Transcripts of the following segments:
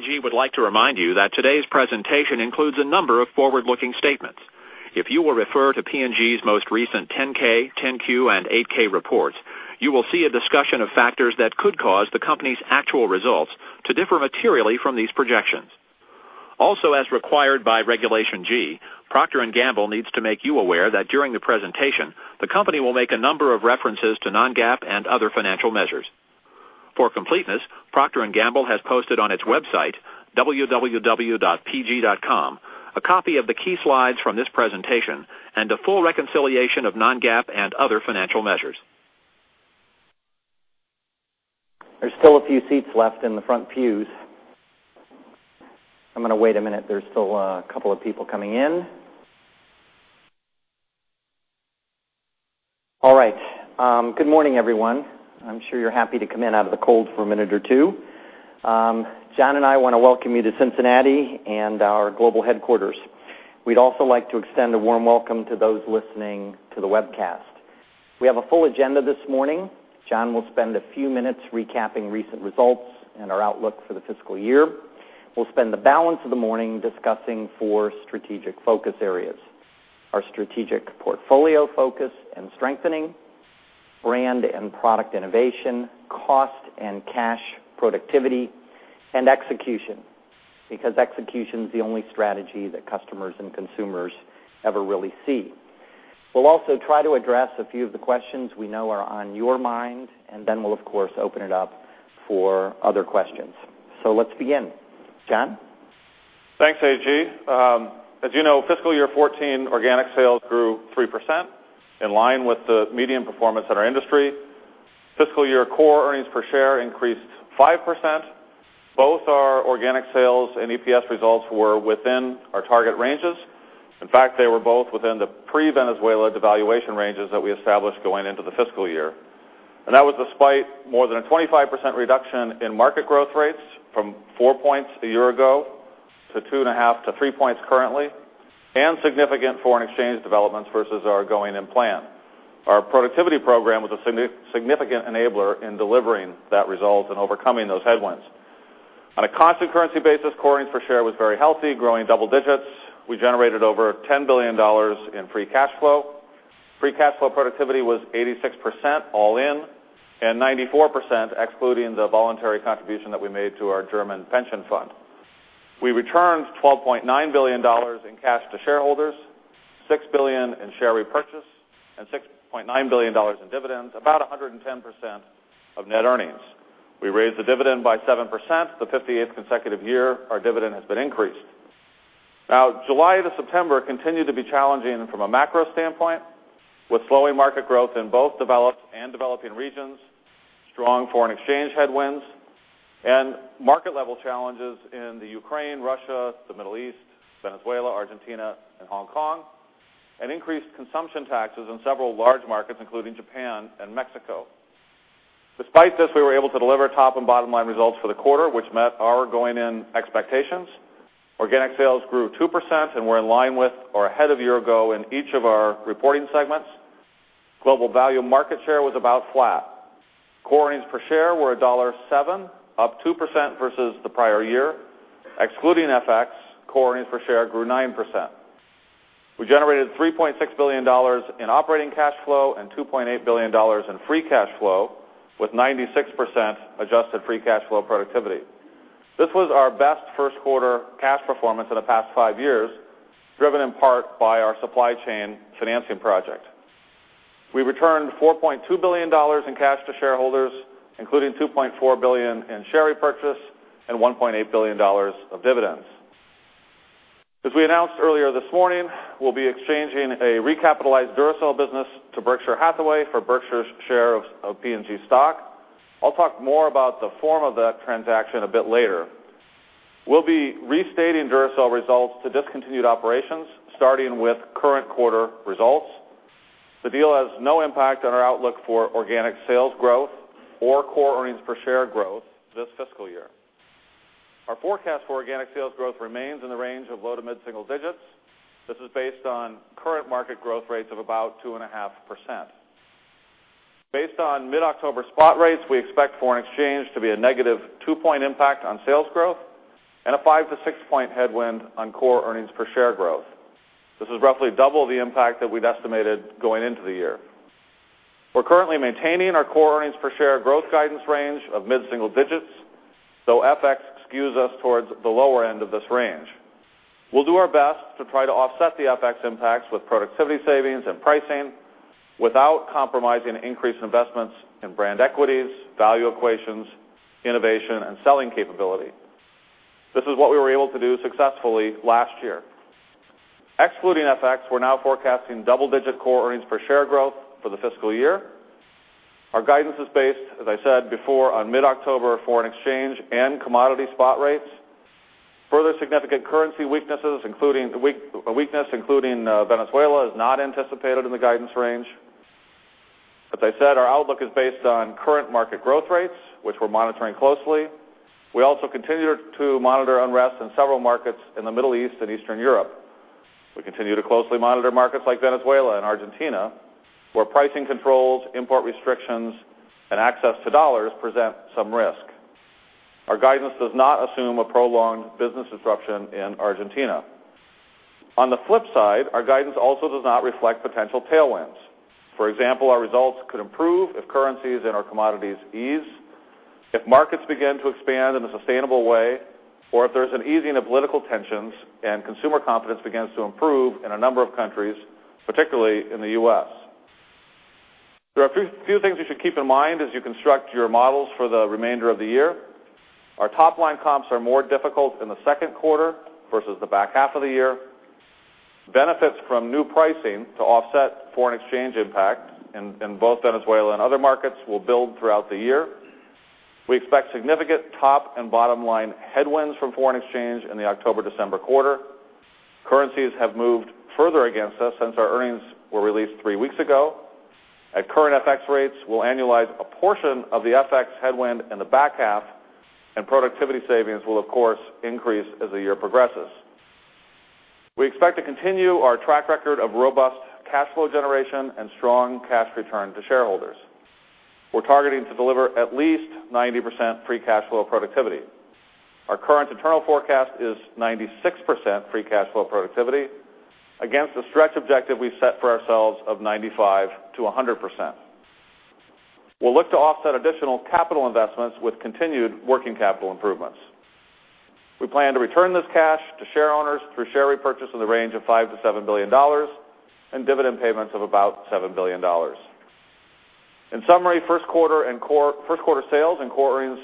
P&G would like to remind you that today's presentation includes a number of forward-looking statements. If you will refer to P&G's most recent 10-K, 10-Q, and 8-K reports, you will see a discussion of factors that could cause the company's actual results to differ materially from these projections. As required by Regulation G, Procter & Gamble needs to make you aware that during the presentation, the company will make a number of references to non-GAAP and other financial measures. For completeness, Procter & Gamble has posted on its website, pg.com, a copy of the key slides from this presentation and a full reconciliation of non-GAAP and other financial measures. There's still a few seats left in the front pews. I'm going to wait a minute. There's still a couple of people coming in. All right. Good morning, everyone. I'm sure you're happy to come in out of the cold for a minute or two. Jon and I want to welcome you to Cincinnati and our global headquarters. We'd also like to extend a warm welcome to those listening to the webcast. We have a full agenda this morning. Jon will spend a few minutes recapping recent results and our outlook for the fiscal year. We'll spend the balance of the morning discussing four strategic focus areas, our strategic portfolio focus and strengthening, brand and product innovation, cost and cash productivity, and execution. Execution's the only strategy that customers and consumers ever really see. We'll also try to address a few of the questions we know are on your mind, and then we'll of course open it up for other questions. Let's begin. Jon? Thanks, AG. As you know, fiscal year 2014 organic sales grew 3%, in line with the median performance in our industry. Fiscal year core earnings per share increased 5%. Both our organic sales and EPS results were within our target ranges. In fact, they were both within the pre-Venezuela devaluation ranges that we established going into the fiscal year. That was despite more than a 25% reduction in market growth rates from four points a year ago to two and a half to three points currently, and significant foreign exchange developments versus our going-in plan. Our productivity program was a significant enabler in delivering that result and overcoming those headwinds. On a constant currency basis, core earnings per share was very healthy, growing double digits. We generated over $10 billion in free cash flow. Free cash flow productivity was 86% all in, and 94% excluding the voluntary contribution that we made to our German pension fund. We returned $12.9 billion in cash to shareholders, $6 billion in share repurchase, and $6.9 billion in dividends, about 110% of net earnings. We raised the dividend by 7%, the 58th consecutive year our dividend has been increased. July to September continued to be challenging from a macro standpoint, with slowing market growth in both developed and developing regions, strong foreign exchange headwinds, and market-level challenges in the Ukraine, Russia, the Middle East, Venezuela, Argentina, and Hong Kong, and increased consumption taxes in several large markets, including Japan and Mexico. Despite this, we were able to deliver top and bottom-line results for the quarter, which met our going-in expectations. Organic sales grew 2% and were in line with or ahead of year ago in each of our reporting segments. Global value market share was about flat. Core earnings per share were $1.07, up 2% versus the prior year. Excluding FX, core earnings per share grew 9%. We generated $3.6 billion in operating cash flow and $2.8 billion in free cash flow, with 96% adjusted free cash flow productivity. This was our best first quarter cash performance in the past five years, driven in part by our supply chain financing project. We returned $4.2 billion in cash to shareholders, including $2.4 billion in share repurchase and $1.8 billion of dividends. As we announced earlier this morning, we'll be exchanging a recapitalized Duracell business to Berkshire Hathaway for Berkshire's share of P&G stock. I'll talk more about the form of that transaction a bit later. We'll be restating Duracell results to discontinued operations, starting with current quarter results. The deal has no impact on our outlook for organic sales growth or core earnings per share growth this fiscal year. Our forecast for organic sales growth remains in the range of low to mid-single digits. This is based on current market growth rates of about 2.5%. Based on mid-October spot rates, we expect foreign exchange to be a negative two-point impact on sales growth and a five- to six-point headwind on core earnings per share growth. This is roughly double the impact that we've estimated going into the year. We're currently maintaining our core earnings per share growth guidance range of mid-single digits, though FX skews us towards the lower end of this range. We'll do our best to try to offset the FX impacts with productivity savings and pricing without compromising increased investments in brand equities, value equations, innovation, and selling capability. This is what we were able to do successfully last year. Excluding FX, we're now forecasting double-digit core earnings per share growth for the fiscal year. Our guidance is based, as I said before, on mid-October foreign exchange and commodity spot rates. Further significant currency weaknesses, including Venezuela, is not anticipated in the guidance range. As I said, our outlook is based on current market growth rates, which we're monitoring closely. We also continue to monitor unrest in several markets in the Middle East and Eastern Europe. We continue to closely monitor markets like Venezuela and Argentina, where pricing controls, import restrictions, and access to dollars present some risk. Our guidance does not assume a prolonged business disruption in Argentina. On the flip side, our guidance also does not reflect potential tailwinds. For example, our results could improve if currencies in our commodities ease, if markets begin to expand in a sustainable way, or if there's an easing of political tensions and consumer confidence begins to improve in a number of countries, particularly in the U.S. There are a few things you should keep in mind as you construct your models for the remainder of the year. Our top-line comps are more difficult in the second quarter versus the back half of the year. Benefits from new pricing to offset foreign exchange impact in both Venezuela and other markets will build throughout the year. We expect significant top and bottom-line headwinds from foreign exchange in the October-December quarter. Currencies have moved further against us since our earnings were released three weeks ago. At current FX rates, we'll annualize a portion of the FX headwind in the back half, and productivity savings will, of course, increase as the year progresses. We expect to continue our track record of robust cash flow generation and strong cash return to shareholders. We're targeting to deliver at least 90% free cash flow productivity. Our current internal forecast is 96% free cash flow productivity against the stretch objective we've set for ourselves of 95%-100%. We'll look to offset additional capital investments with continued working capital improvements. We plan to return this cash to shareowners through share repurchase in the range of $5 billion-$7 billion and dividend payments of about $7 billion. In summary, first quarter sales and core earnings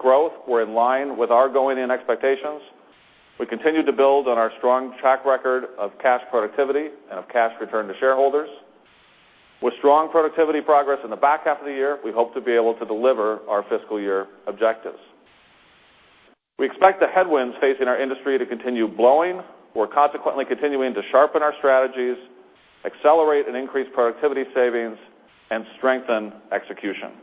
growth were in line with our going-in expectations. We continued to build on our strong track record of cash productivity and of cash return to shareholders. With strong productivity progress in the back half of the year, we hope to be able to deliver our fiscal year objectives. We expect the headwinds facing our industry to continue blowing. We're consequently continuing to sharpen our strategies, accelerate and increase productivity savings, and strengthen execution.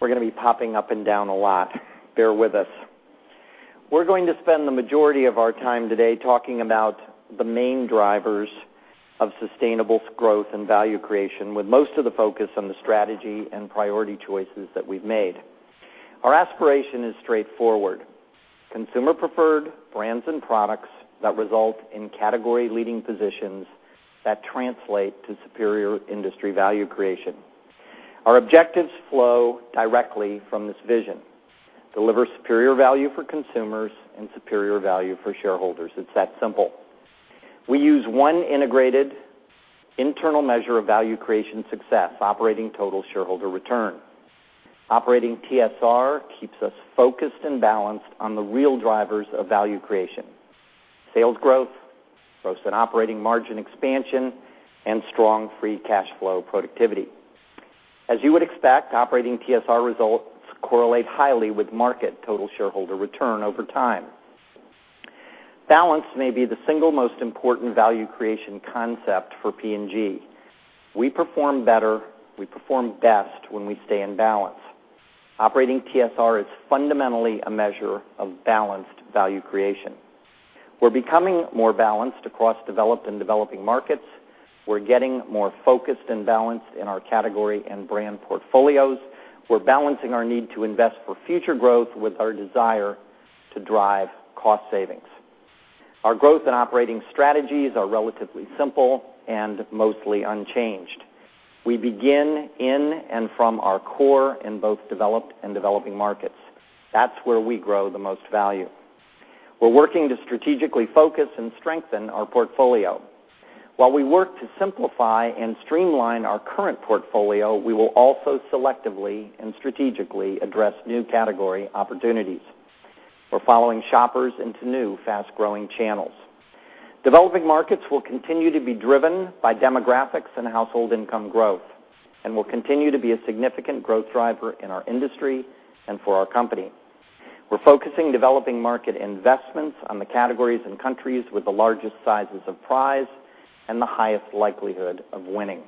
We're going to be popping up and down a lot. Bear with us. We're going to spend the majority of our time today talking about the main drivers of sustainable growth and value creation, with most of the focus on the strategy and priority choices that we've made. Our aspiration is straightforward: consumer-preferred brands and products that result in category-leading positions that translate to superior industry value creation. Our objectives flow directly from this vision. Deliver superior value for consumers and superior value for shareholders. It's that simple. We use one integrated internal measure of value creation success, Operating Total Shareholder Return. Operating TSR keeps us focused and balanced on the real drivers of value creation, sales growth, gross and operating margin expansion, and strong free cash flow productivity. As you would expect, Operating TSR results correlate highly with market total shareholder return over time. Balance may be the single most important value creation concept for P&G. We perform better, we perform best when we stay in balance. Operating TSR is fundamentally a measure of balanced value creation. We're becoming more balanced across developed and developing markets. We're getting more focused and balanced in our category and brand portfolios. We're balancing our need to invest for future growth with our desire to drive cost savings. Our growth and operating strategies are relatively simple and mostly unchanged. We begin in and from our core in both developed and developing markets. That's where we grow the most value. We're working to strategically focus and strengthen our portfolio. While we work to simplify and streamline our current portfolio, we will also selectively and strategically address new category opportunities. We're following shoppers into new fast-growing channels. Developing markets will continue to be driven by demographics and household income growth and will continue to be a significant growth driver in our industry and for our company. We're focusing developing market investments on the categories and countries with the largest sizes of prize and the highest likelihood of winning.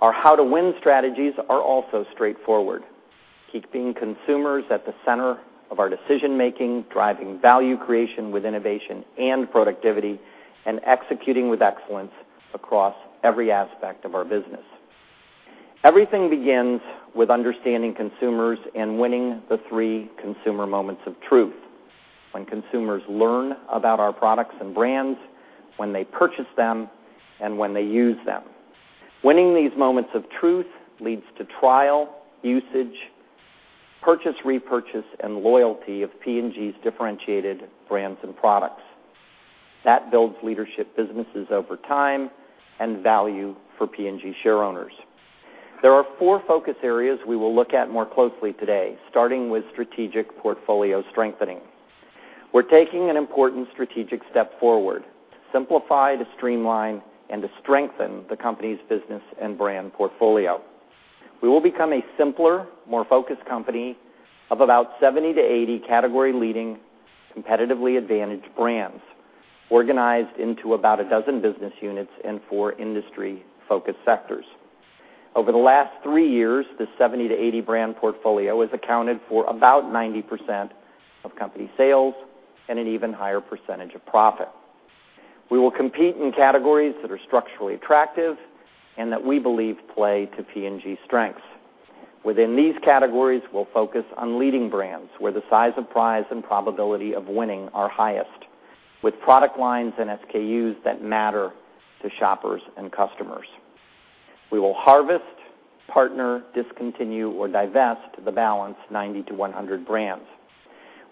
Our how-to-win strategies are also straightforward. Keeping consumers at the center of our decision-making, driving value creation with innovation and productivity, and executing with excellence across every aspect of our business. Everything begins with understanding consumers and winning the three consumer moments of truth. When consumers learn about our products and brands, when they purchase them, and when they use them. Winning these moments of truth leads to trial, usage, purchase, repurchase, and loyalty of P&G's differentiated brands and products. That builds leadership businesses over time and value for P&G shareowners. There are four focus areas we will look at more closely today, starting with strategic portfolio strengthening. We're taking an important strategic step forward to simplify, to streamline, and to strengthen the company's business and brand portfolio. We will become a simpler, more focused company of about 70 to 80 category-leading, competitively advantaged brands. Organized into about a dozen business units and four industry focus sectors. Over the last three years, the 70 to 80 brand portfolio has accounted for about 90% of company sales and an even higher percentage of profit. We will compete in categories that are structurally attractive and that we believe play to P&G strengths. Within these categories, we'll focus on leading brands, where the size of prize and probability of winning are highest, with product lines and SKUs that matter to shoppers and customers. We will harvest, partner, discontinue, or divest the balance 90 to 100 brands.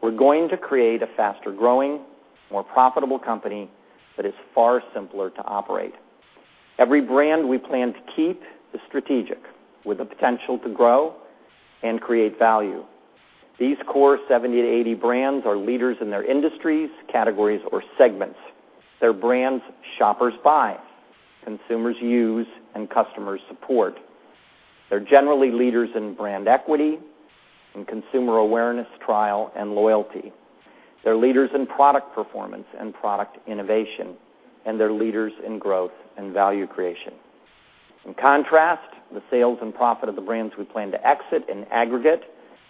We're going to create a faster-growing, more profitable company that is far simpler to operate. Every brand we plan to keep is strategic, with the potential to grow and create value. These core 70 to 80 brands are leaders in their industries, categories, or segments. They're brands shoppers buy, consumers use, and customers support. They're generally leaders in brand equity and consumer awareness, trial, and loyalty. They're leaders in product performance and product innovation, and they're leaders in growth and value creation. In contrast, the sales and profit of the brands we plan to exit in aggregate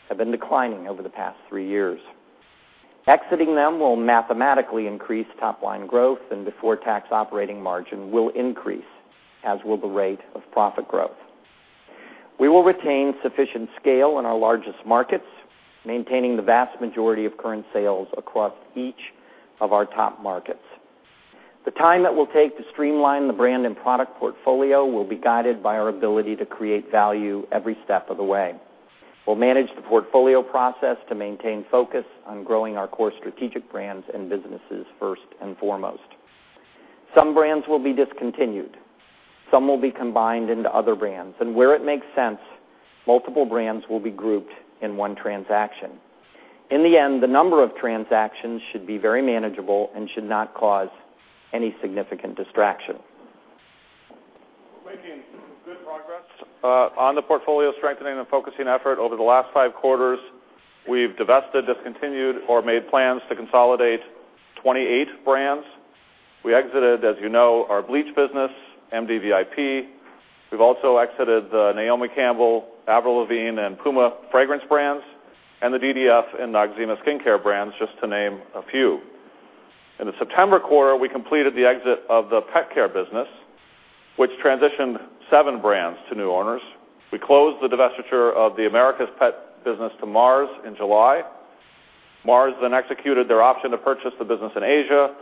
have been declining over the past three years. Exiting them will mathematically increase top-line growth, and before tax operating margin will increase, as will the rate of profit growth. We will retain sufficient scale in our largest markets, maintaining the vast majority of current sales across each of our top markets. The time that we'll take to streamline the brand and product portfolio will be guided by our ability to create value every step of the way. We'll manage the portfolio process to maintain focus on growing our core strategic brands and businesses first and foremost. Some brands will be discontinued. Some will be combined into other brands. Where it makes sense, multiple brands will be grouped in one transaction. In the end, the number of transactions should be very manageable and should not cause any significant distraction. Making good progress on the portfolio strengthening and focusing effort. Over the last five quarters, we've divested, discontinued, or made plans to consolidate 28 brands. We exited, as you know, our bleach business, MDVIP. We've also exited the Naomi Campbell, Avril Lavigne, and Puma fragrance brands, and the DDF and Noxzema skincare brands, just to name a few. In the September quarter, we completed the exit of the pet care business, which transitioned seven brands to new owners. We closed the divestiture of the America's pet business to Mars in July. Mars executed their option to purchase the business in Asia.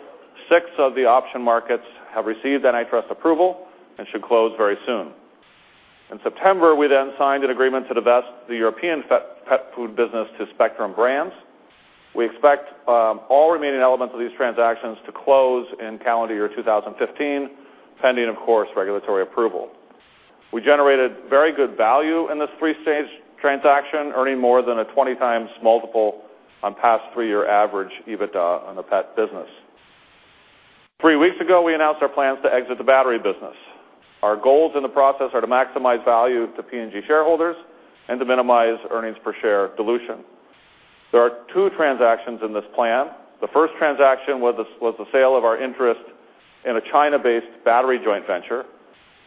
Six of the option markets have received anti-trust approval and should close very soon. In September, we signed an agreement to divest the European pet food business to Spectrum Brands. We expect all remaining elements of these transactions to close in calendar year 2015, pending, of course, regulatory approval. We generated very good value in this three-stage transaction, earning more than a 20 times multiple on past three-year average EBITDA on the pet business. Three weeks ago, we announced our plans to exit the battery business. Our goals in the process are to maximize value to P&G shareholders and to minimize earnings per share dilution. There are two transactions in this plan. The first transaction was the sale of our interest in a China-based battery joint venture.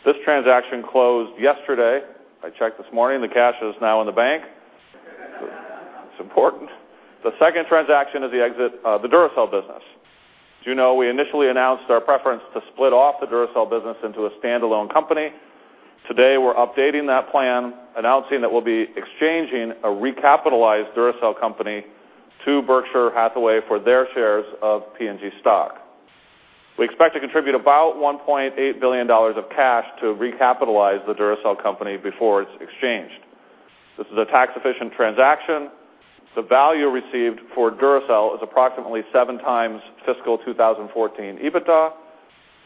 This transaction closed yesterday. I checked this morning, the cash is now in the bank. It's important. The second transaction is the exit of the Duracell business. As you know, we initially announced our preference to split off the Duracell business into a standalone company. Today, we're updating that plan, announcing that we'll be exchanging a recapitalized Duracell company to Berkshire Hathaway for their shares of P&G stock. We expect to contribute about $1.8 billion of cash to recapitalize the Duracell company before it's exchanged. This is a tax-efficient transaction. The value received for Duracell is approximately seven times fiscal 2014 EBITDA,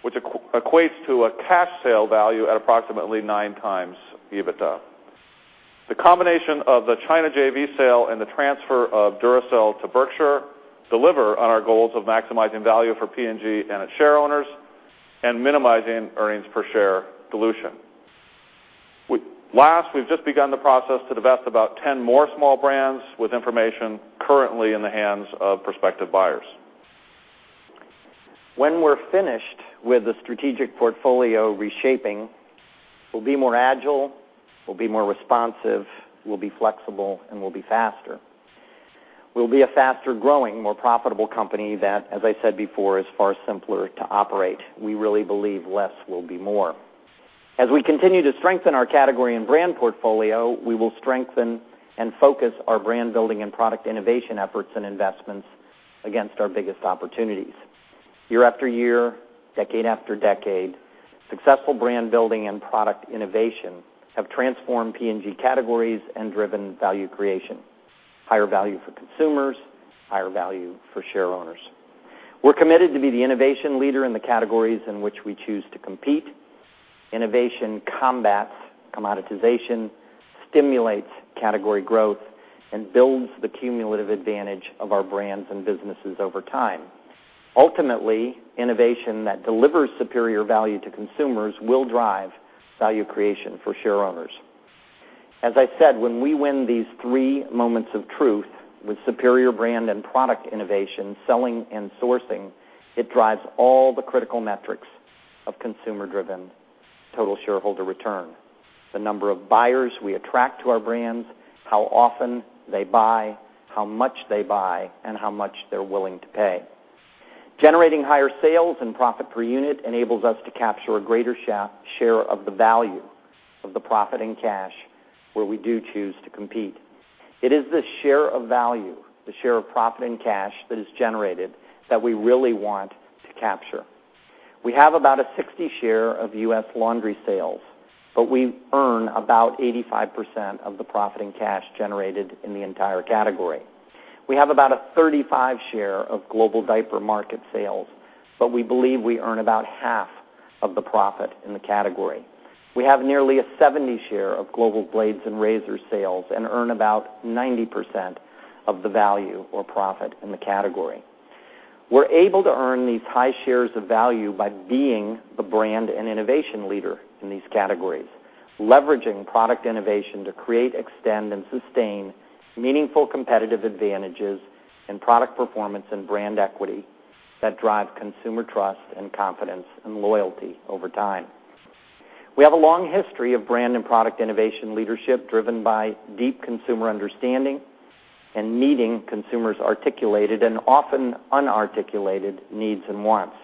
which equates to a cash sale value at approximately nine times EBITDA. The combination of the China JV sale and the transfer of Duracell to Berkshire deliver on our goals of maximizing value for P&G and its shareowners and minimizing earnings per share dilution. Last, we've just begun the process to divest about 10 more small brands with information currently in the hands of prospective buyers. When we're finished with the strategic portfolio reshaping, we'll be more agile, we'll be more responsive, we'll be flexible, and we'll be faster. We'll be a faster-growing, more profitable company that, as I said before, is far simpler to operate. We really believe less will be more. As we continue to strengthen our category and brand portfolio, we will strengthen and focus our brand building and product innovation efforts and investments against our biggest opportunities. Year after year, decade after decade, successful brand building and product innovation have transformed P&G categories and driven value creation. Higher value for consumers, higher value for shareowners. We're committed to be the innovation leader in the categories in which we choose to compete. Innovation combats commoditization, stimulates category growth, and builds the cumulative advantage of our brands and businesses over time. Ultimately, innovation that delivers superior value to consumers will drive value creation for shareowners. As I said, when we win these three moments of truth with superior brand and product innovation, selling and sourcing, it drives all the critical metrics of consumer-driven total shareholder return. The number of buyers we attract to our brands, how often they buy, how much they buy, and how much they're willing to pay. Generating higher sales and profit per unit enables us to capture a greater share of the value of the profit in cash where we do choose to compete. It is the share of value, the share of profit and cash that is generated that we really want to capture. We have about a 60% share of U.S. laundry sales, but we earn about 85% of the profit in cash generated in the entire category. We have about a 35% share of global diaper market sales, but we believe we earn about half of the profit in the category. We have nearly a 70% share of global blades and razor sales and earn about 90% of the value or profit in the category. We're able to earn these high shares of value by being the brand and innovation leader in these categories, leveraging product innovation to create, extend, and sustain meaningful competitive advantages in product performance and brand equity that drive consumer trust and confidence and loyalty over time. We have a long history of brand and product innovation leadership driven by deep consumer understanding and meeting consumers' articulated and often unarticulated needs and wants.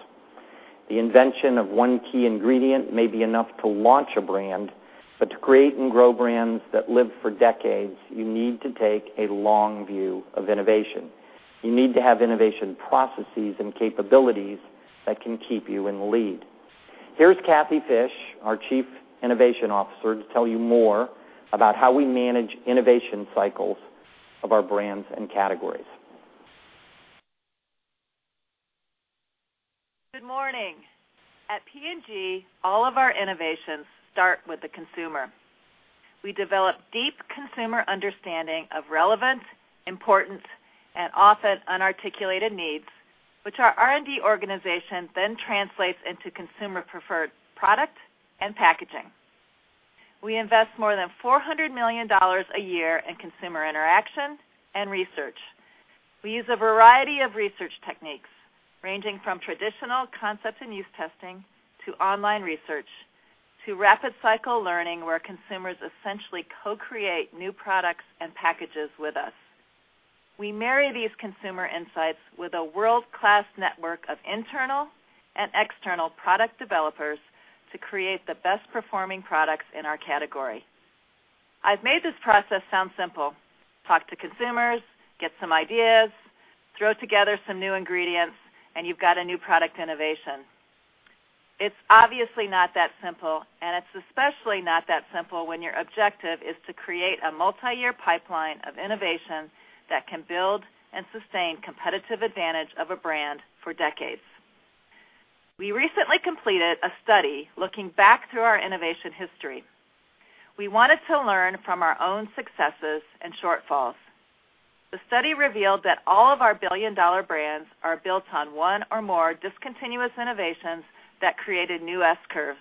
The invention of one key ingredient may be enough to launch a brand, but to create and grow brands that live for decades, you need to take a long view of innovation. You need to have innovation processes and capabilities that can keep you in the lead. Here's Kathy Fish, our Chief Innovation Officer, to tell you more about how we manage innovation cycles of our brands and categories. Good morning. At P&G, all of our innovations start with the consumer. We develop deep consumer understanding of relevant, important, and often unarticulated needs, which our R&D organization then translates into consumer preferred product and packaging. We invest more than $400 million a year in consumer interaction and research. We use a variety of research techniques, ranging from traditional concept and use testing, to online research, to rapid cycle learning, where consumers essentially co-create new products and packages with us. We marry these consumer insights with a world-class network of internal and external product developers to create the best performing products in our category. I've made this process sound simple. Talk to consumers, get some ideas, throw together some new ingredients, and you've got a new product innovation. It's obviously not that simple, and it's especially not that simple when your objective is to create a multi-year pipeline of innovation that can build and sustain competitive advantage of a brand for decades. We recently completed a study looking back through our innovation history. We wanted to learn from our own successes and shortfalls. The study revealed that all of our billion-dollar brands are built on one or more discontinuous innovations that created new S curves,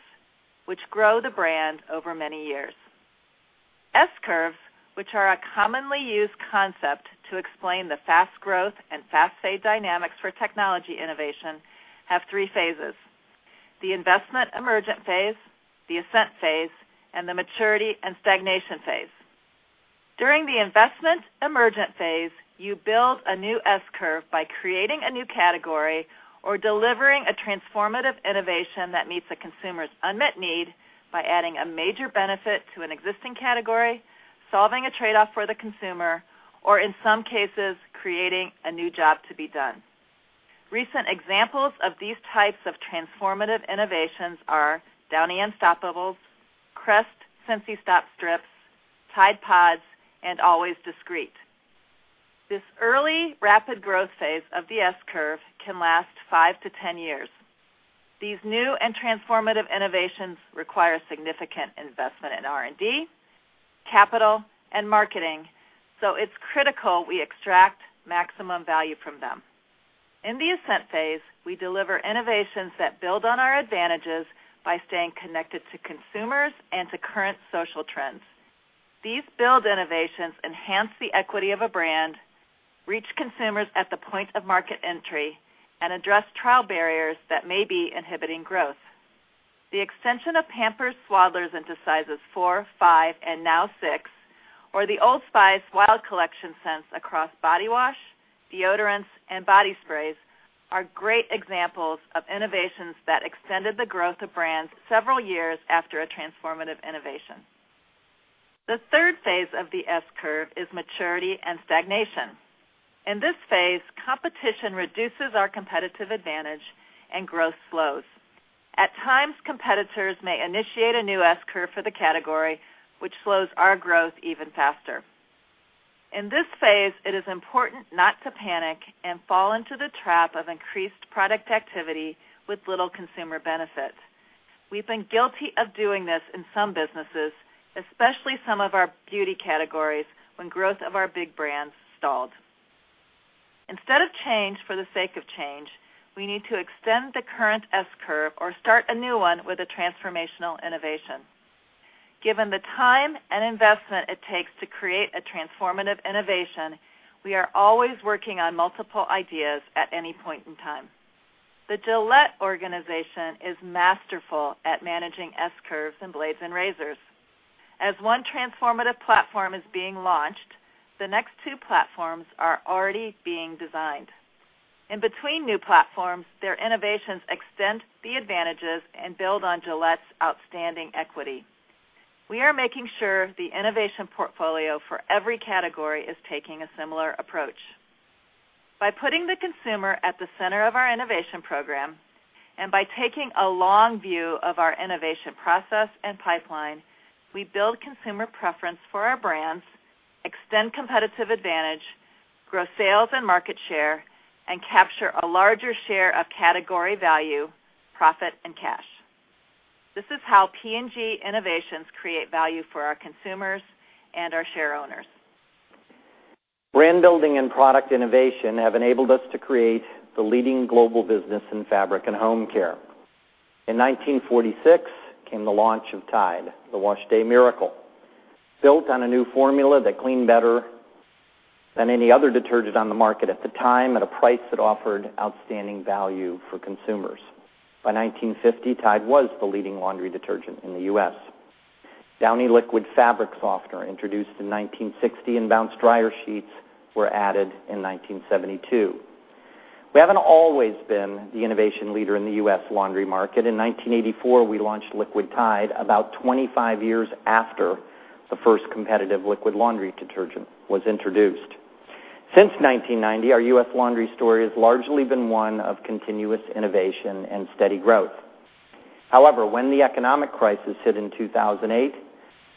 which grow the brand over many years. S curves, which are a commonly used concept to explain the fast growth and fast fade dynamics for technology innovation, have three phases: the investment emergent phase, the ascent phase, and the maturity and stagnation phase. During the investment emergent phase, you build a new S curve by creating a new category or delivering a transformative innovation that meets a consumer's unmet need by adding a major benefit to an existing category, solving a trade-off for the consumer, or in some cases, creating a new job to be done. Recent examples of these types of transformative innovations are Downy Unstoppables, Crest SensiStop Strips, Tide PODS, and Always Discreet. This early rapid growth phase of the S curve can last five to 10 years. These new and transformative innovations require significant investment in R&D, capital, and marketing, so it's critical we extract maximum value from them. In the ascent phase, we deliver innovations that build on our advantages by staying connected to consumers and to current social trends. These build innovations enhance the equity of a brand, reach consumers at the point of market entry, and address trial barriers that may be inhibiting growth. The extension of Pampers Swaddlers into sizes 4, 5, and now 6, or the Old Spice Wild collection scents across body wash, deodorants, and body sprays are great examples of innovations that extended the growth of brands several years after a transformative innovation. The third phase of the S curve is maturity and stagnation. In this phase, competition reduces our competitive advantage and growth slows. At times, competitors may initiate a new S curve for the category, which slows our growth even faster. In this phase, it is important not to panic and fall into the trap of increased product activity with little consumer benefit. We've been guilty of doing this in some businesses, especially some of our beauty categories, when growth of our big brands stalled. Instead of change for the sake of change, we need to extend the current S-curve or start a new one with a transformational innovation. Given the time and investment it takes to create a transformative innovation, we are always working on multiple ideas at any point in time. The Gillette organization is masterful at managing S-curves in blades and razors. As one transformative platform is being launched, the next two platforms are already being designed. In between new platforms, their innovations extend the advantages and build on Gillette's outstanding equity. We are making sure the innovation portfolio for every category is taking a similar approach. By putting the consumer at the center of our innovation program, and by taking a long view of our innovation process and pipeline, we build consumer preference for our brands, extend competitive advantage, grow sales and market share, and capture a larger share of category value, profit, and cash. This is how P&G innovations create value for our consumers and our shareowners. Brand building and product innovation have enabled us to create the leading global business in fabric and home care. In 1946 came the launch of Tide, the wash day miracle, built on a new formula that cleaned better than any other detergent on the market at the time, at a price that offered outstanding value for consumers. By 1950, Tide was the leading laundry detergent in the U.S. Downy liquid fabric softener introduced in 1960, and Bounce dryer sheets were added in 1972. We haven't always been the innovation leader in the U.S. laundry market. In 1984, we launched liquid Tide about 25 years after the first competitive liquid laundry detergent was introduced. Since 1990, our U.S. laundry story has largely been one of continuous innovation and steady growth. However, when the economic crisis hit in 2008,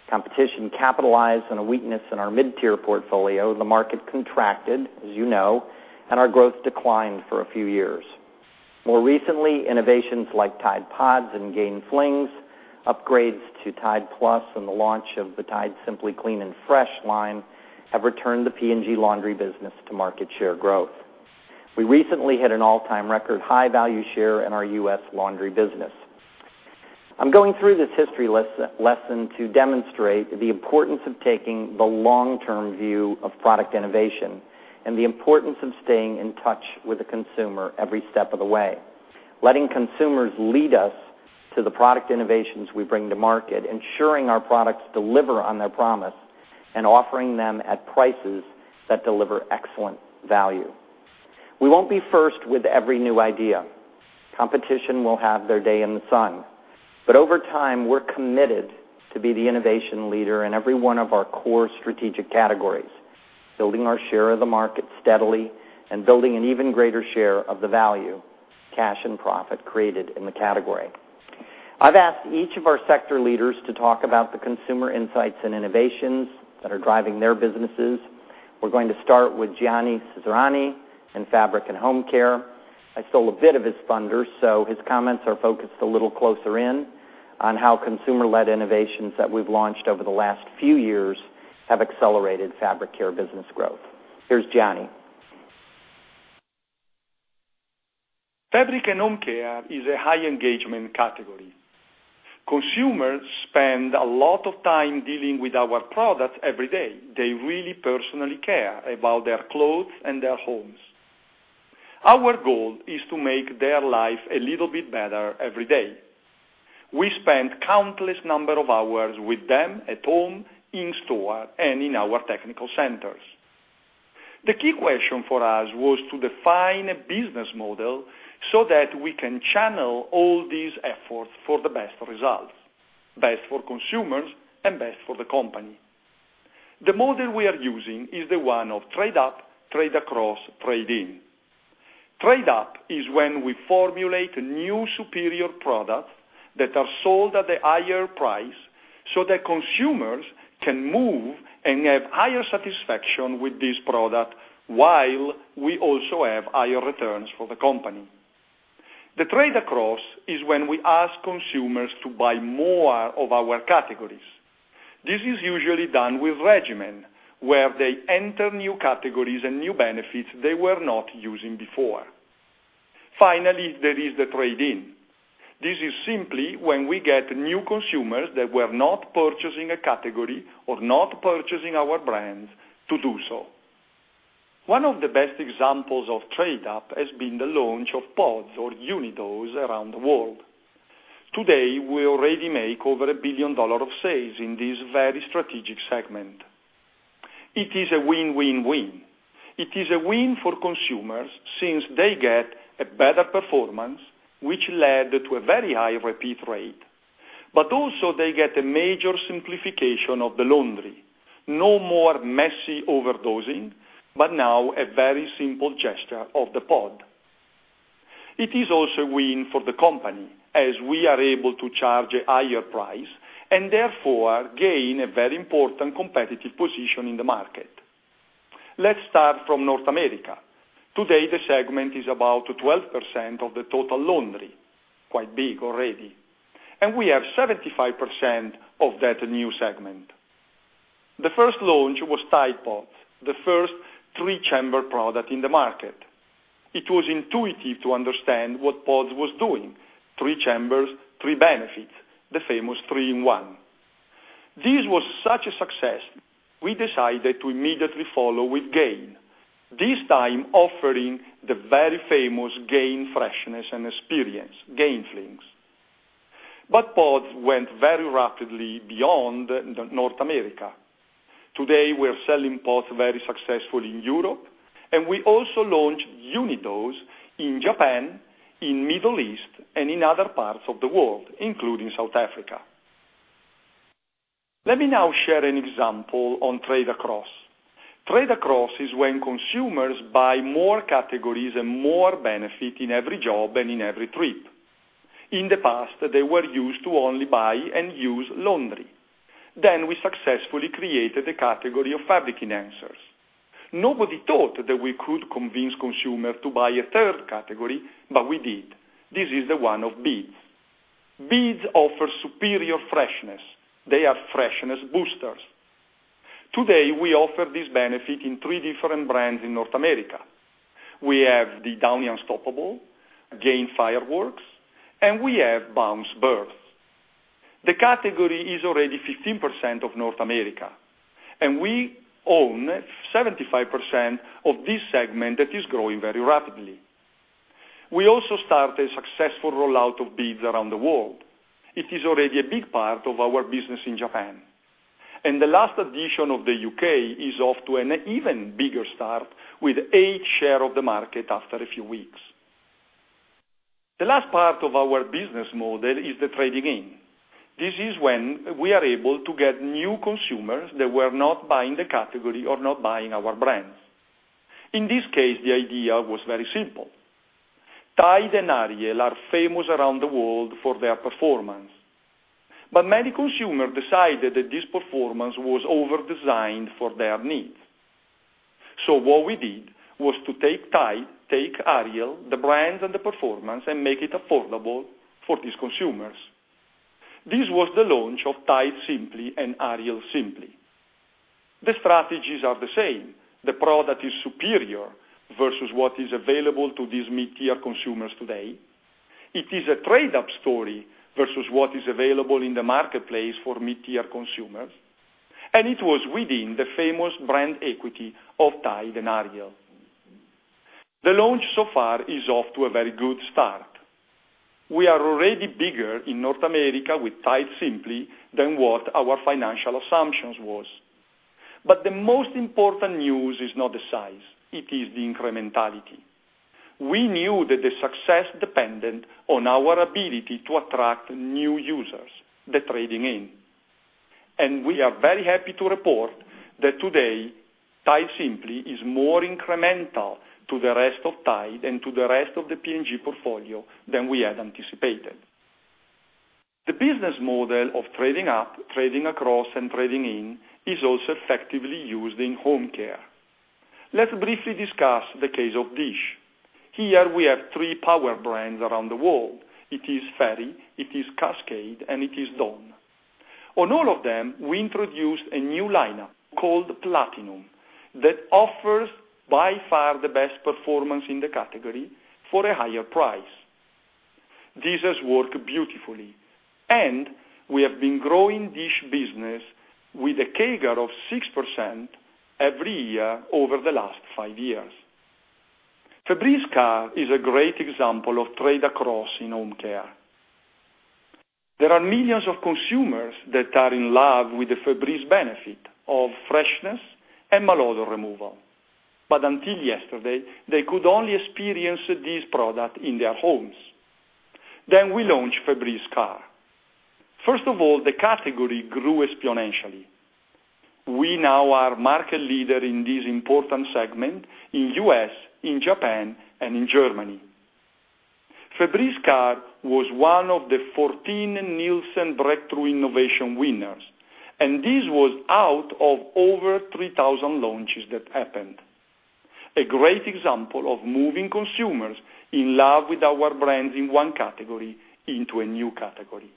competition capitalized on a weakness in our mid-tier portfolio. The market contracted, as you know, and our growth declined for a few years. More recently, innovations like Tide PODS and Gain Flings, upgrades to Tide Plus, and the launch of the Tide Simply Clean & Fresh line have returned the P&G laundry business to market share growth. We recently hit an all-time record high-value share in our U.S. laundry business. I'm going through this history lesson to demonstrate the importance of taking the long-term view of product innovation and the importance of staying in touch with the consumer every step of the way. Letting consumers lead us to the product innovations we bring to market, ensuring our products deliver on their promise, and offering them at prices that deliver excellent value. We won't be first with every new idea. Competition will have their day in the sun. Over time, we're committed to be the innovation leader in every one of our core strategic categories, building our share of the market steadily and building an even greater share of the value, cash, and profit created in the category. I've asked each of our sector leaders to talk about the consumer insights and innovations that are driving their businesses. We're going to start with Gianni Ciserani in Fabric and Home Care. I stole a bit of his thunder, so his comments are focused a little closer in on how consumer-led innovations that we've launched over the last few years have accelerated Fabric Care business growth. Here's Gianni. Fabric and Home Care is a high-engagement category. Consumers spend a lot of time dealing with our products every day. They really personally care about their clothes and their homes. Our goal is to make their life a little bit better every day. We spend countless number of hours with them at home, in store, and in our technical centers. The key question for us was to define a business model so that we can channel all these efforts for the best results, best for consumers, and best for the company. The model we are using is the one of trade up, trade across, trade in. Trade up is when we formulate new superior products that are sold at a higher price so that consumers can move and have higher satisfaction with this product while we also have higher returns for the company. Trade across is when we ask consumers to buy more of our categories. This is usually done with regimen, where they enter new categories and new benefits they were not using before. Finally, there is the trade in. This is simply when we get new consumers that were not purchasing a category or not purchasing our brands to do so. One of the best examples of trade up has been the launch of PODS or uni-dose around the world. Today, we already make over $1 billion of sales in this very strategic segment. It is a win-win-win. It is a win for consumers since they get a better performance, which led to a very high repeat rate. Also they get a major simplification of the laundry. No more messy overdosing, but now a very simple gesture of the Pod. It is also a win for the company, as we are able to charge a higher price, therefore gain a very important competitive position in the market. Let's start from North America. Today, the segment is about 12% of the total laundry, quite big already. We have 75% of that new segment. The first launch was Tide PODS, the first three-chamber product in the market. It was intuitive to understand what PODS was doing. Three chambers, three benefits, the famous three-in-one. This was such a success, we decided to immediately follow with Gain, this time offering the very famous Gain freshness and experience, Gain Flings. PODS went very rapidly beyond North America. Today, we're selling PODS very successfully in Europe, and we also launched unit dose in Japan, in Middle East, and in other parts of the world, including South Africa. Let me now share an example on trade across. Trade across is when consumers buy more categories and more benefit in every job and in every trip. In the past, they were used to only buy and use laundry. We successfully created the category of fabric enhancers. Nobody thought that we could convince consumers to buy a third category, but we did. This is the one of beads. Beads offer superior freshness. They are freshness boosters. Today, we offer this benefit in three different brands in North America. We have the Downy Unstoppables, Gain Fireworks, and we have Bounce Bursts. The category is already 15% of North America, and we own 75% of this segment that is growing very rapidly. We also started a successful rollout of beads around the world. It is already a big part of our business in Japan. The last addition of the U.K. is off to an even bigger start, with eight share of the market after a few weeks. The last part of our business model is the trading in. This is when we are able to get new consumers that were not buying the category or not buying our brands. In this case, the idea was very simple. Tide and Ariel are famous around the world for their performance, but many consumers decided that this performance was over-designed for their needs. What we did was to take Tide, take Ariel, the brands, and the performance, and make it affordable for these consumers. This was the launch of Tide Simply and Ariel Simply. The strategies are the same. The product is superior versus what is available to these mid-tier consumers today. It is a trade-up story versus what is available in the marketplace for mid-tier consumers, it was within the famous brand equity of Tide and Ariel. The launch so far is off to a very good start. We are already bigger in North America with Tide Simply than what our financial assumptions was. The most important news is not the size. It is the incrementality. We knew that the success depended on our ability to attract new users, the trading in. We are very happy to report that today, Tide Simply is more incremental to the rest of Tide and to the rest of the P&G portfolio than we had anticipated. The business model of trading up, trading across, and trading in is also effectively used in home care. Let's briefly discuss the case of dish. Here we have three power brands around the world. It is Fairy, it is Cascade, and it is Dawn. On all of them, we introduced a new lineup called Platinum that offers by far the best performance in the category for a higher price. This has worked beautifully, we have been growing dish business with a CAGR of 6% every year over the last five years. Febreze CAR is a great example of trade across in home care. There are millions of consumers that are in love with the Febreze benefit of freshness and malodor removal. Until yesterday, they could only experience this product in their homes. We launched Febreze CAR. First of all, the category grew exponentially. We now are market leader in this important segment in U.S., in Japan, and in Germany. Febreze CAR was one of the 14 Nielsen Breakthrough Innovation winners, this was out of over 3,000 launches that happened. A great example of moving consumers in love with our brands in one category into a new category.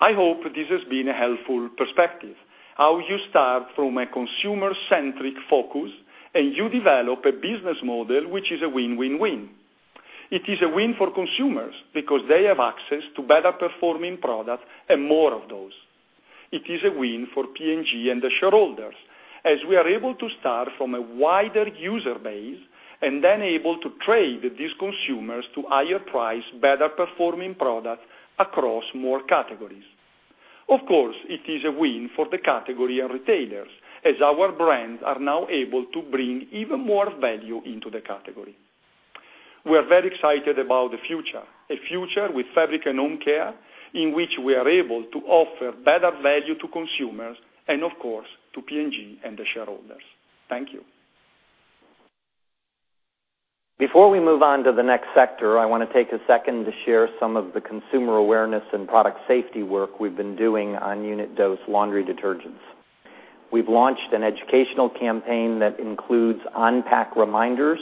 I hope this has been a helpful perspective, how you start from a consumer-centric focus and you develop a business model which is a win-win-win. It is a win for consumers because they have access to better performing product and more of those. It is a win for P&G and the shareholders, as we are able to start from a wider user base and then able to trade these consumers to higher price, better performing product across more categories. Of course, it is a win for the category and retailers as our brands are now able to bring even more value into the category. We're very excited about the future, a future with Global Fabric & Home Care in which we are able to offer better value to consumers and of course, to P&G and the shareholders. Thank you. Before we move on to the next sector, I want to take a second to share some of the consumer awareness and product safety work we've been doing on unit dose laundry detergents. We've launched an educational campaign that includes on-pack reminders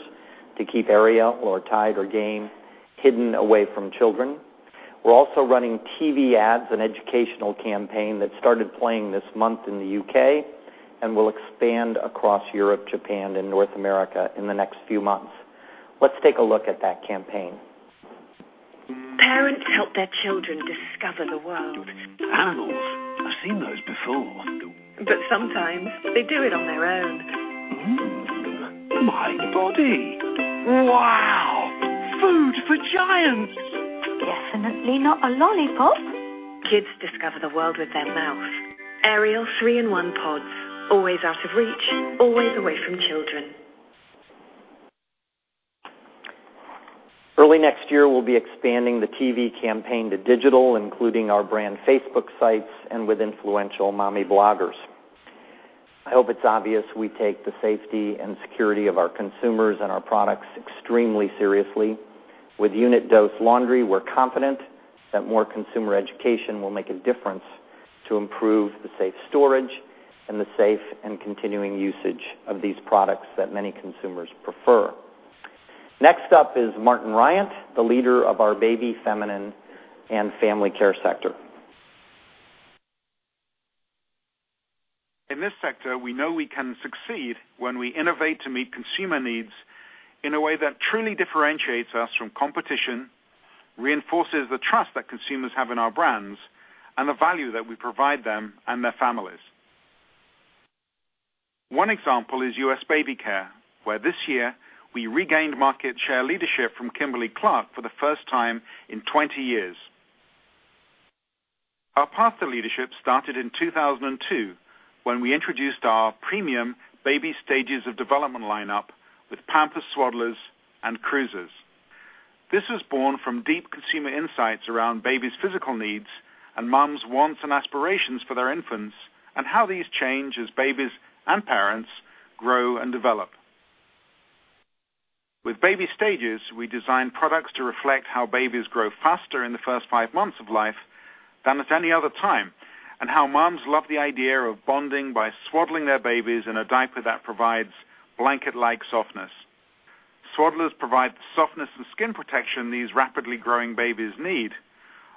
to keep Ariel or Tide or Gain hidden away from children. We're also running TV ads, an educational campaign that started playing this month in the U.K., and will expand across Europe, Japan, and North America in the next few months. Let's take a look at that campaign. Parents help their children discover the world. Animals. I've seen those before. Sometimes they do it on their own. My body. Wow, food for giants. Definitely not a lollipop. Kids discover the world with their mouth. Ariel three-in-one pods, always out of reach, always away from children. Early next year, we'll be expanding the TV campaign to digital, including our brand Facebook sites and with influential mommy bloggers. I hope it's obvious we take the safety and security of our consumers and our products extremely seriously. With unit-dose laundry, we're confident that more consumer education will make a difference to improve the safe storage and the safe and continuing usage of these products that many consumers prefer. Next up is Martin Riant, the leader of our baby feminine and family care sector. In this sector, we know we can succeed when we innovate to meet consumer needs in a way that truly differentiates us from competition, reinforces the trust that consumers have in our brands, and the value that we provide them and their families. One example is U.S. Baby Care, where this year we regained market share leadership from Kimberly-Clark for the first time in 20 years. Our path to leadership started in 2002 when we introduced our premium baby stages of development lineup with Pampers Swaddlers and Cruisers. This was born from deep consumer insights around babies' physical needs and moms' wants and aspirations for their infants, and how these change as babies and parents grow and develop. With baby stages, we design products to reflect how babies grow faster in the first five months of life than at any other time, and how moms love the idea of bonding by swaddling their babies in a diaper that provides blanket-like softness. Swaddlers provide the softness and skin protection these rapidly growing babies need,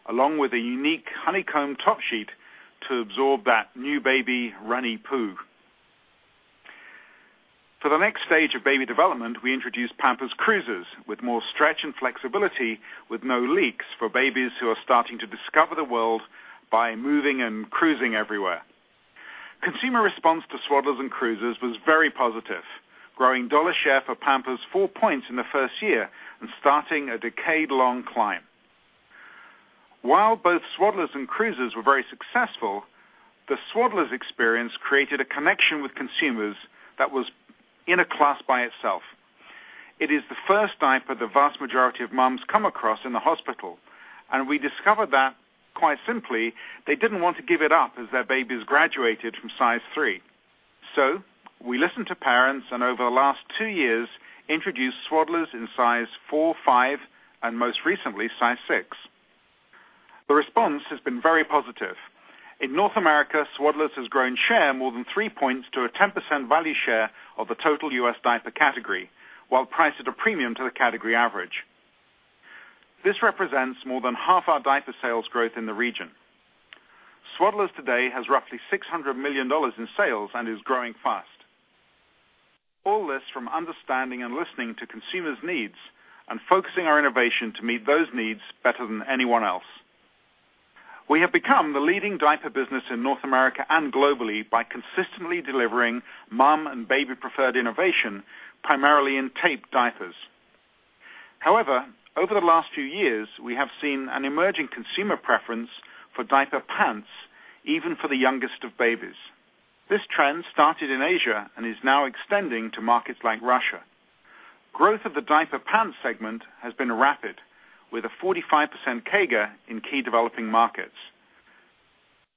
along with a unique honeycomb top sheet to absorb that new baby runny poo. For the next stage of baby development, we introduced Pampers Cruisers with more stretch and flexibility with no leaks for babies who are starting to discover the world by moving and cruising everywhere. Consumer response to Swaddlers and Cruisers was very positive, growing dollar share for Pampers four points in the first year and starting a decade-long climb. While both Swaddlers and Cruisers were very successful, the Swaddlers experience created a connection with consumers that was in a class by itself. It is the first diaper the vast majority of moms come across in the hospital, and we discovered that quite simply, they didn't want to give it up as their babies graduated from size 3. We listened to parents, and over the last two years, introduced Swaddlers in size 4, 5, and most recently, size 6. The response has been very positive. In North America, Swaddlers has grown share more than three points to a 10% value share of the total U.S. diaper category, while priced at a premium to the category average. This represents more than half our diaper sales growth in the region. Swaddlers today has roughly $600 million in sales and is growing fast. All this from understanding and listening to consumers' needs and focusing our innovation to meet those needs better than anyone else. We have become the leading diaper business in North America and globally by consistently delivering mom and baby preferred innovation, primarily in taped diapers. However, over the last few years, we have seen an emerging consumer preference for diaper pants, even for the youngest of babies. This trend started in Asia and is now extending to markets like Russia. Growth of the diaper pants segment has been rapid, with a 45% CAGR in key developing markets.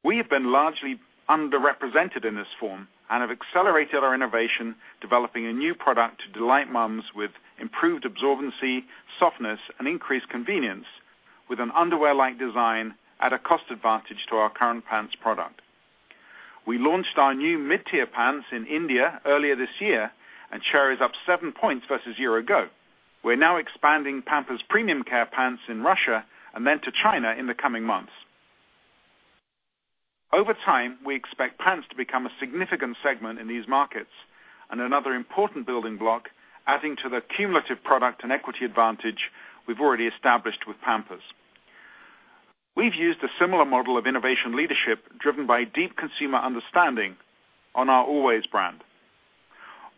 We have been largely underrepresented in this form and have accelerated our innovation, developing a new product to delight moms with improved absorbency, softness, and increased convenience, with an underwear-like design at a cost advantage to our current pants product. We launched our new mid-tier pants in India earlier this year, and share is up seven points versus a year ago. We're now expanding Pampers Premium Care pants in Russia and then to China in the coming months. Over time, we expect pants to become a significant segment in these markets and another important building block, adding to the cumulative product and equity advantage we've already established with Pampers. We've used a similar model of innovation leadership driven by deep consumer understanding on our Always brand.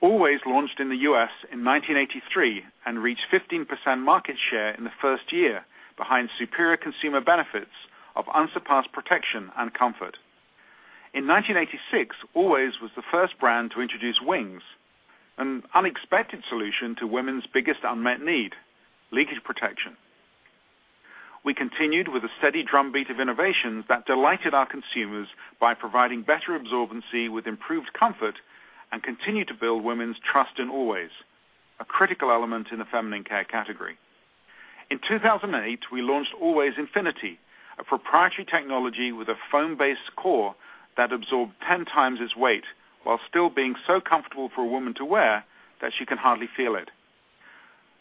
Always launched in the U.S. in 1983 and reached 15% market share in the first year behind superior consumer benefits of unsurpassed protection and comfort. In 1986, Always was the first brand to introduce wings, an unexpected solution to women's biggest unmet need: leakage protection. We continued with a steady drumbeat of innovations that delighted our consumers by providing better absorbency with improved comfort and continued to build women's trust in Always, a critical element in the feminine care category. In 2008, we launched Always Infinity, a proprietary technology with a foam-based core that absorbed 10 times its weight while still being so comfortable for a woman to wear that she can hardly feel it.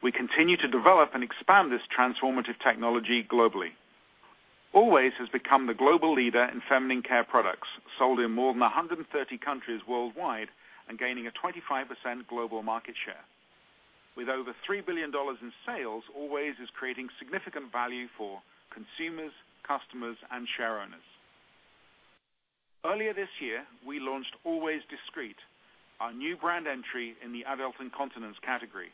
We continue to develop and expand this transformative technology globally. Always has become the global leader in feminine care products, sold in more than 130 countries worldwide and gaining a 25% global market share. With over $3 billion in sales, Always is creating significant value for consumers, customers, and shareowners. Earlier this year, we launched Always Discreet, our new brand entry in the adult incontinence category.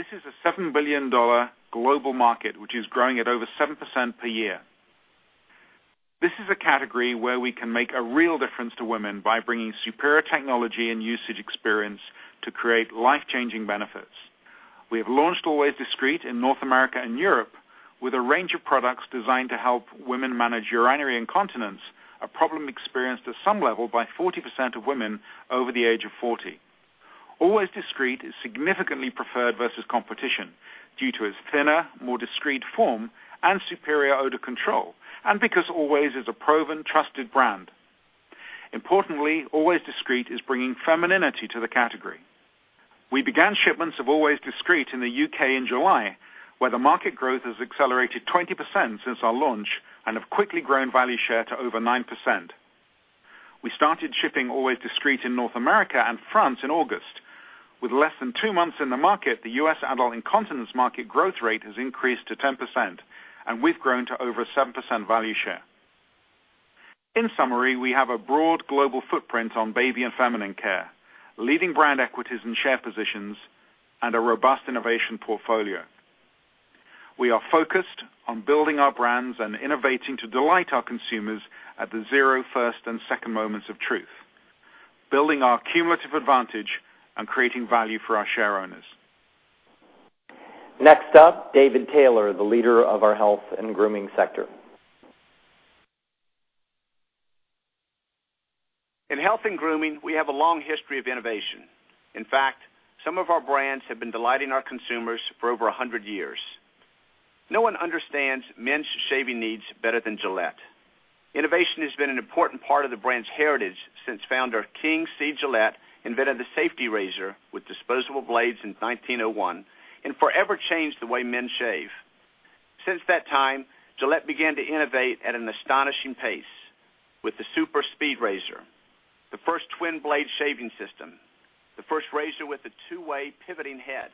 This is a $7 billion global market, which is growing at over 7% per year. This is a category where we can make a real difference to women by bringing superior technology and usage experience to create life-changing benefits. We have launched Always Discreet in North America and Europe with a range of products designed to help women manage urinary incontinence, a problem experienced at some level by 40% of women over the age of 40. Always Discreet is significantly preferred versus competition due to its thinner, more discreet form and superior odor control. Because Always is a proven, trusted brand, importantly, Always Discreet is bringing femininity to the category. We began shipments of Always Discreet in the U.K. in July, where the market growth has accelerated 20% since our launch and have quickly grown value share to over 9%. We started shipping Always Discreet in North America and France in August. With less than two months in the market, the U.S. adult incontinence market growth rate has increased to 10%, and we've grown to over 7% value share. In summary, we have a broad global footprint on baby and feminine care, leading brand equities and share positions, and a robust innovation portfolio. We are focused on building our brands and innovating to delight our consumers at the zero, first, and second moments of truth, building our cumulative advantage and creating value for our shareowners. Next up, David Taylor, the leader of our Global Health and Grooming sector. In Health and Grooming, we have a long history of innovation. In fact, some of our brands have been delighting our consumers for over 100 years. No one understands men's shaving needs better than Gillette. Innovation has been an important part of the brand's heritage since founder King C. Gillette invented the safety razor with disposable blades in 1901 and forever changed the way men shave. Since that time, Gillette began to innovate at an astonishing pace with the Super Speed razor, the first twin-blade shaving system, the first razor with a two-way pivoting head,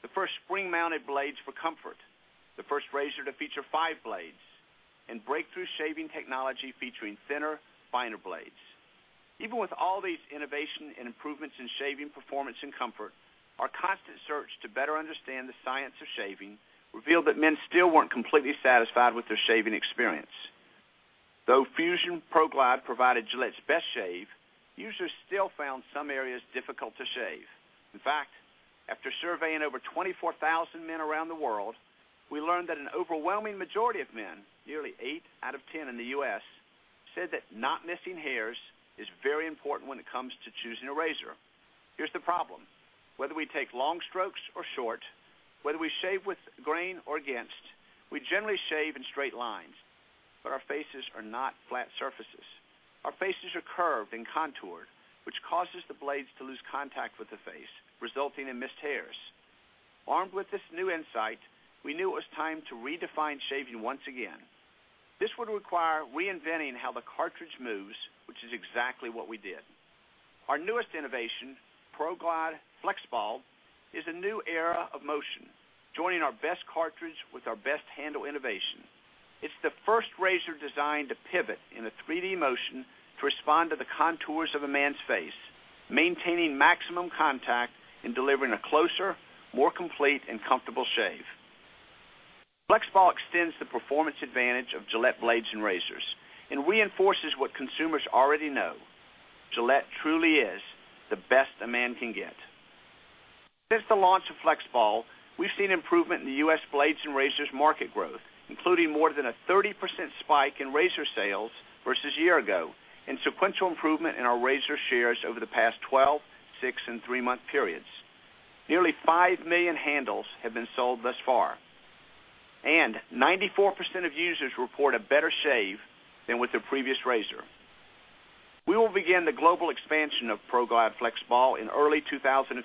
the first spring-mounted blades for comfort, the first razor to feature five blades, and breakthrough shaving technology featuring thinner, finer blades. Even with all these innovation and improvements in shaving performance and comfort, our constant search to better understand the science of shaving revealed that men still weren't completely satisfied with their shaving experience. Though Fusion ProGlide provided Gillette's best shave, users still found some areas difficult to shave. In fact, after surveying over 24,000 men around the world, we learned that an overwhelming majority of men, nearly eight out of ten in the U.S., said that not missing hairs is very important when it comes to choosing a razor. Here's the problem. Whether we take long strokes or short, whether we shave with the grain or against, we generally shave in straight lines, but our faces are not flat surfaces. Our faces are curved and contoured, which causes the blades to lose contact with the face, resulting in missed hairs. Armed with this new insight, we knew it was time to redefine shaving once again. This would require reinventing how the cartridge moves, which is exactly what we did. Our newest innovation, ProGlide FlexBall, is a new era of motion, joining our best cartridge with our best handle innovation. It's the first razor designed to pivot in a 3D motion to respond to the contours of a man's face, maintaining maximum contact and delivering a closer, more complete and comfortable shave. FlexBall extends the performance advantage of Gillette blades and razors and reinforces what consumers already know: Gillette truly is The Best a Man Can Get. Since the launch of FlexBall, we've seen improvement in the U.S. blades and razors market growth, including more than a 30% spike in razor sales versus year ago and sequential improvement in our razor shares over the past 12, six, and three-month periods. Nearly 5 million handles have been sold thus far, and 94% of users report a better shave than with their previous razor. We will begin the global expansion of ProGlide FlexBall in early 2015.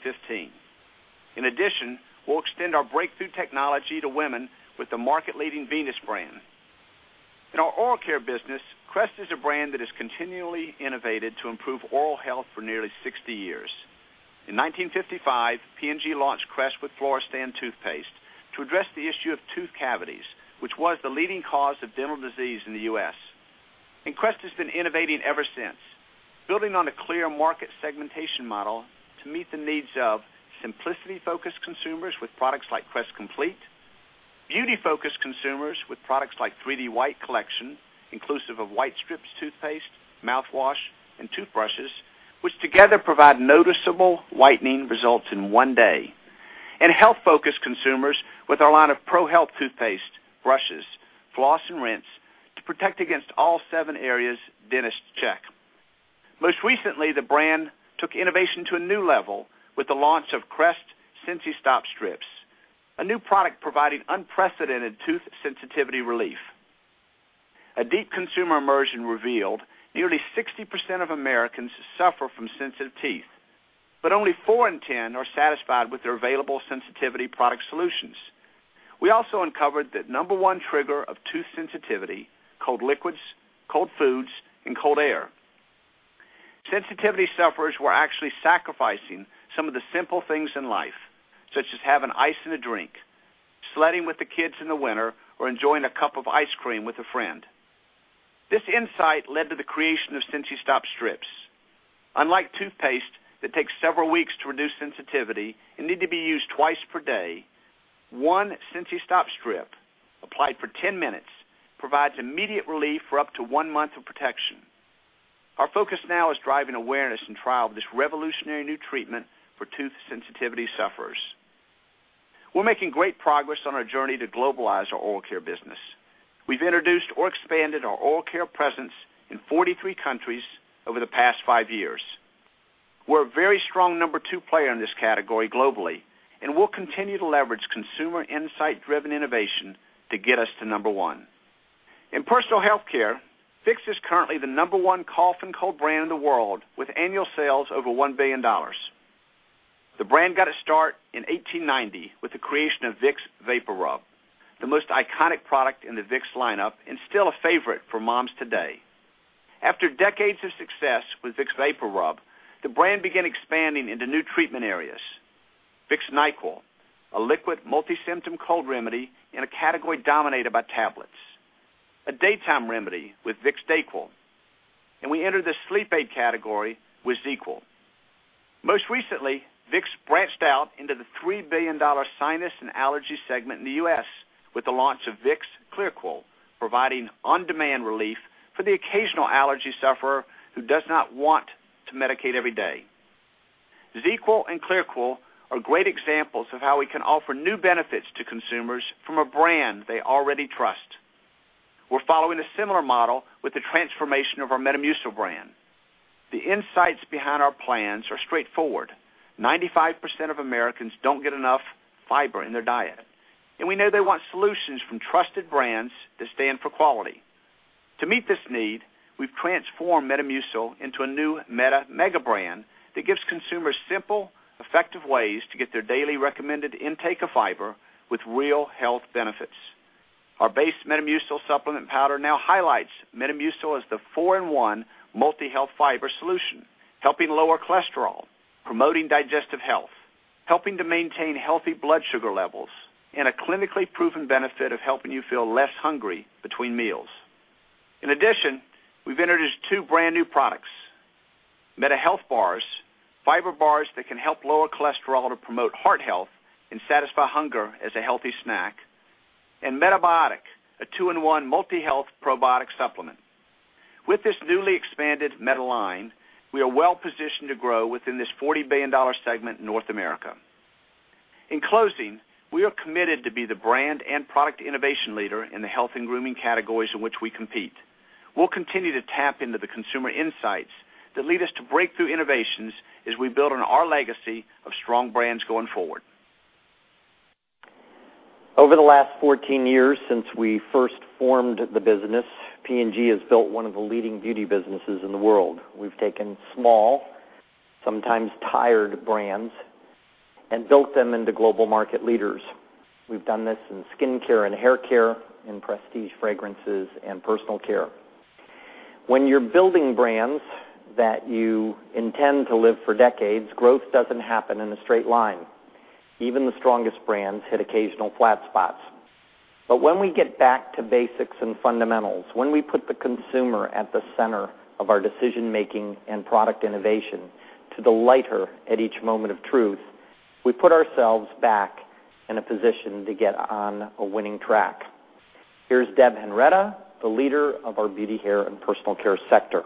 In addition, we'll extend our breakthrough technology to women with the market-leading Venus brand. In our oral care business, Crest is a brand that has continually innovated to improve oral health for nearly 60 years. In 1955, P&G launched Crest with Fluoristan toothpaste to address the issue of tooth cavities, which was the leading cause of dental disease in the U.S. Crest has been innovating ever since, building on a clear market segmentation model to meet the needs of simplicity-focused consumers with products like Crest Complete; beauty-focused consumers with products like 3D White collection, inclusive of Whitestrips toothpaste, mouthwash, and toothbrushes, which together provide noticeable whitening results in one day; and health-focused consumers with our line of ProHealth toothpaste, brushes, floss, and rinse to protect against all seven areas dentists check. Most recently, the brand took innovation to a new level with the launch of Crest Sensi-Stop Strips, a new product providing unprecedented tooth sensitivity relief. A deep consumer immersion revealed nearly 60% of Americans suffer from sensitive teeth, but only four in 10 are satisfied with their available sensitivity product solutions. We also uncovered the number 1 trigger of tooth sensitivity, cold liquids, cold foods, and cold air. Sensitivity sufferers were actually sacrificing some of the simple things in life, such as having ice in a drink, sledding with the kids in the winter, or enjoying a cup of ice cream with a friend. This insight led to the creation of Sensi-Stop Strips. Unlike toothpaste that takes several weeks to reduce sensitivity and need to be used twice per day, one Sensi-Stop Strip applied for 10 minutes provides immediate relief for up to one month of protection. Our focus now is driving awareness and trial of this revolutionary new treatment for tooth sensitivity sufferers. We're making great progress on our journey to globalize our oral care business. We've introduced or expanded our oral care presence in 43 countries over the past five years. We're a very strong number 2 player in this category globally, and we'll continue to leverage consumer insight-driven innovation to get us to number 1. In personal healthcare, Vicks is currently the number 1 cough and cold brand in the world, with annual sales over $1 billion. The brand got its start in 1890 with the creation of Vicks VapoRub, the most iconic product in the Vicks lineup and still a favorite for moms today. After decades of success with Vicks VapoRub, the brand began expanding into new treatment areas. Vicks NyQuil, a liquid multi-symptom cold remedy in a category dominated by tablets, a daytime remedy with Vicks DayQuil, and we entered the sleep aid category with ZzzQuil. Most recently, Vicks branched out into the $3 billion sinus and allergy segment in the U.S. with the launch of Vicks ClearQuil, providing on-demand relief for the occasional allergy sufferer who does not want to medicate every day. ZzzQuil and ClearQuil are great examples of how we can offer new benefits to consumers from a brand they already trust. We are following a similar model with the transformation of our Metamucil brand. The insights behind our plans are straightforward: 95% of Americans do not get enough fiber in their diet, and we know they want solutions from trusted brands that stand for quality. To meet this need, we have transformed Metamucil into a new Meta Mega brand that gives consumers simple, effective ways to get their daily recommended intake of fiber with real health benefits. Our base Metamucil supplement powder now highlights Metamucil as the four-in-one multi-health fiber solution, helping lower cholesterol, promoting digestive health, helping to maintain healthy blood sugar levels, and a clinically proven benefit of helping you feel less hungry between meals. In addition, we have introduced two brand-new products, Meta Health Bars, fiber bars that can help lower cholesterol to promote heart health and satisfy hunger as a healthy snack, and Metabiotic, a two-in-one multi-health probiotic supplement. With this newly expanded Meta line, we are well-positioned to grow within this $40 billion segment in North America. In closing, we are committed to be the brand and product innovation leader in the health and grooming categories in which we compete. We will continue to tap into the consumer insights that lead us to breakthrough innovations as we build on our legacy of strong brands going forward. Over the last 14 years since we first formed the business, P&G has built one of the leading beauty businesses in the world. We have taken small, sometimes tired brands, and built them into global market leaders. We have done this in skincare and haircare, in prestige fragrances, and personal care. When you are building brands that you intend to live for decades, growth does not happen in a straight line. Even the strongest brands hit occasional flat spots. When we get back to basics and fundamentals, when we put the consumer at the center of our decision-making and product innovation to delight her at each moment of truth, we put ourselves back in a position to get on a winning track. Here is Deb Henretta, the leader of our beauty, hair, and personal care sector.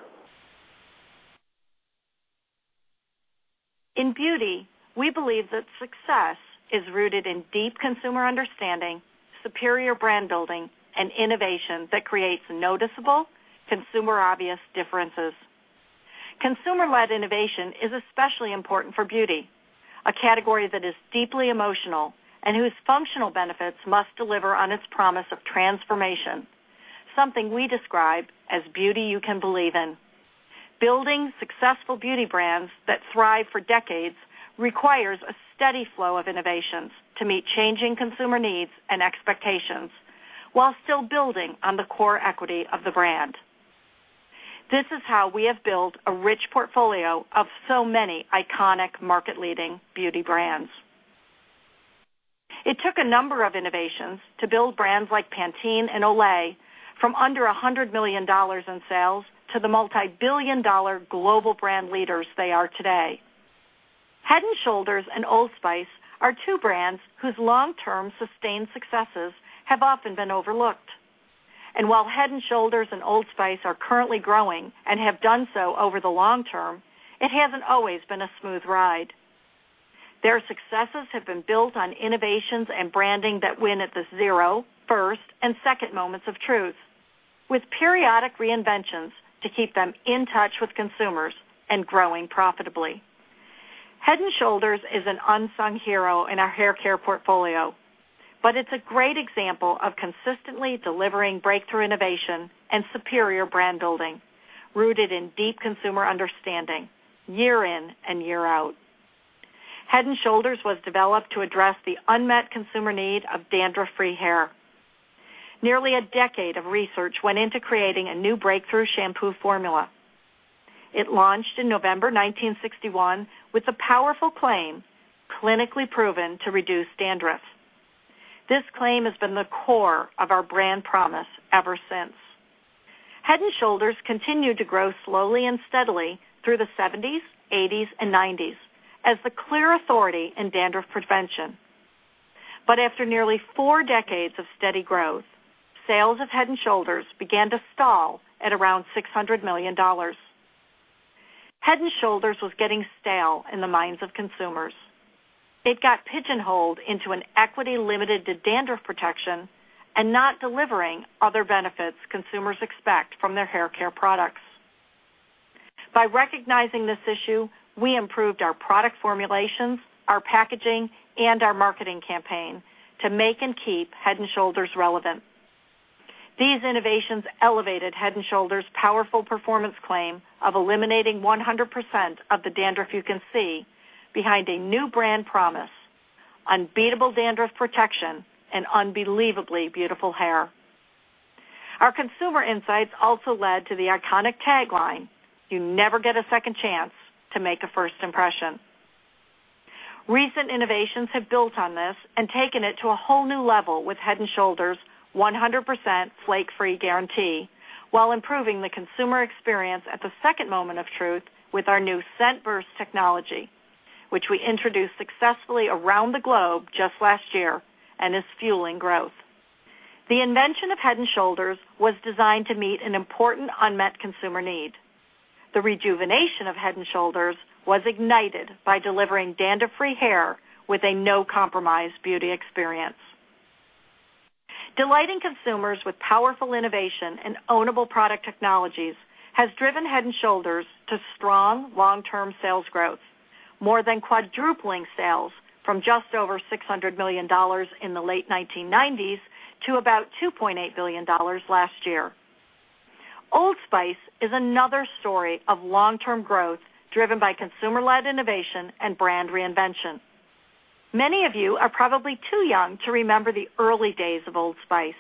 In beauty, we believe that success is rooted in deep consumer understanding, superior brand building, and innovation that creates noticeable consumer-obvious differences. Consumer-led innovation is especially important for beauty, a category that is deeply emotional and whose functional benefits must deliver on its promise of transformation, something we describe as beauty you can believe in. Building successful beauty brands that thrive for decades requires a steady flow of innovations to meet changing consumer needs and expectations while still building on the core equity of the brand. This is how we have built a rich portfolio of so many iconic market-leading beauty brands. It took a number of innovations to build brands like Pantene and Olay from under $100 million in sales to the multibillion-dollar global brand leaders they are today. Head & Shoulders and Old Spice are two brands whose long-term sustained successes have often been overlooked. While Head & Shoulders and Old Spice are currently growing and have done so over the long term, it hasn't always been a smooth ride. Their successes have been built on innovations and branding that win at the 0, 1st, and 2nd moments of truth, with periodic reinventions to keep them in touch with consumers and growing profitably. Head & Shoulders is an unsung hero in our hair care portfolio, but it's a great example of consistently delivering breakthrough innovation and superior brand-building, rooted in deep consumer understanding year in and year out. Head & Shoulders was developed to address the unmet consumer need of dandruff-free hair. Nearly a decade of research went into creating a new breakthrough shampoo formula. It launched in November 1961 with the powerful claim, "Clinically proven to reduce dandruff." This claim has been the core of our brand promise ever since. Head & Shoulders continued to grow slowly and steadily through the '70s, '80s, and '90s as the clear authority in dandruff prevention. But after nearly four decades of steady growth, sales of Head & Shoulders began to stall at around $600 million. Head & Shoulders was getting stale in the minds of consumers. It got pigeonholed into an equity limited to dandruff protection and not delivering other benefits consumers expect from their hair care products. By recognizing this issue, we improved our product formulations, our packaging, and our marketing campaign to make and keep Head & Shoulders relevant. These innovations elevated Head & Shoulders' powerful performance claim of eliminating 100% of the dandruff you can see behind a new brand promise, unbeatable dandruff protection, and unbelievably beautiful hair. Our consumer insights also led to the iconic tagline, "You never get a 2nd chance to make a 1st impression." Recent innovations have built on this and taken it to a whole new level with Head & Shoulders' 100% flake-free guarantee while improving the consumer experience at the 2nd moment of truth with our new scent burst technology, which we introduced successfully around the globe just last year and is fueling growth. The invention of Head & Shoulders was designed to meet an important unmet consumer need. The rejuvenation of Head & Shoulders was ignited by delivering dandruff-free hair with a no-compromise beauty experience. Delighting consumers with powerful innovation and ownable product technologies has driven Head & Shoulders to strong long-term sales growth, more than quadrupling sales from just over $600 million in the late 1990s to about $2.8 billion last year. Old Spice is another story of long-term growth driven by consumer-led innovation and brand reinvention. Many of you are probably too young to remember the early days of Old Spice.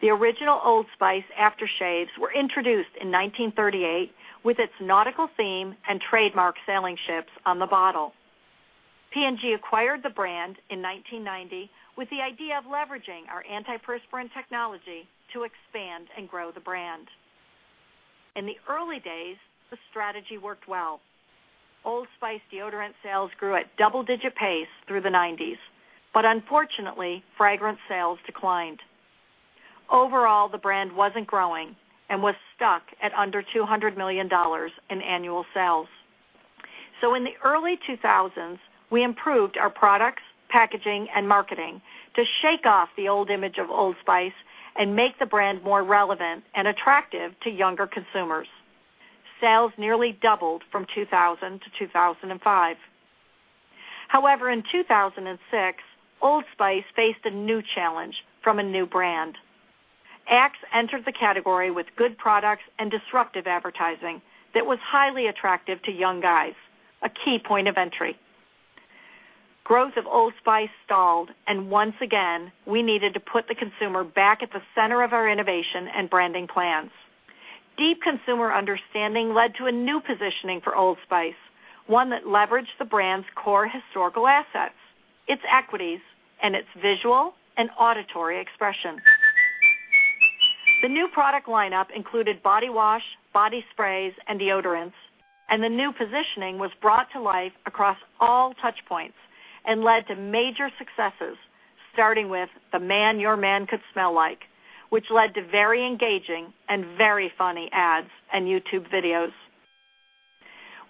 The original Old Spice aftershaves were introduced in 1938 with its nautical theme and trademark sailing ships on the bottle. P&G acquired the brand in 1990 with the idea of leveraging our antiperspirant technology to expand and grow the brand. In the early days, the strategy worked well. Old Spice deodorant sales grew at double-digit pace through the '90s, unfortunately, fragrance sales declined. Overall, the brand wasn't growing and was stuck at under $200 million in annual sales. In the early 2000s, we improved our products, packaging, and marketing to shake off the old image of Old Spice and make the brand more relevant and attractive to younger consumers. Sales nearly doubled from 2000 to 2005. However, in 2006, Old Spice faced a new challenge from a new brand. Axe entered the category with good products and disruptive advertising that was highly attractive to young guys, a key point of entry. Growth of Old Spice stalled, once again, we needed to put the consumer back at the center of our innovation and branding plans. Deep consumer understanding led to a new positioning for Old Spice, one that leveraged the brand's core historical assets, its equities, and its visual and auditory expression. The new product lineup included body wash, body sprays, and deodorants, the new positioning was brought to life across all touchpoints and led to major successes, starting with the man your man could smell like, which led to very engaging and very funny ads and YouTube videos.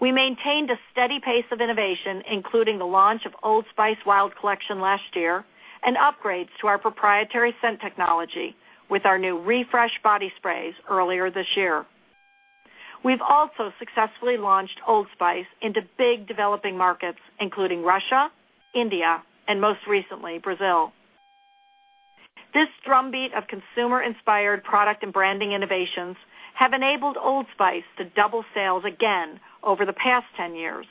We maintained a steady pace of innovation, including the launch of Old Spice Wild Collection last year and upgrades to our proprietary scent technology with our new Refresh body sprays earlier this year. We've also successfully launched Old Spice into big developing markets, including Russia, India, and most recently, Brazil. This drumbeat of consumer-inspired product and branding innovations have enabled Old Spice to double sales again over the past 10 years.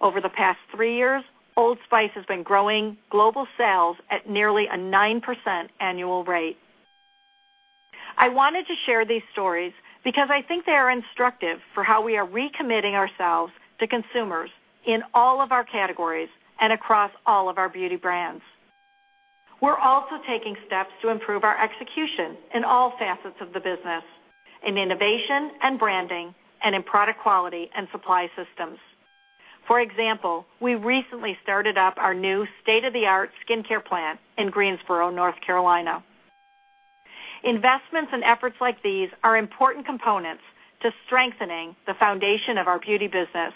Over the past three years, Old Spice has been growing global sales at nearly a 9% annual rate. I wanted to share these stories because I think they are instructive for how we are recommitting ourselves to consumers in all of our categories and across all of our beauty brands. We're also taking steps to improve our execution in all facets of the business, in innovation and branding, and in product quality and supply systems. For example, we recently started up our new state-of-the-art skincare plant in Greensboro, North Carolina. Investments and efforts like these are important components to strengthening the foundation of our beauty business.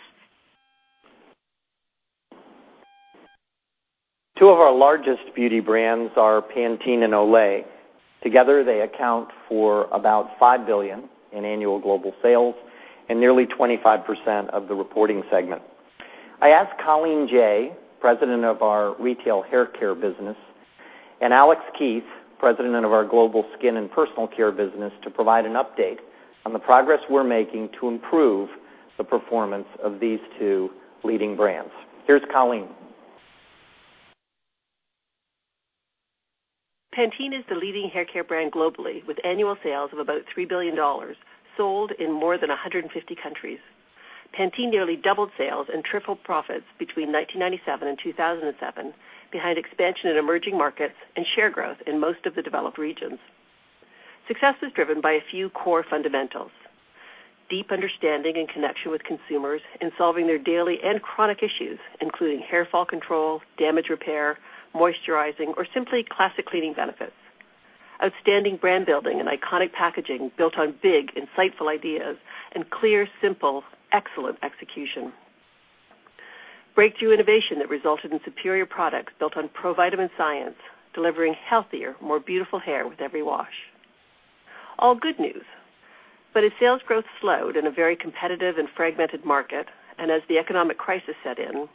Two of our largest beauty brands are Pantene and Olay. Together, they account for about $5 billion in annual global sales and nearly 25% of the reporting segment. I asked Colleen Jay, President of our Retail Hair Care business, and Alex Keith, President of our Global Skin and Personal Care business, to provide an update on the progress we're making to improve the performance of these two leading brands. Here's Colleen. Pantene is the leading hair care brand globally, with annual sales of about $3 billion, sold in more than 150 countries. Pantene nearly doubled sales and tripled profits between 1997 and 2007, behind expansion in emerging markets and share growth in most of the developed regions. Success is driven by a few core fundamentals. Deep understanding and connection with consumers in solving their daily and chronic issues, including hair fall control, damage repair, moisturizing, or simply classic cleaning benefits. Outstanding brand building and iconic packaging built on big, insightful ideas and clear, simple, excellent execution. Breakthrough innovation that resulted in superior products built on pro-vitamin science, delivering healthier, more beautiful hair with every wash. All good news. As sales growth slowed in a very competitive and fragmented market, and as the economic crisis set in,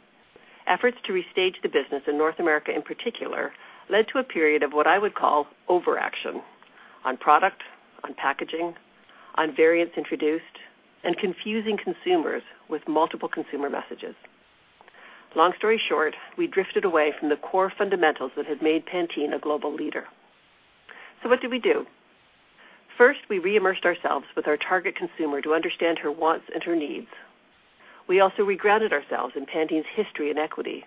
efforts to restage the business in North America in particular, led to a period of what I would call overaction on product, on packaging, on variants introduced, and confusing consumers with multiple consumer messages. Long story short, we drifted away from the core fundamentals that had made Pantene a global leader. What did we do? First, we re-immersed ourselves with our target consumer to understand her wants and her needs. We also re-grounded ourselves in Pantene's history and equity.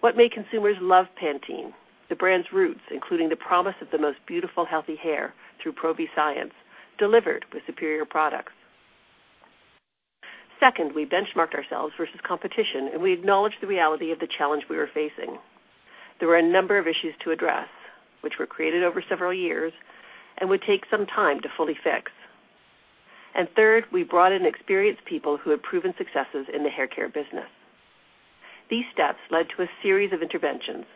What made consumers love Pantene? The brand's roots, including the promise of the most beautiful, healthy hair through Pro-V science, delivered with superior products. Second, we benchmarked ourselves versus competition, and we acknowledged the reality of the challenge we were facing. There were a number of issues to address, which were created over several years and would take some time to fully fix. Third, we brought in experienced people who had proven successes in the hair care business. These steps led to a series of interventions.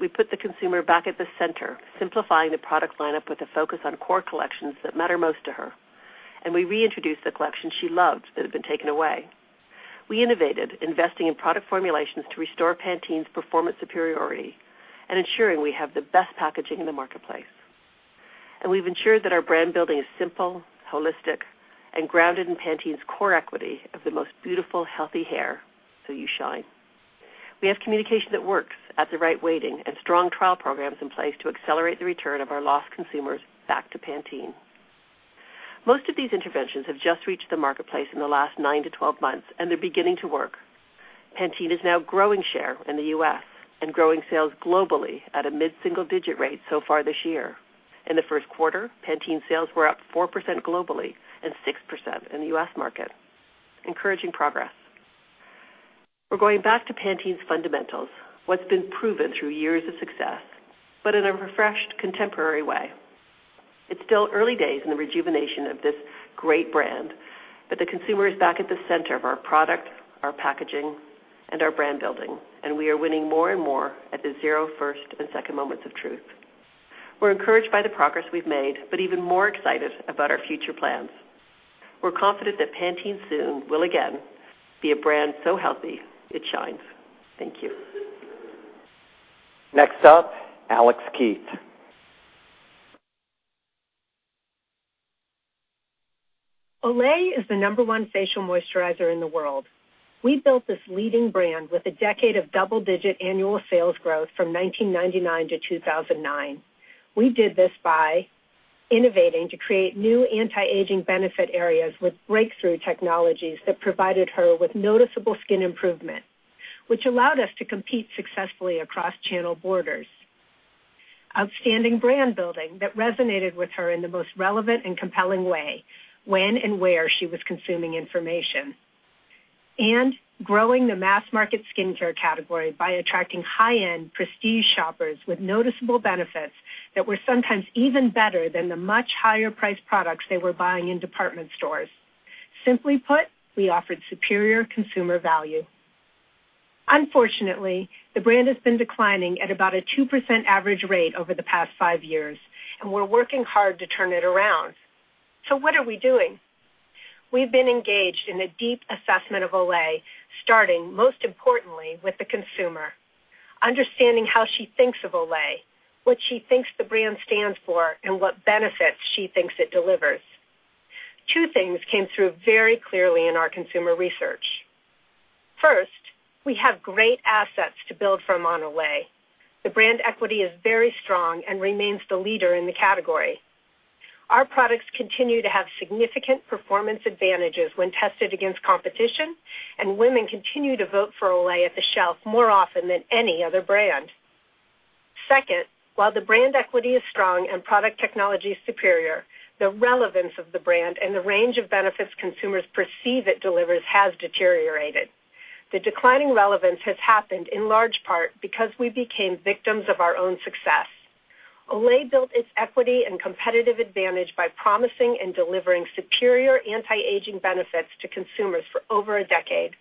We put the consumer back at the center, simplifying the product lineup with a focus on core collections that matter most to her. We reintroduced the collection she loved that had been taken away. We innovated, investing in product formulations to restore Pantene's performance superiority and ensuring we have the best packaging in the marketplace. We've ensured that our brand building is simple, holistic, and grounded in Pantene's core equity of the most beautiful, healthy hair, so you shine. We have communication that works at the right weighting and strong trial programs in place to accelerate the return of our lost consumers back to Pantene. Most of these interventions have just reached the marketplace in the last nine to 12 months, they're beginning to work. Pantene is now growing share in the U.S. and growing sales globally at a mid-single-digit rate so far this year. In the first quarter, Pantene sales were up 4% globally and 6% in the U.S. market. Encouraging progress. We're going back to Pantene's fundamentals, what's been proven through years of success, in a refreshed, contemporary way. It's still early days in the rejuvenation of this great brand, the consumer is back at the center of our product, our packaging, our brand building, and we are winning more and more at the zero, first, and second moments of truth. We're encouraged by the progress we've made, even more excited about our future plans. We're confident that Pantene soon will again be a brand so healthy, it shines. Thank you. Next up, Alex Keith. Olay is the number one facial moisturizer in the world. We built this leading brand with a decade of double-digit annual sales growth from 1999 to 2009. We did this by innovating to create new anti-aging benefit areas with breakthrough technologies that provided her with noticeable skin improvement, which allowed us to compete successfully across channel borders. Outstanding brand building that resonated with her in the most relevant and compelling way, when and where she was consuming information. Growing the mass-market skincare category by attracting high-end prestige shoppers with noticeable benefits that were sometimes even better than the much higher-priced products they were buying in department stores. Simply put, we offered superior consumer value. Unfortunately, the brand has been declining at about a 2% average rate over the past five years, and we're working hard to turn it around. What are we doing? We've been engaged in a deep assessment of Olay, starting most importantly with the consumer, understanding how she thinks of Olay, what she thinks the brand stands for, and what benefits she thinks it delivers. Two things came through very clearly in our consumer research. First, we have great assets to build from on Olay. The brand equity is very strong and remains the leader in the category. Our products continue to have significant performance advantages when tested against competition, and women continue to vote for Olay at the shelf more often than any other brand. Second, while the brand equity is strong and product technology is superior, the relevance of the brand and the range of benefits consumers perceive it delivers has deteriorated. The declining relevance has happened in large part because we became victims of our own success. Olay built its equity and competitive advantage by promising and delivering superior anti-aging benefits to consumers for over a decade.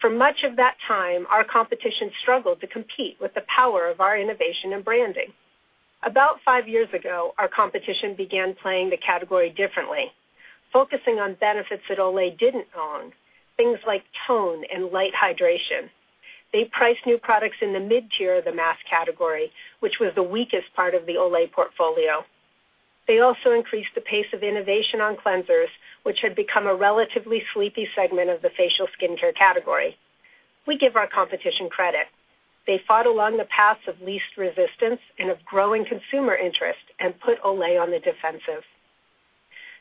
For much of that time, our competition struggled to compete with the power of our innovation and branding. About five years ago, our competition began playing the category differently, focusing on benefits that Olay didn't own, things like tone and light hydration. They priced new products in the mid-tier of the mass category, which was the weakest part of the Olay portfolio. They also increased the pace of innovation on cleansers, which had become a relatively sleepy segment of the facial skincare category. We give our competition credit. They fought along the paths of least resistance and of growing consumer interest and put Olay on the defensive.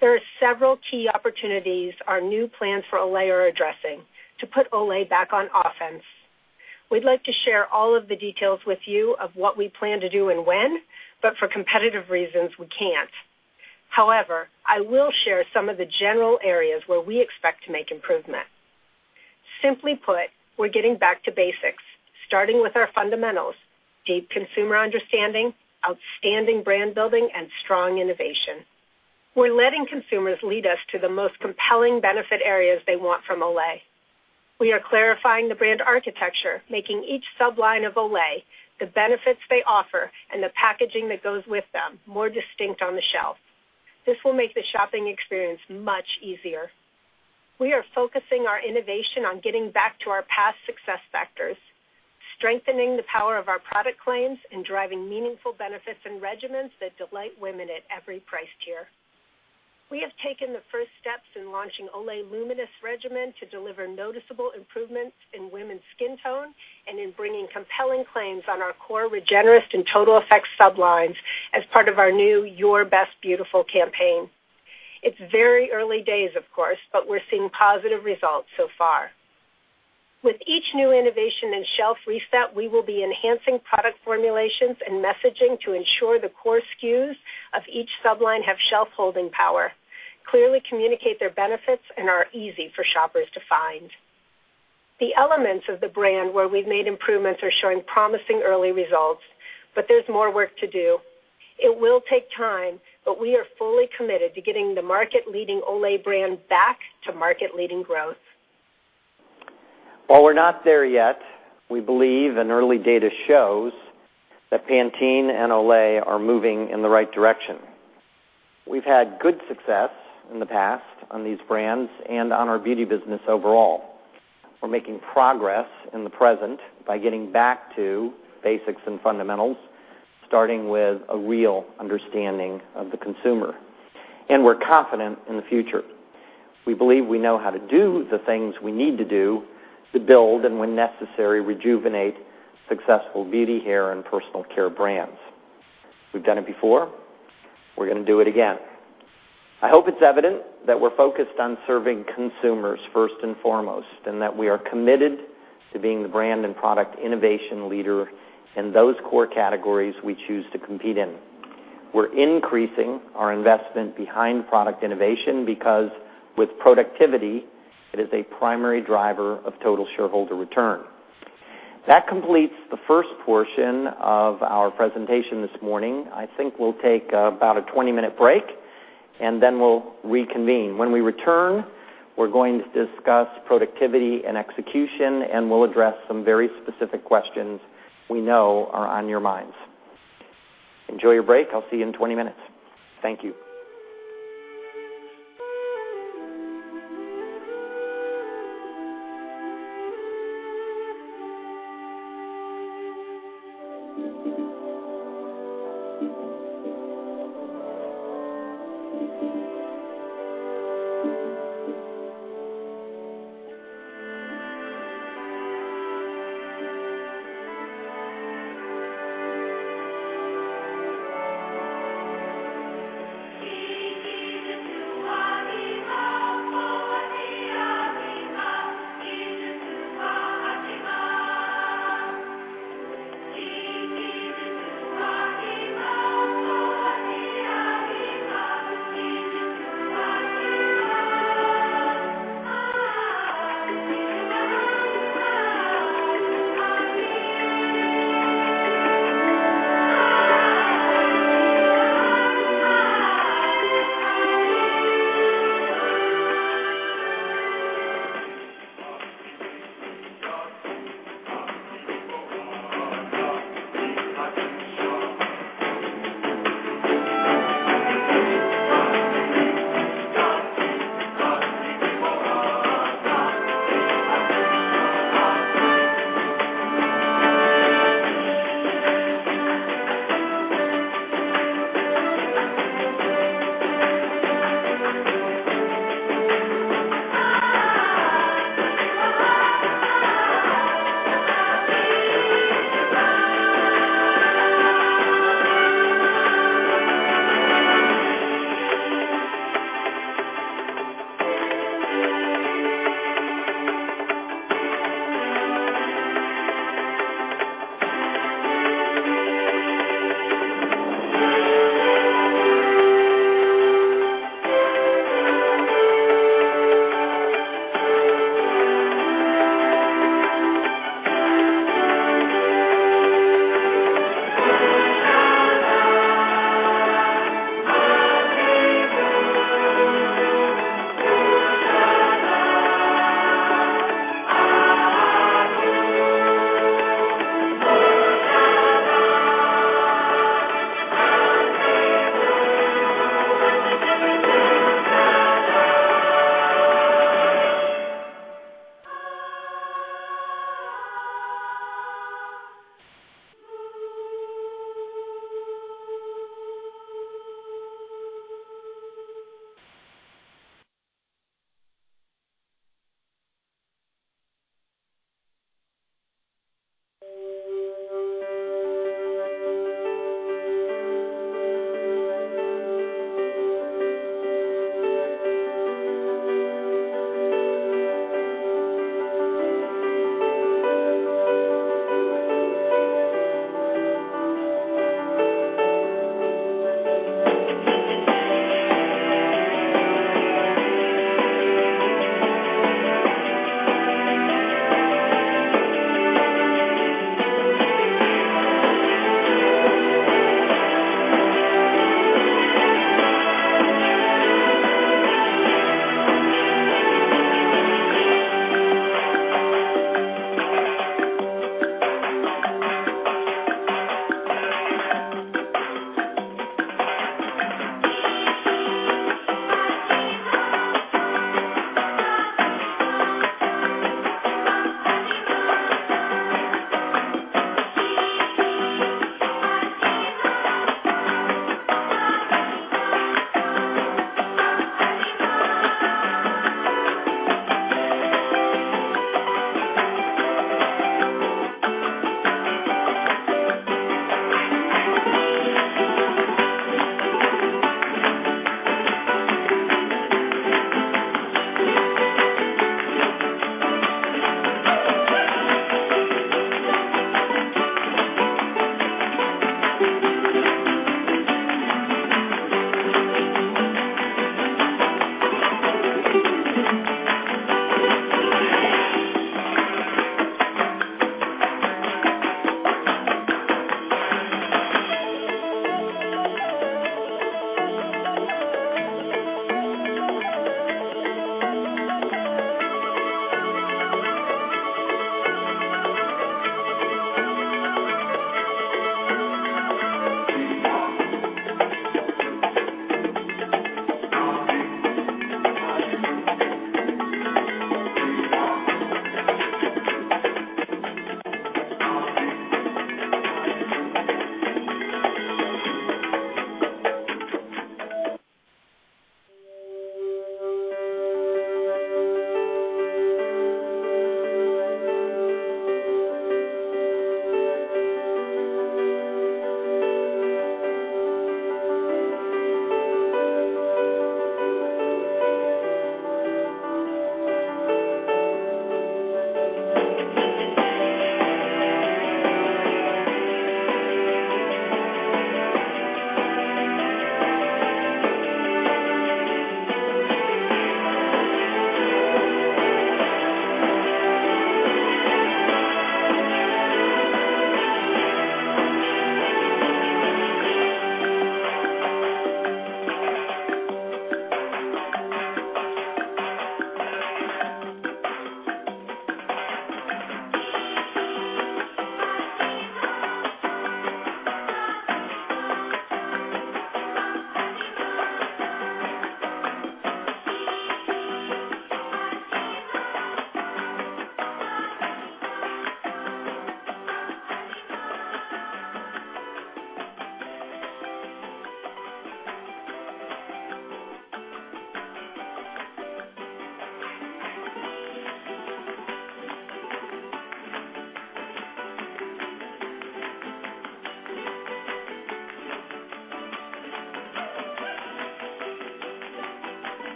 There are several key opportunities our new plans for Olay are addressing to put Olay back on offense. We'd like to share all of the details with you of what we plan to do and when, but for competitive reasons, we can't. However, I will share some of the general areas where we expect to make improvement. Simply put, we're getting back to basics, starting with our fundamentals, deep consumer understanding, outstanding brand building, and strong innovation. We're letting consumers lead us to the most compelling benefit areas they want from Olay. We are clarifying the brand architecture, making each sub-line of Olay, the benefits they offer, and the packaging that goes with them more distinct on the shelf. This will make the shopping experience much easier. We are focusing our innovation on getting back to our past success factors, strengthening the power of our product claims, and driving meaningful benefits and regimens that delight women at every price tier. We have taken the first steps in launching Olay Luminous regimen to deliver noticeable improvements in women's skin tone and in bringing compelling claims on our core Regenerist and Total Effects sub-lines as part of our new Your Best Beautiful campaign. It's very early days, of course, but we're seeing positive results so far. With each new innovation and shelf reset, we will be enhancing product formulations and messaging to ensure the core SKUs of each sub-line have shelf holding power, clearly communicate their benefits, and are easy for shoppers to find. The elements of the brand where we've made improvements are showing promising early results, but there's more work to do. It will take time, but we are fully committed to getting the market-leading Olay brand back to market-leading growth. While we're not there yet, we believe, and early data shows, that Pantene and Olay are moving in the right direction. We've had good success in the past on these brands and on our beauty business overall. We're making progress in the present by getting back to basics and fundamentals, starting with a real understanding of the consumer. We're confident in the future. We believe we know how to do the things we need to do to build, and when necessary, rejuvenate successful beauty, hair, and personal care brands. We've done it before. We're going to do it again. I hope it's evident that we're focused on serving consumers first and foremost, and that we are committed to being the brand and product innovation leader in those core categories we choose to compete in. We're increasing our investment behind product innovation because with productivity, it is a primary driver of total shareholder return. That completes the first portion of our presentation this morning. I think we'll take about a 20-minute break, and then we'll reconvene. When we return, we're going to discuss productivity and execution, and we'll address some very specific questions we know are on your minds. Enjoy your break. I'll see you in 20 minutes. Thank you.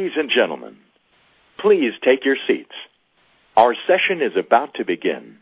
Ladies and gentlemen, please take your seats. Our session is about to begin.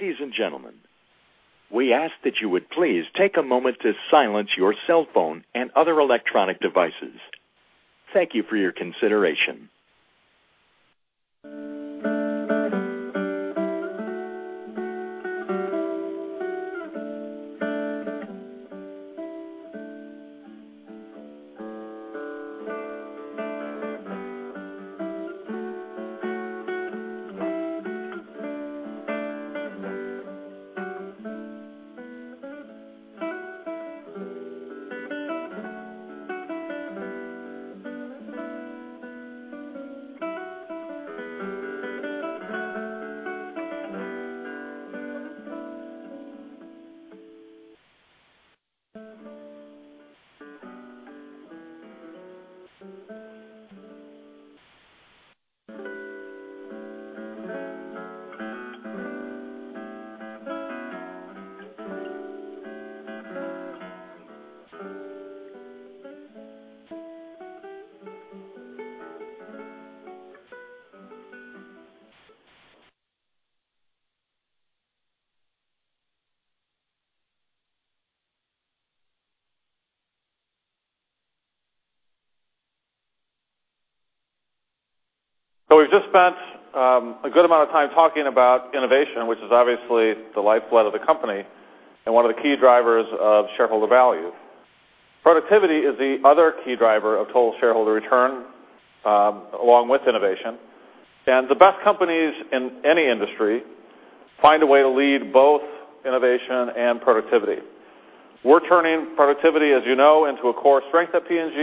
Ladies and gentlemen, we ask that you would please take a moment to silence your cellphone and other electronic devices. Thank you for your consideration. We've just spent a good amount of time talking about innovation, which is obviously the lifeblood of the company and one of the key drivers of shareholder value. Productivity is the other key driver of total shareholder return, along with innovation, and the best companies in any industry find a way to lead both innovation and productivity. We're turning productivity, as you know, into a core strength at P&G,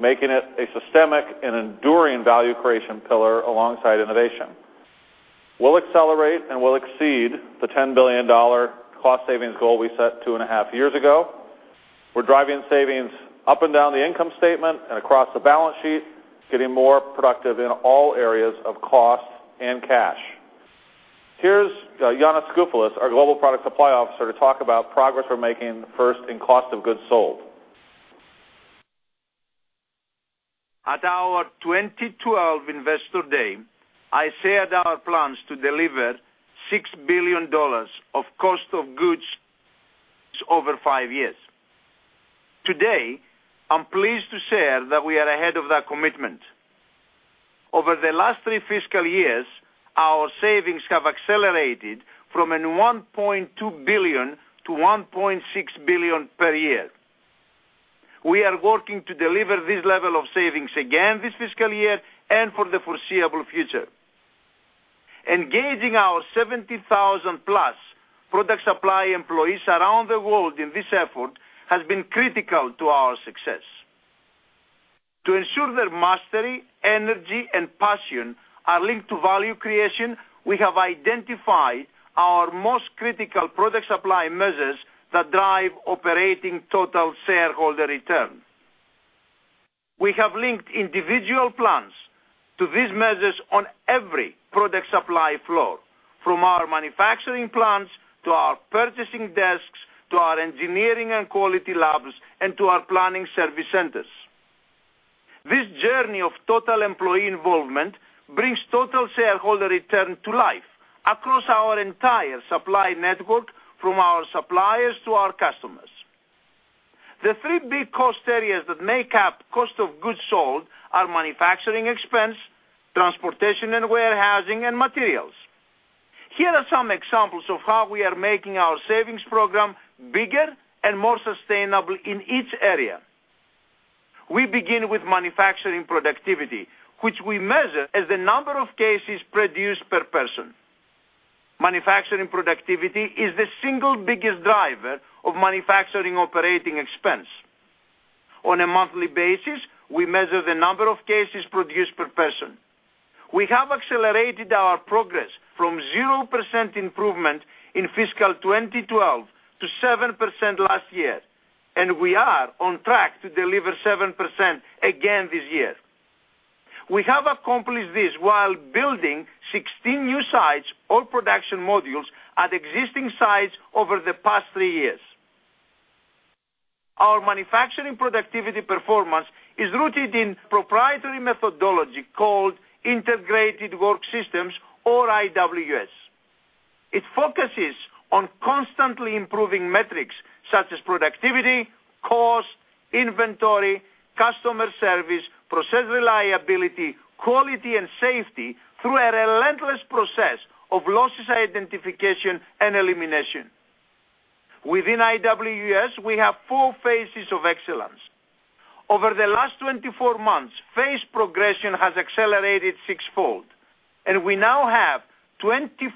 making it a systemic and enduring value creation pillar alongside innovation. We'll accelerate and we'll exceed the $10 billion cost savings goal we set two and a half years ago. We're driving savings up and down the income statement and across the balance sheet, getting more productive in all areas of cost and cash. Here's Yannis Skoufalos, our Global Product Supply Officer, to talk about progress we're making first in cost of goods sold. At our 2012 Investor Day, I shared our plans to deliver $6 billion of cost of goods over five years. Today, I'm pleased to share that we are ahead of that commitment. Over the last three fiscal years, our savings have accelerated from a $1.2 billion to $1.6 billion per year. We are working to deliver this level of savings again this fiscal year and for the foreseeable future. Engaging our 70,000-plus product supply employees around the world in this effort has been critical to our success. To ensure their mastery, energy, and passion are linked to value creation, we have identified our most critical product supply measures that drive Operating Total Shareholder Return. We have linked individual plans to these measures on every product supply floor, from our manufacturing plants to our purchasing desks, to our engineering and quality labs, and to our planning service centers. This journey of total employee involvement brings total shareholder return to life across our entire supply network, from our suppliers to our customers. The three big cost areas that make up cost of goods sold are manufacturing expense, transportation and warehousing, and materials. Here are some examples of how we are making our savings program bigger and more sustainable in each area. We begin with manufacturing productivity, which we measure as the number of cases produced per person. Manufacturing productivity is the single biggest driver of manufacturing operating expense. On a monthly basis, we measure the number of cases produced per person. We have accelerated our progress from 0% improvement in fiscal 2012 to 7% last year, and we are on track to deliver 7% again this year. We have accomplished this while building 16 new sites or production modules at existing sites over the past three years. Our manufacturing productivity performance is rooted in proprietary methodology called Integrated Work Systems or IWS. It focuses on constantly improving metrics such as productivity, cost, inventory, customer service, process reliability, quality, and safety through a relentless process of losses identification and elimination. Within IWS, we have four phases of excellence. Over the last 24 months, phase progression has accelerated sixfold, and we now have 24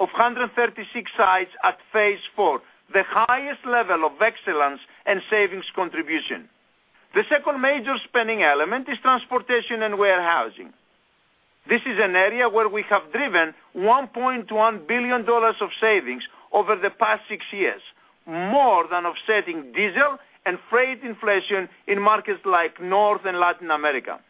of 136 sites at phase 4, the highest level of excellence and savings contribution. The second major spending element is transportation and warehousing. This is an area where we have driven $1.1 billion of savings over the past six years, more than offsetting diesel and freight inflation in markets like North and Latin America.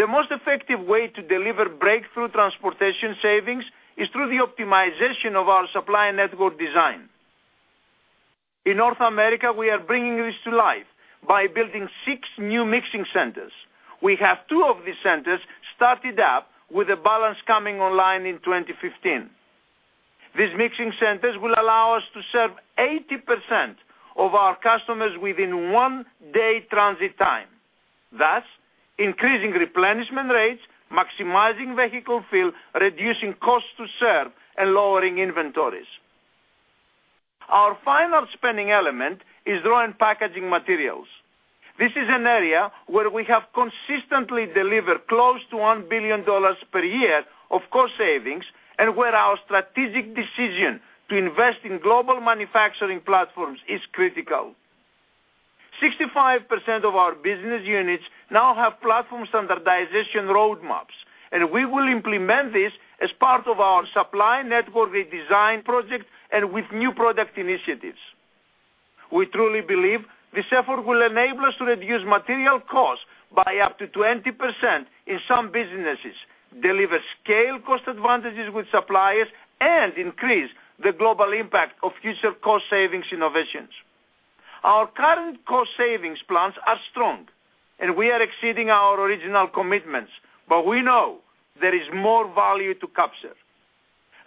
The most effective way to deliver breakthrough transportation savings is through the optimization of our supply network design. In North America, we are bringing this to life by building six new mixing centers. We have two of these centers started up with the balance coming online in 2015. These mixing centers will allow us to serve 80% of our customers within one day transit time, thus increasing replenishment rates, maximizing vehicle fill, reducing cost to serve, and lowering inventories. Our final spending element is raw and packaging materials. This is an area where we have consistently delivered close to $1 billion per year of cost savings and where our strategic decision to invest in global manufacturing platforms is critical. 65% of our business units now have platform standardization roadmaps, and we will implement this as part of our supply network redesign project and with new product initiatives. We truly believe this effort will enable us to reduce material costs by up to 20% in some businesses, deliver scale cost advantages with suppliers, and increase the global impact of future cost savings innovations. Our current cost savings plans are strong, and we are exceeding our original commitments, we know there is more value to capture.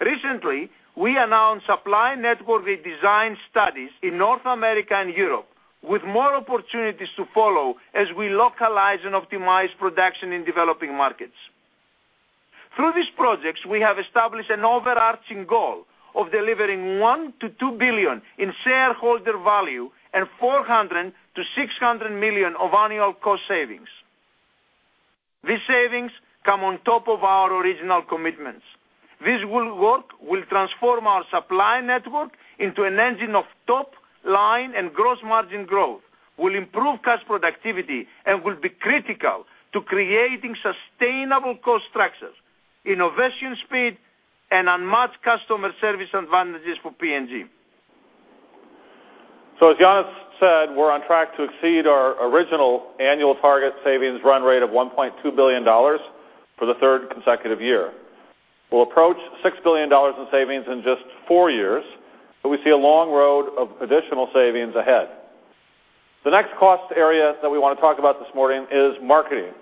Recently, we announced supply network redesign studies in North America and Europe with more opportunities to follow as we localize and optimize production in developing markets. Through these projects, we have established an overarching goal of delivering $1 billion-$2 billion in shareholder value and $400 million-$600 million of annual cost savings. These savings come on top of our original commitments. This will work, will transform our supply network into an engine of top-line and gross margin growth, will improve cash productivity, and will be critical to creating sustainable cost structures, innovation speed, and unmatched customer service advantages for P&G. As Yannis said, we're on track to exceed our original annual target savings run rate of $1.2 billion for the third consecutive year. We'll approach $6 billion in savings in just four years. We see a long road of additional savings ahead. The next cost area that we want to talk about this morning is marketing.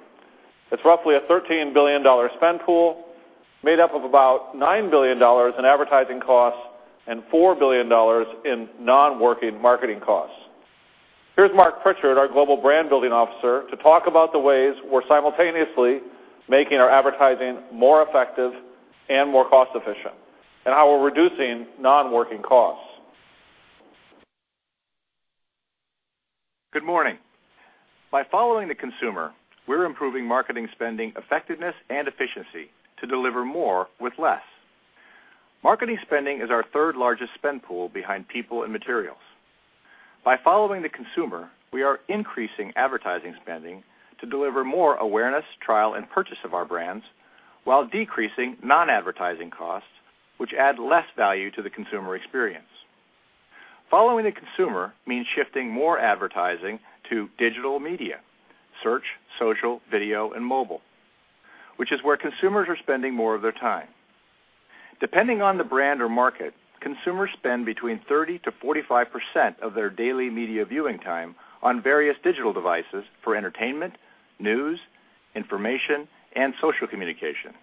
It's roughly a $13 billion spend pool made up of about $9 billion in advertising costs and $4 billion in non-working marketing costs. Here's Marc Pritchard, our Global Brand Building Officer, to talk about the ways we're simultaneously making our advertising more effective and more cost-efficient, and how we're reducing non-working costs. Good morning. By following the consumer, we're improving marketing spending effectiveness and efficiency to deliver more with less. Marketing spending is our third-largest spend pool behind people and materials. By following the consumer, we are increasing advertising spending to deliver more awareness, trial, and purchase of our brands while decreasing non-advertising costs, which add less value to the consumer experience. Following the consumer means shifting more advertising to digital media, search, social, video, and mobile, which is where consumers are spending more of their time. Depending on the brand or market, consumers spend between 30%-45% of their daily media viewing time on various digital devices for entertainment, news, information, and social communication.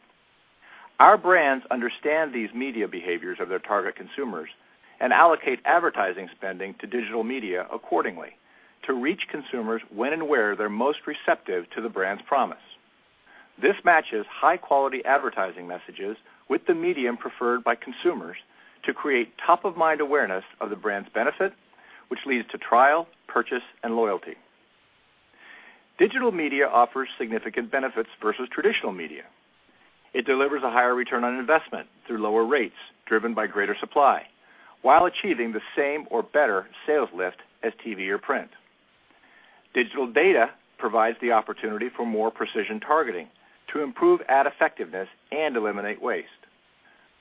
Our brands understand these media behaviors of their target consumers and allocate advertising spending to digital media accordingly to reach consumers when and where they're most receptive to the brand's promise. This matches high-quality advertising messages with the medium preferred by consumers to create top-of-mind awareness of the brand's benefit, which leads to trial, purchase, and loyalty. Digital media offers significant benefits versus traditional media. It delivers a higher return on investment through lower rates driven by greater supply while achieving the same or better sales lift as TV or print. Digital data provides the opportunity for more precision targeting to improve ad effectiveness and eliminate waste.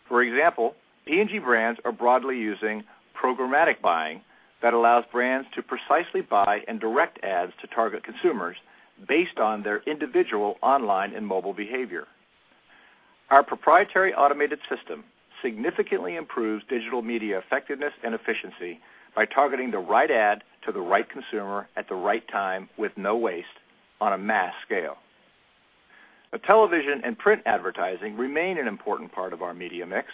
For example, P&G brands are broadly using programmatic buying that allows brands to precisely buy and direct ads to target consumers based on their individual online and mobile behavior. Our proprietary automated system significantly improves digital media effectiveness and efficiency by targeting the right ad to the right consumer at the right time with no waste on a mass scale. Television and print advertising remain an important part of our media mix,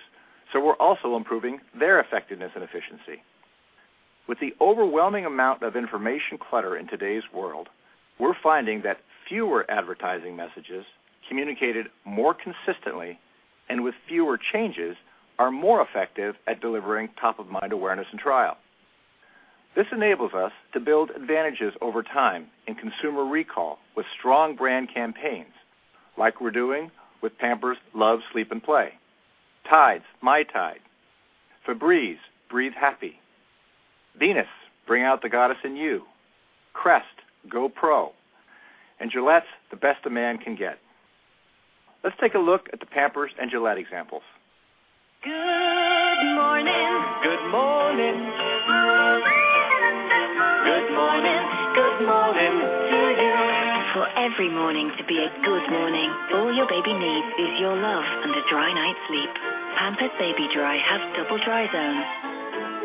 so we're also improving their effectiveness and efficiency. With the overwhelming amount of information clutter in today's world, we're finding that fewer advertising messages communicated more consistently and with fewer changes are more effective at delivering top-of-mind awareness and trial. This enables us to build advantages over time in consumer recall with strong brand campaigns like we're doing with Pampers Love, Sleep & Play; Tide's My Tide; Febreze Breathe Happy; Venus Bring Out the Goddess in You; Crest Pro-Health; and Gillette's The Best a Man Can Get. Let's take a look at the Pampers and Gillette examples. Good morning. Good morning. Good morning. Good morning to you. For every morning to be a good morning, all your baby needs is your love and a dry night's sleep. Pampers Baby-Dry has double dry zones,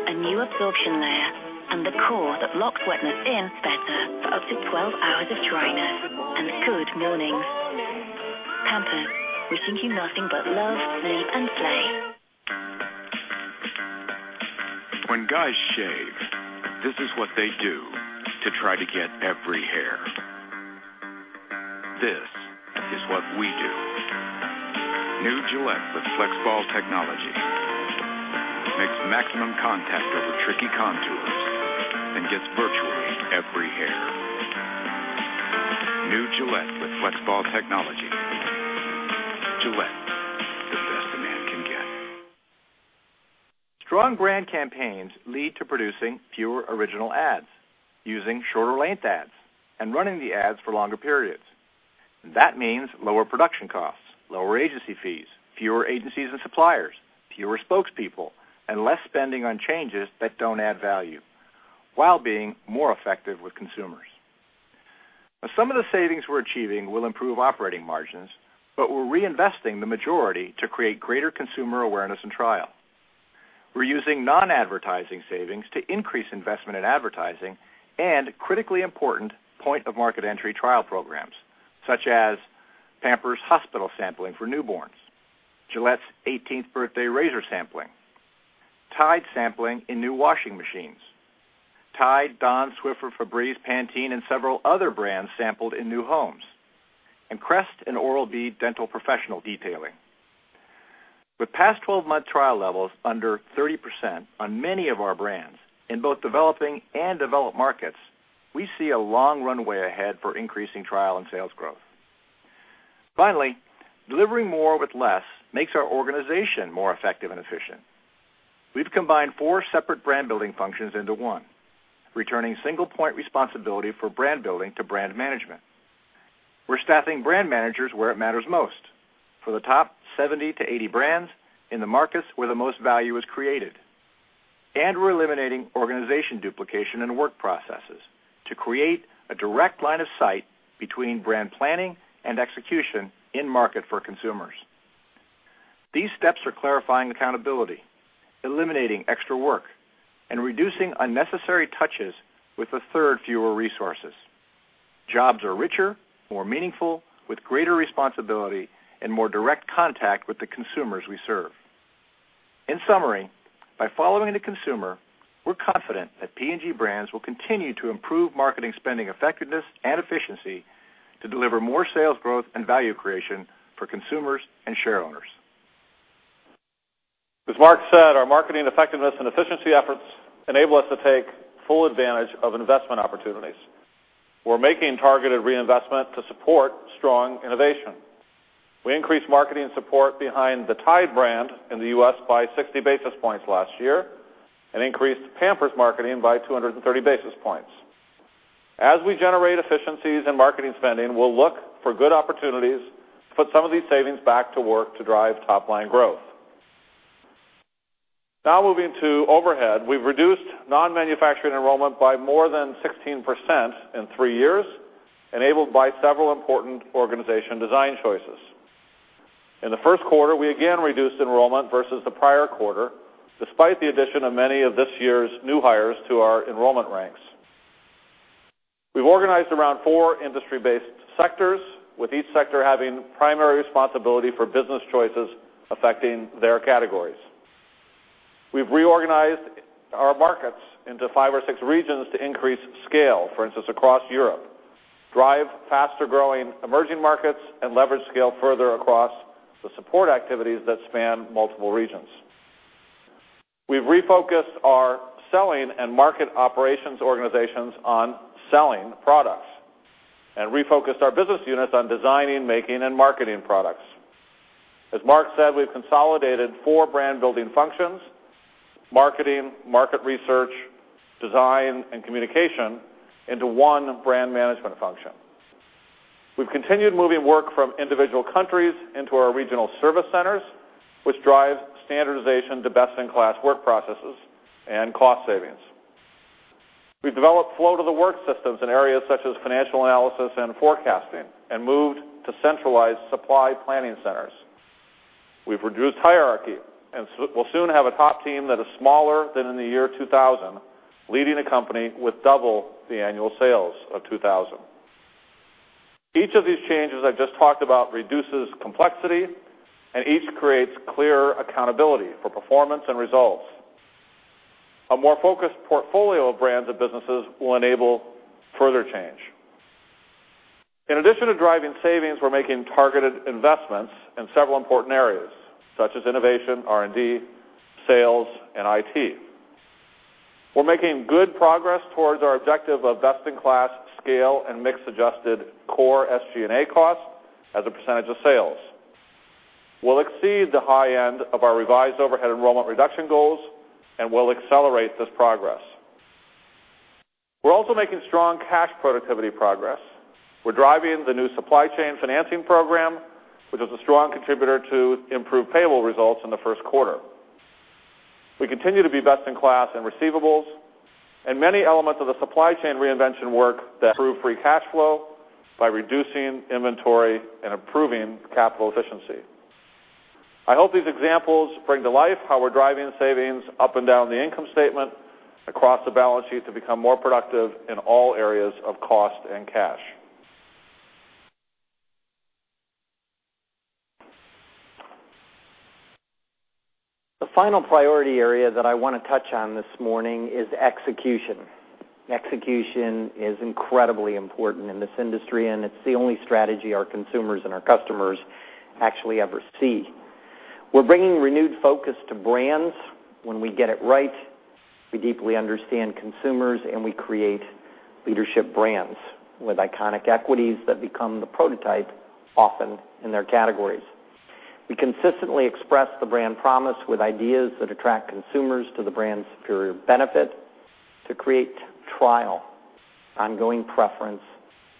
a new absorption layer, and a core that locks wetness in better for up to 12 hours of dryness and good mornings. Pampers, we wish you nothing but love, sleep, and play. When guys shave, this is what they do to try to get every hair. This is what we do. New Gillette with FlexBall Technology makes maximum contact over tricky contours and gets virtually every hair. New Gillette with FlexBall Technology. Gillette, The Best a Man Can Get. Strong brand campaigns lead to producing fewer original ads, using shorter length ads, and running the ads for longer periods. That means lower production costs, lower agency fees, fewer agencies and suppliers, fewer spokespeople, and less spending on changes that don't add value while being more effective with consumers. Some of the savings we're achieving will improve operating margins, but we're reinvesting the majority to create greater consumer awareness and trial. We're using non-advertising savings to increase investment in advertising and critically important point-of-market-entry trial programs, such as Pampers hospital sampling for newborns, Gillette's 18th birthday razor sampling, Tide sampling in new washing machines, Tide, Dawn, Swiffer, Febreze, Pantene, and several other brands sampled in new homes, and Crest and Oral-B dental professional detailing. With past 12-month trial levels under 30% on many of our brands in both developing and developed markets, we see a long runway ahead for increasing trial and sales growth. Delivering more with less makes our organization more effective and efficient. We've combined four separate brand-building functions into one, returning single-point responsibility for brand building to brand management. We're staffing brand managers where it matters most, for the top 70-80 brands in the markets where the most value is created. We're eliminating organization duplication and work processes to create a direct line of sight between brand planning and execution in-market for consumers. These steps are clarifying accountability, eliminating extra work, and reducing unnecessary touches with a third fewer resources. Jobs are richer, more meaningful, with greater responsibility and more direct contact with the consumers we serve. In summary, by following the consumer, we're confident that P&G brands will continue to improve marketing spending effectiveness and efficiency to deliver more sales growth and value creation for consumers and shareowners. As Marc said, our marketing effectiveness and efficiency efforts enable us to take full advantage of investment opportunities. We're making targeted reinvestment to support strong innovation. We increased marketing support behind the Tide brand in the U.S. by 60 basis points last year and increased Pampers marketing by 230 basis points. As we generate efficiencies in marketing spending, we'll look for good opportunities to put some of these savings back to work to drive top-line growth. Now moving to overhead. We've reduced non-manufacturing enrollment by more than 16% in three years, enabled by several important organization design choices. In the first quarter, we again reduced enrollment versus the prior quarter, despite the addition of many of this year's new hires to our enrollment ranks. We've organized around four industry-based sectors, with each sector having primary responsibility for business choices affecting their categories. We've reorganized our markets into five or six regions to increase scale, for instance, across Europe, drive faster-growing emerging markets, and leverage scale further across the support activities that span multiple regions. We've refocused our Sales and Marketing Organizations on selling products and refocused our business units on designing, making, and marketing products. As Marc said, we've consolidated four brand-building functions, marketing, market research, design, and communication, into one brand management function. We've continued moving work from individual countries into our regional service centers, which drive standardization to best-in-class work processes and cost savings. We've developed flow to the work systems in areas such as financial analysis and forecasting and moved to centralized supply planning centers. We've reduced hierarchy, and we'll soon have a top team that is smaller than in the year 2000, leading a company with double the annual sales of 2000. Each of these changes I've just talked about reduces complexity, and each creates clearer accountability for performance and results. A more focused portfolio of brands and businesses will enable further change. In addition to driving savings, we're making targeted investments in several important areas such as innovation, R&D, sales, and IT. We're making good progress towards our objective of best-in-class scale and mix-adjusted core SG&A costs as a % of sales. We'll exceed the high end of our revised overhead enrollment reduction goals, and we'll accelerate this progress. We're also making strong cash productivity progress. We're driving the new supply chain financing program, which was a strong contributor to improved payable results in the first quarter. We continue to be best in class in receivables and many elements of the supply chain reinvention work that improve free cash flow by reducing inventory and improving capital efficiency. I hope these examples bring to life how we're driving savings up and down the income statement across the balance sheet to become more productive in all areas of cost and cash. The final priority area that I want to touch on this morning is execution. Execution is incredibly important in this industry, and it's the only strategy our consumers and our customers actually ever see. We're bringing renewed focus to brands. When we get it right, we deeply understand consumers, and we create leadership brands with iconic equities that become the prototype often in their categories. We consistently express the brand promise with ideas that attract consumers to the brand's superior benefit to create trial, ongoing preference,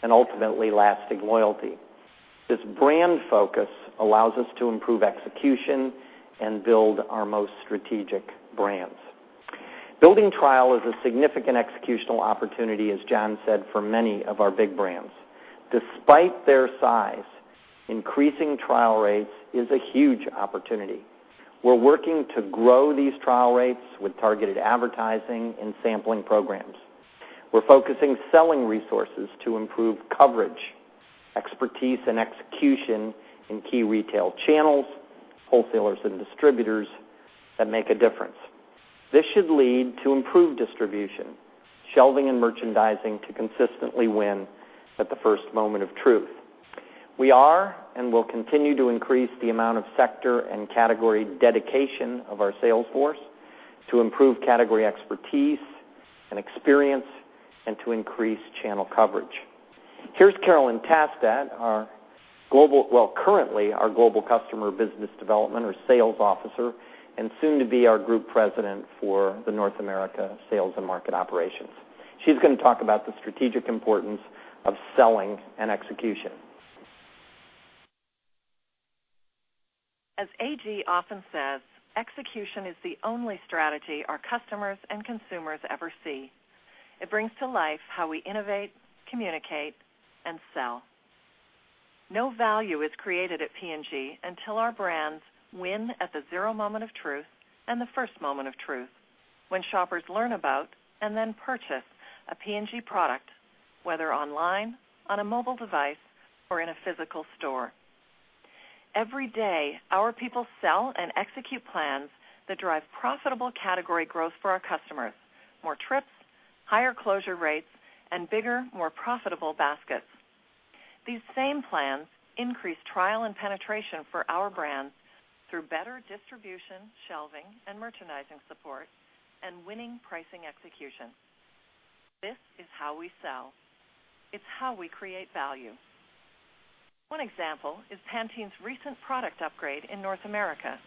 and ultimately lasting loyalty. This brand focus allows us to improve execution and build our most strategic brands. Building trial is a significant executional opportunity, as Jon said, for many of our big brands. Despite their size, increasing trial rates is a huge opportunity. We're working to grow these trial rates with targeted advertising and sampling programs. We're focusing selling resources to improve coverage, expertise, and execution in key retail channels, wholesalers, and distributors that make a difference. This should lead to improved distribution, shelving, and merchandising to consistently win at the first moment of truth. We are and will continue to increase the amount of sector and category dedication of our sales force to improve category expertise and experience and to increase channel coverage. Here's Carolyn Tastad, currently our Global Customer Business Development or Sales Officer, and soon to be our Group President for the North America Sales and Market Operations. She's going to talk about the strategic importance of selling and execution. As AG often says, execution is the only strategy our customers and consumers ever see. It brings to life how we innovate, communicate, and sell. No value is created at P&G until our brands win at the zero moment of truth and the first moment of truth, when shoppers learn about and then purchase a P&G product, whether online, on a mobile device, or in a physical store. Every day, our people sell and execute plans that drive profitable category growth for our customers, more trips, higher closure rates, and bigger, more profitable baskets. These same plans increase trial and penetration for our brands through better distribution, shelving, and merchandising support, and winning pricing execution. This is how we sell. It's how we create value. One example is Pantene's recent product upgrade in North America,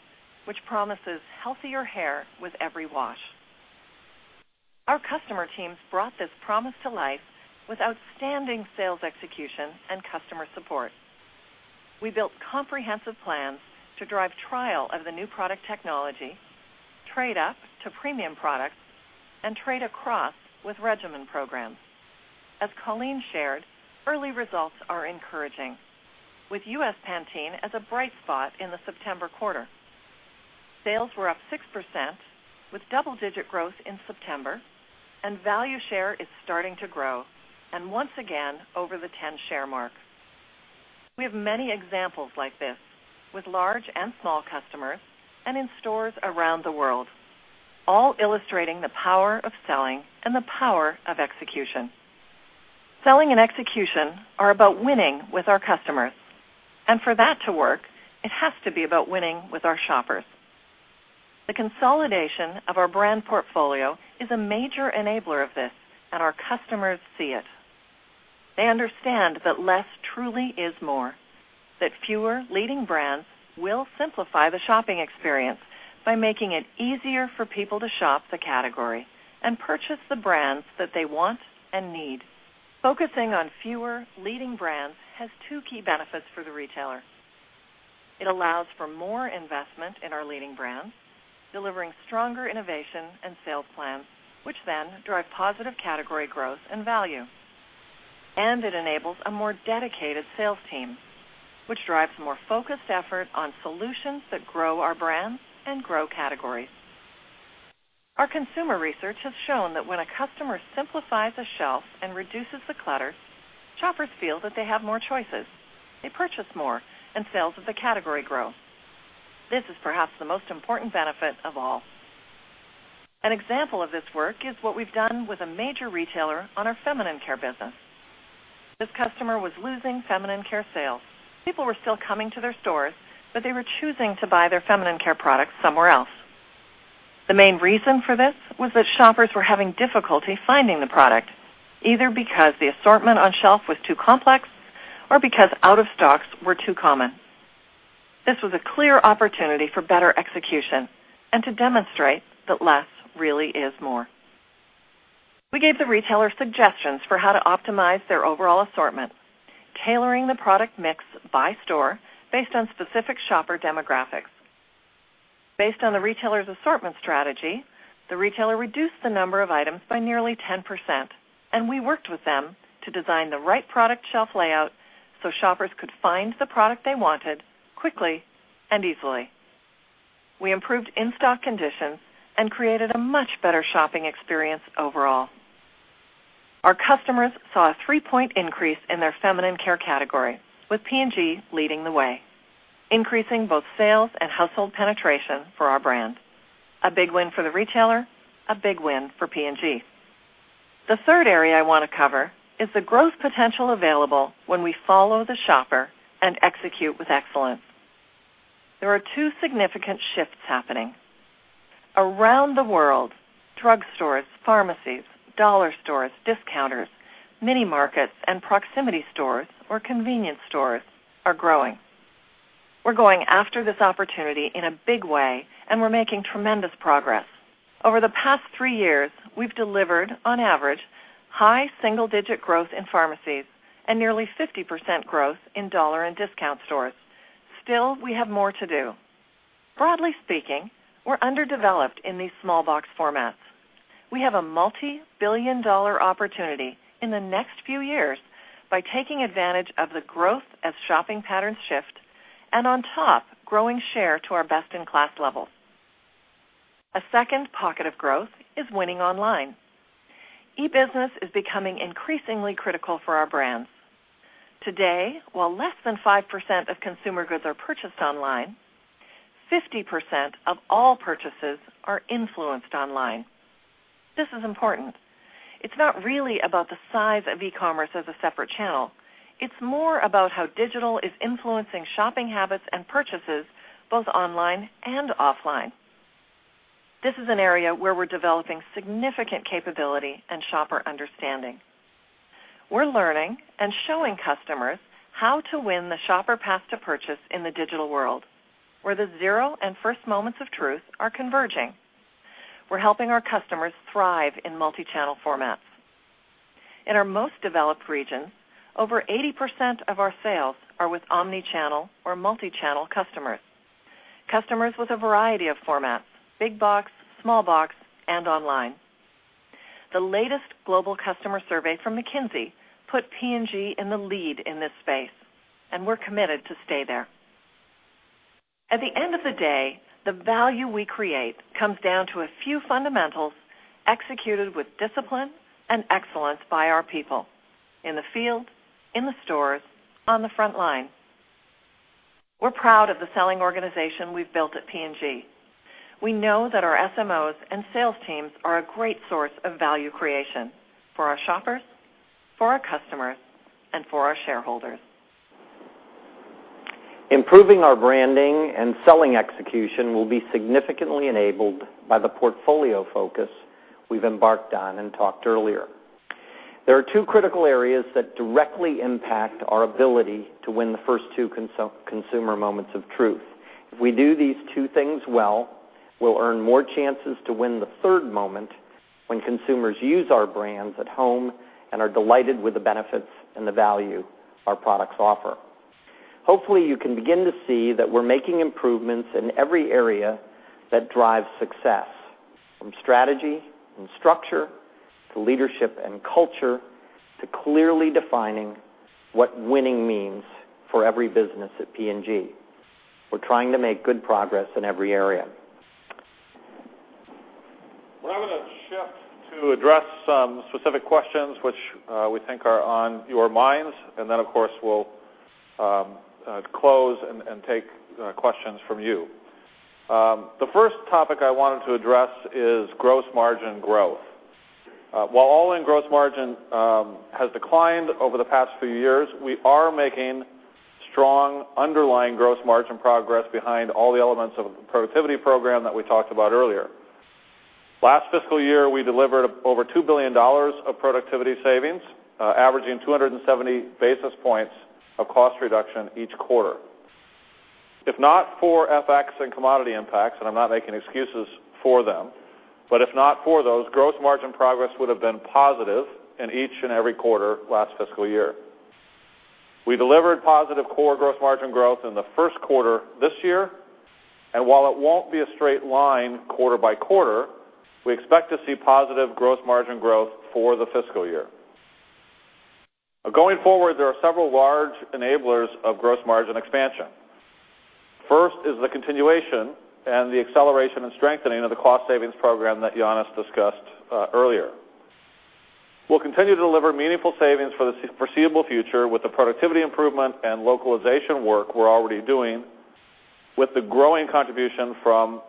which promises healthier hair with every wash. Our customer teams brought this promise to life with outstanding sales execution and customer support. We built comprehensive plans to drive trial of the new product technology, trade up to premium products, and trade across with regimen programs. As Colleen shared, early results are encouraging, with U.S. Pantene as a bright spot in the September quarter. Sales were up 6%, with double-digit growth in September, and value share is starting to grow, and once again, over the 10 share mark. We have many examples like this, with large and small customers, and in stores around the world, all illustrating the power of selling and the power of execution. Selling and execution are about winning with our customers, and for that to work, it has to be about winning with our shoppers. The consolidation of our brand portfolio is a major enabler of this, and our customers see it. They understand that less truly is more, that fewer leading brands will simplify the shopping experience by making it easier for people to shop the category and purchase the brands that they want and need. Focusing on fewer leading brands has two key benefits for the retailer. It allows for more investment in our leading brands, delivering stronger innovation and sales plans, which then drive positive category growth and value. It enables a more dedicated sales team, which drives more focused effort on solutions that grow our brands and grow categories. Our consumer research has shown that when a customer simplifies a shelf and reduces the clutter, shoppers feel that they have more choices. They purchase more, and sales of the category grow. This is perhaps the most important benefit of all. An example of this work is what we've done with a major retailer on our feminine care business. This customer was losing feminine care sales. People were still coming to their stores, but they were choosing to buy their feminine care products somewhere else. The main reason for this was that shoppers were having difficulty finding the product, either because the assortment on shelf was too complex or because out-of-stocks were too common. This was a clear opportunity for better execution and to demonstrate that less really is more. We gave the retailer suggestions for how to optimize their overall assortment, tailoring the product mix by store based on specific shopper demographics. Based on the retailer's assortment strategy, the retailer reduced the number of items by nearly 10%, and we worked with them to design the right product shelf layout so shoppers could find the product they wanted quickly and easily. We improved in-stock conditions and created a much better shopping experience overall. Our customers saw a three-point increase in their feminine care category, with P&G leading the way, increasing both sales and household penetration for our brands. A big win for the retailer. A big win for P&G. The third area I want to cover is the growth potential available when we follow the shopper and execute with excellence. There are two significant shifts happening. Around the world, drugstores, pharmacies, dollar stores, discounters, mini markets, and proximity stores or convenience stores are growing. We're going after this opportunity in a big way. We're making tremendous progress. Over the past three years, we've delivered on average high single-digit growth in pharmacies and nearly 50% growth in dollar and discount stores. Still, we have more to do. Broadly speaking, we're underdeveloped in these small box formats. We have a multibillion-dollar opportunity in the next few years by taking advantage of the growth as shopping patterns shift, on top, growing share to our best-in-class levels. A second pocket of growth is winning online. E-business is becoming increasingly critical for our brands. Today, while less than 5% of consumer goods are purchased online, 50% of all purchases are influenced online. This is important. It's not really about the size of e-commerce as a separate channel. It's more about how digital is influencing shopping habits and purchases both online and offline. This is an area where we're developing significant capability and shopper understanding. We're learning and showing customers how to win the shopper path to purchase in the digital world, where the zero and first moments of truth are converging. We're helping our customers thrive in multi-channel formats. In our most developed regions, over 80% of our sales are with omni-channel or multi-channel customers. Customers with a variety of formats, big box, small box, and online. The latest global customer survey from McKinsey put P&G in the lead in this space, and we're committed to stay there. At the end of the day, the value we create comes down to a few fundamentals executed with discipline and excellence by our people, in the field, in the stores, on the front line. We're proud of the selling organization we've built at P&G. We know that our SMOs and sales teams are a great source of value creation for our shoppers, for our customers, and for our shareholders. Improving our branding and selling execution will be significantly enabled by the portfolio focus we've embarked on and talked earlier. There are two critical areas that directly impact our ability to win the first two consumer moments of truth. If we do these two things well, we'll earn more chances to win the third moment when consumers use our brands at home and are delighted with the benefits and the value our products offer. Hopefully, you can begin to see that we're making improvements in every area that drives success, from strategy and structure to leadership and culture, to clearly defining what winning means for every business at P&G. We're trying to make good progress in every area. We're now going to shift to address some specific questions which we think are on your minds. Of course, we'll close and take questions from you. The first topic I wanted to address is gross margin growth. While all-in gross margin has declined over the past few years, we are making strong underlying gross margin progress behind all the elements of the productivity program that we talked about earlier. Last fiscal year, we delivered over $2 billion of productivity savings, averaging 270 basis points of cost reduction each quarter. If not for FX and commodity impacts, and I'm not making excuses for them, but if not for those, gross margin progress would have been positive in each and every quarter last fiscal year. We delivered positive core gross margin growth in the first quarter this year, and while it won't be a straight line quarter by quarter, we expect to see positive gross margin growth for the fiscal year. Going forward, there are several large enablers of gross margin expansion. First is the continuation and the acceleration and strengthening of the cost savings program that Yannis discussed earlier. We'll continue to deliver meaningful savings for the foreseeable future with the productivity improvement and localization work we're already doing with the growing contribution from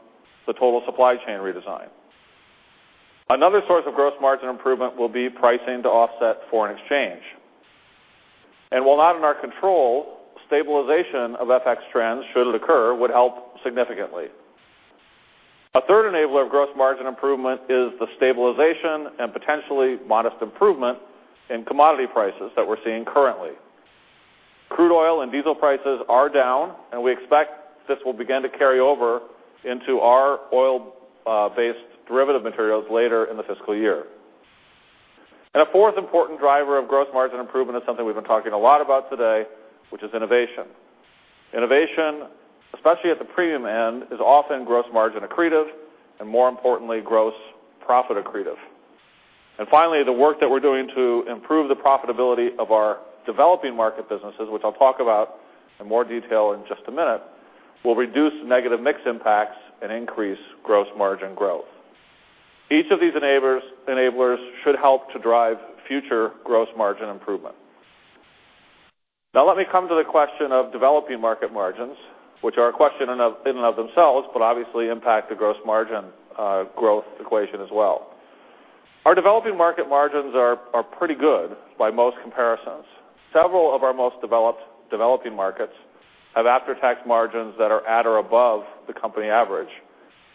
the total supply chain redesign. Another source of gross margin improvement will be pricing to offset foreign exchange. While not in our control, stabilization of FX trends, should it occur, would help significantly. A third enabler of gross margin improvement is the stabilization and potentially modest improvement in commodity prices that we're seeing currently. Crude oil and diesel prices are down, and we expect this will begin to carry over into our oil-based derivative materials later in the fiscal year. A fourth important driver of gross margin improvement is something we've been talking a lot about today, which is innovation. Innovation, especially at the premium end, is often gross margin accretive, and more importantly, gross profit accretive. Finally, the work that we're doing to improve the profitability of our developing market businesses, which I'll talk about in more detail in just a minute, will reduce negative mix impacts and increase gross margin growth. Each of these enablers should help to drive future gross margin improvement. Let me come to the question of developing market margins, which are a question in and of themselves, but obviously impact the gross margin growth equation as well. Our developing market margins are pretty good by most comparisons. Several of our most developing markets have after-tax margins that are at or above the company average,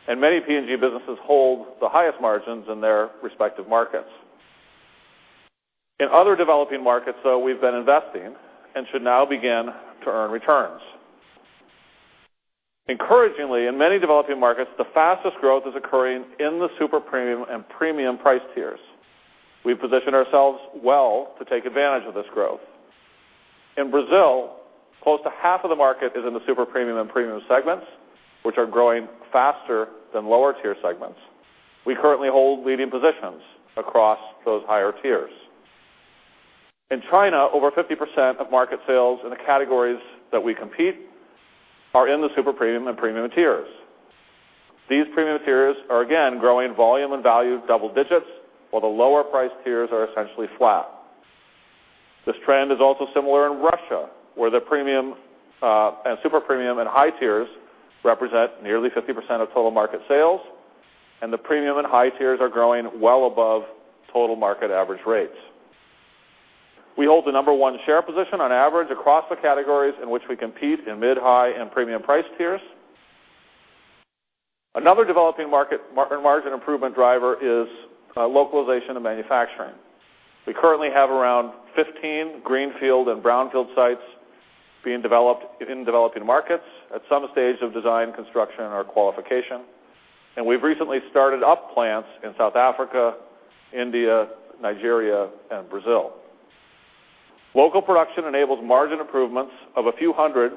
and many P&G businesses hold the highest margins in their respective markets. In other developing markets, though, we've been investing and should now begin to earn returns. Encouragingly, in many developing markets, the fastest growth is occurring in the super premium and premium price tiers. We position ourselves well to take advantage of this growth. In Brazil, close to half of the market is in the super premium and premium segments, which are growing faster than lower tier segments. We currently hold leading positions across those higher tiers. In China, over 50% of market sales in the categories that we compete are in the super premium and premium tiers. These premium tiers are again growing volume and value double digits, while the lower priced tiers are essentially flat. This trend is also similar in Russia, where the premium and super premium and high tiers represent nearly 50% of total market sales, and the premium and high tiers are growing well above total market average rates. We hold the number 1 share position on average across the categories in which we compete in mid, high, and premium price tiers. Another developing market margin improvement driver is localization of manufacturing. We currently have around 15 greenfield and brownfield sites being developed in developing markets at some stage of design, construction, or qualification. We've recently started up plants in South Africa, India, Nigeria, and Brazil. Local production enables margin improvements of a few hundred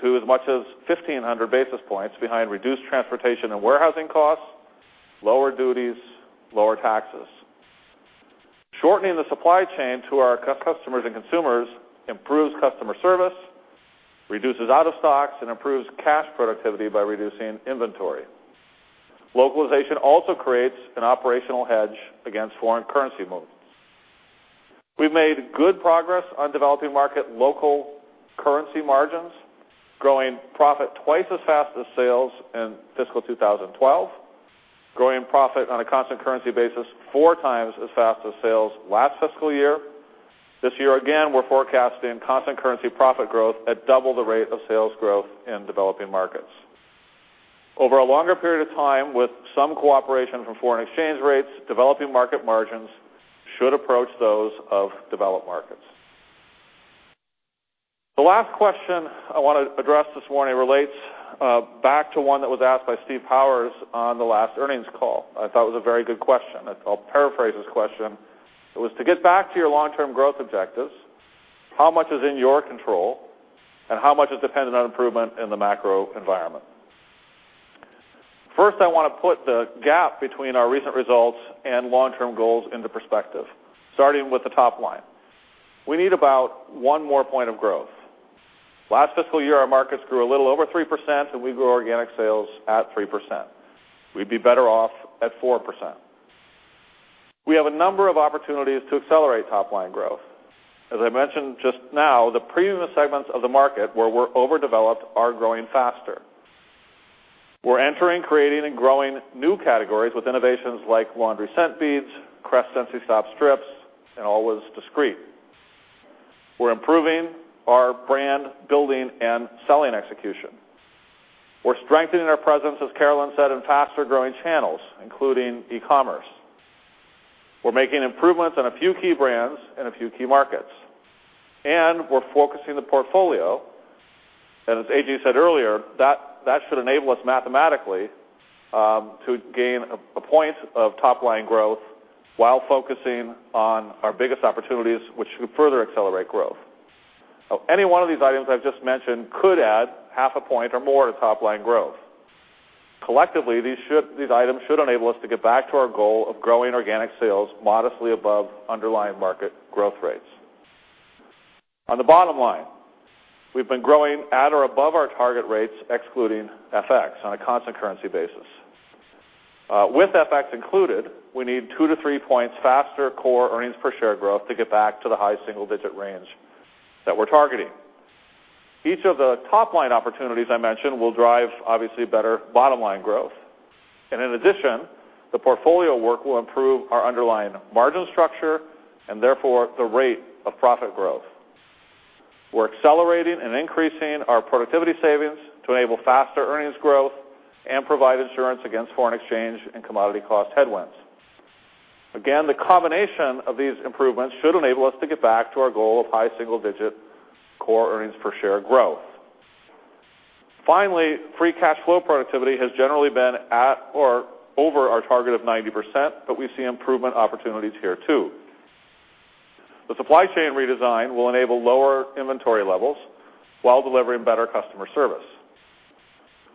to as much as 1,500 basis points behind reduced transportation and warehousing costs, lower duties, lower taxes. Shortening the supply chain to our customers and consumers improves customer service, reduces out-of-stocks, and improves cash productivity by reducing inventory. Localization also creates an operational hedge against foreign currency movements. We've made good progress on developing market local currency margins, growing profit twice as fast as sales in fiscal 2012, growing profit on a constant currency basis four times as fast as sales last fiscal year. This year, again, we're forecasting constant currency profit growth at double the rate of sales growth in developing markets. Over a longer period of time, with some cooperation from foreign exchange rates, developing market margins should approach those of developed markets. The last question I want to address this morning relates back to one that was asked by Steve Powers on the last earnings call. I thought it was a very good question. I'll paraphrase his question. It was, "To get back to your long-term growth objectives, how much is in your control, and how much is dependent on improvement in the macro environment?" First, I want to put the gap between our recent results and long-term goals into perspective, starting with the top line. We need about one more point of growth. Last fiscal year, our markets grew a little over 3%, and we grew organic sales at 3%. We'd be better off at 4%. We have a number of opportunities to accelerate top-line growth. As I mentioned just now, the premium segments of the market where we're overdeveloped are growing faster. We're entering, creating, and growing new categories with innovations like laundry scent beads, Crest Sensi-Stop Strips, and Always Discreet. We're improving our brand building and selling execution. We're strengthening our presence, as Carolyn said, in faster-growing channels, including e-commerce. We're making improvements in a few key brands in a few key markets. We're focusing the portfolio. As AG said earlier, that should enable us mathematically to gain a point of top-line growth while focusing on our biggest opportunities, which should further accelerate growth. Any one of these items I've just mentioned could add half a point or more to top-line growth. Collectively, these items should enable us to get back to our goal of growing organic sales modestly above underlying market growth rates. On the bottom line, we've been growing at or above our target rates, excluding FX on a constant currency basis. With FX included, we need two to three points faster core earnings per share growth to get back to the high single-digit range that we're targeting. Each of the top-line opportunities I mentioned will drive, obviously, better bottom-line growth. In addition, the portfolio work will improve our underlying margin structure, and therefore, the rate of profit growth. We're accelerating and increasing our productivity savings to enable faster earnings growth and provide insurance against foreign exchange and commodity cost headwinds. Again, the combination of these improvements should enable us to get back to our goal of high single-digit core earnings per share growth. Finally, free cash flow productivity has generally been at or over our target of 90%, but we see improvement opportunities here too. The supply chain redesign will enable lower inventory levels while delivering better customer service.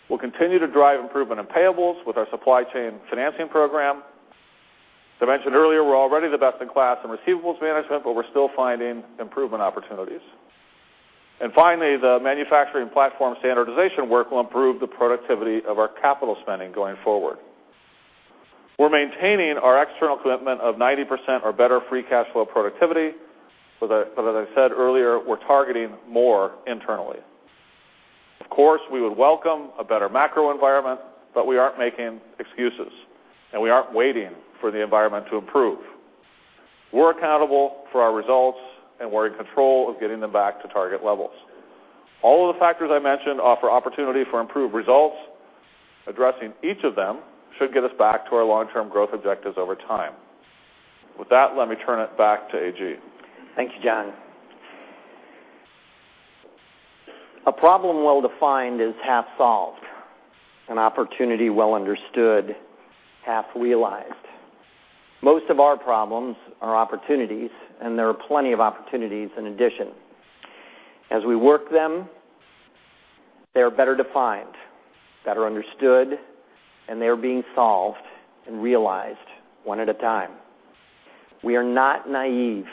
We'll continue to drive improvement in payables with our supply chain financing program. As I mentioned earlier, we're already the best in class in receivables management, but we're still finding improvement opportunities. Finally, the manufacturing platform standardization work will improve the productivity of our capital spending going forward. We're maintaining our external commitment of 90% or better free cash flow productivity, as I said earlier, we're targeting more internally. Of course, we would welcome a better macro environment, we aren't making excuses, and we aren't waiting for the environment to improve. We're accountable for our results, and we're in control of getting them back to target levels. All of the factors I mentioned offer opportunity for improved results. Addressing each of them should get us back to our long-term growth objectives over time. With that, let me turn it back to A.G. Thank you, Jon. A problem well-defined is half solved. An opportunity well understood, half realized. Most of our problems are opportunities, and there are plenty of opportunities in addition. As we work them, they are better defined, better understood, and they are being solved and realized one at a time. We are not naive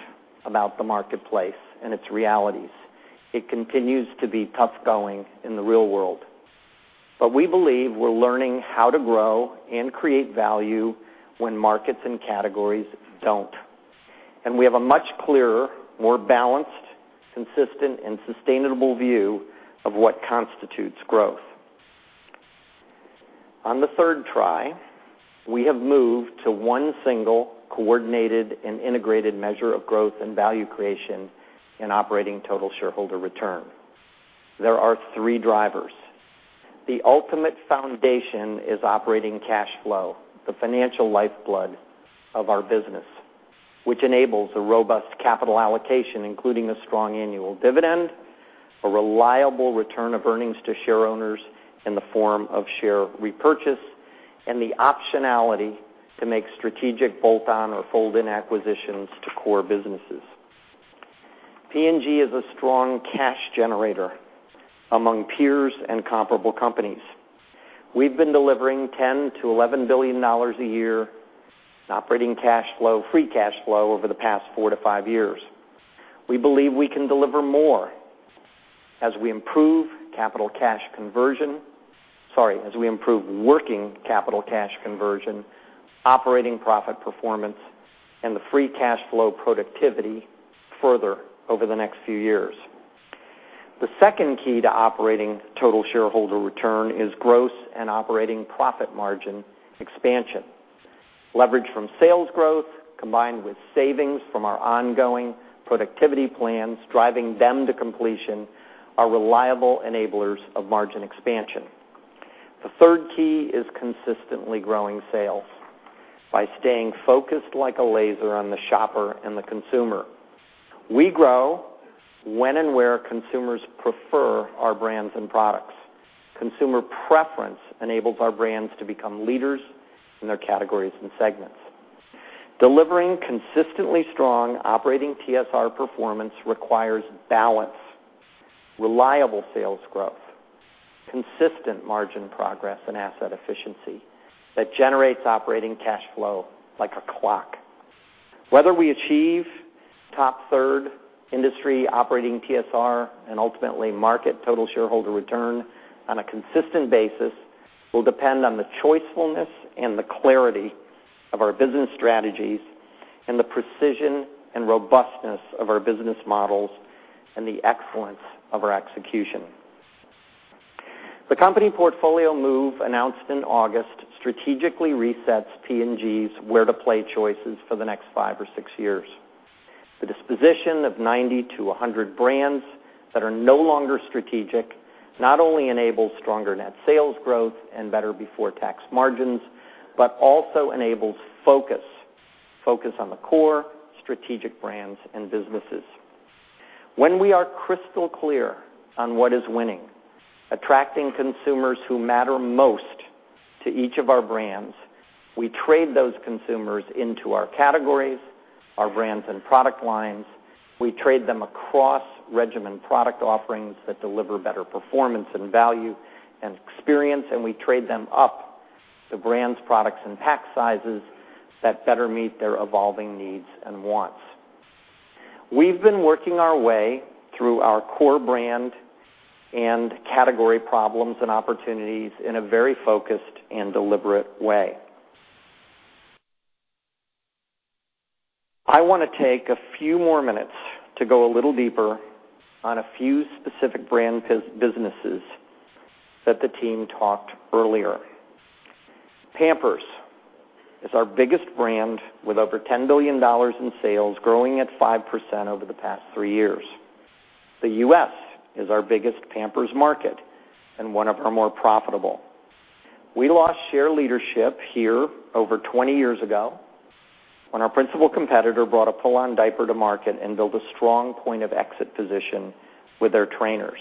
about the marketplace and its realities. It continues to be tough going in the real world. We believe we're learning how to grow and create value when markets and categories don't. We have a much clearer, more balanced, consistent, and sustainable view of what constitutes growth. On the third try, we have moved to one single coordinated and integrated measure of growth and value creation in Operating Total Shareholder Return. There are three drivers. The ultimate foundation is operating cash flow, the financial lifeblood of our business, which enables a robust capital allocation, including a strong annual dividend, a reliable return of earnings to share owners in the form of share repurchase, and the optionality to make strategic bolt-on or fold-in acquisitions to core businesses. P&G is a strong cash generator among peers and comparable companies. We've been delivering $10 billion to $11 billion a year in operating cash flow, free cash flow over the past four to five years. We believe we can deliver more as we improve capital cash conversion. Sorry, as we improve working capital cash conversion, operating profit performance, and the free cash flow productivity further over the next few years. The second key to Operating Total Shareholder Return is gross and operating profit margin expansion. Leverage from sales growth, combined with savings from our ongoing productivity plans, driving them to completion, are reliable enablers of margin expansion. The third key is consistently growing sales by staying focused like a laser on the shopper and the consumer. We grow when and where consumers prefer our brands and products. Consumer preference enables our brands to become leaders in their categories and segments. Delivering consistently strong Operating TSR performance requires balance, reliable sales growth, consistent margin progress, and asset efficiency that generates operating cash flow like a clock. Whether we achieve top third industry Operating TSR and ultimately market total shareholder return on a consistent basis will depend on the choicefulness and the clarity of our business strategies and the precision and robustness of our business models and the excellence of our execution. The company portfolio move announced in August strategically resets P&G's where to play choices for the next five or six years. The disposition of 90 to 100 brands that are no longer strategic not only enables stronger net sales growth and better before tax margins, but also enables focus. Focus on the core strategic brands and businesses. When we are crystal clear on what is winning, attracting consumers who matter most to each of our brands, we trade those consumers into our categories, our brands, and product lines. We trade them across regimen product offerings that deliver better performance and value and experience, and we trade them up to brands, products, and pack sizes that better meet their evolving needs and wants. We've been working our way through our core brand and category problems and opportunities in a very focused and deliberate way. I want to take a few more minutes to go a little deeper on a few specific brand businesses that the team talked earlier. Pampers is our biggest brand with over $10 billion in sales, growing at 5% over the past three years. The U.S. is our biggest Pampers market and one of our more profitable. We lost share leadership here over 20 years ago when our principal competitor brought a pull-on diaper to market and built a strong point of exit position with their trainers.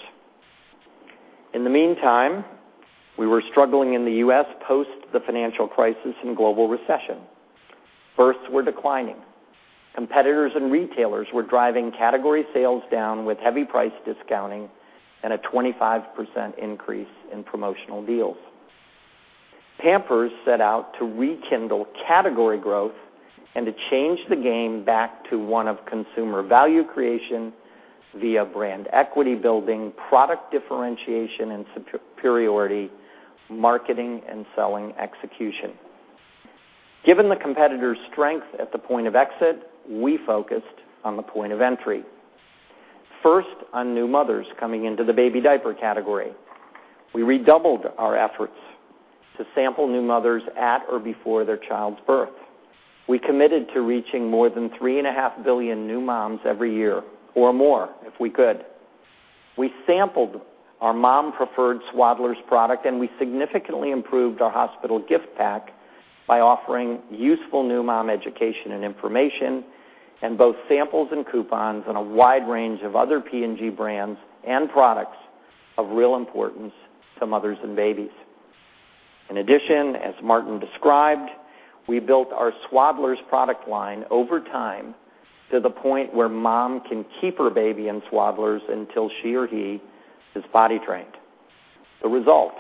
In the meantime, we were struggling in the U.S. post the financial crisis and global recession. Births were declining. Competitors and retailers were driving category sales down with heavy price discounting and a 25% increase in promotional deals. Pampers set out to rekindle category growth and to change the game back to one of consumer value creation via brand equity building, product differentiation and superiority, marketing, and selling execution. Given the competitor's strength at the point of exit, we focused on the point of entry. First, on new mothers coming into the baby diaper category. We redoubled our efforts to sample new mothers at or before their child's birth. We committed to reaching more than three and a half billion new moms every year or more, if we could. We sampled our mom-preferred Swaddlers product, and we significantly improved our hospital gift pack by offering useful new mom education and information and both samples and coupons on a wide range of other P&G brands and products of real importance to mothers and babies. In addition, as Martin described, we built our Swaddlers product line over time to the point where mom can keep her baby in Swaddlers until she or he is potty trained. The result,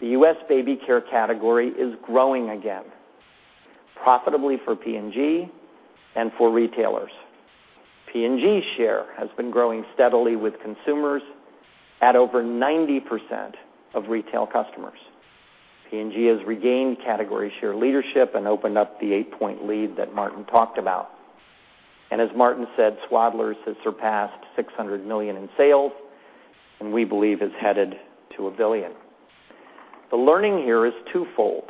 the U.S. baby care category is growing again, profitably for P&G and for retailers. P&G share has been growing steadily with consumers at over 90% of retail customers. P&G has regained category share leadership and opened up the eight-point lead that Martin talked about. As Martin said, Swaddlers has surpassed $600 million in sales and we believe is headed to $1 billion. The learning here is twofold.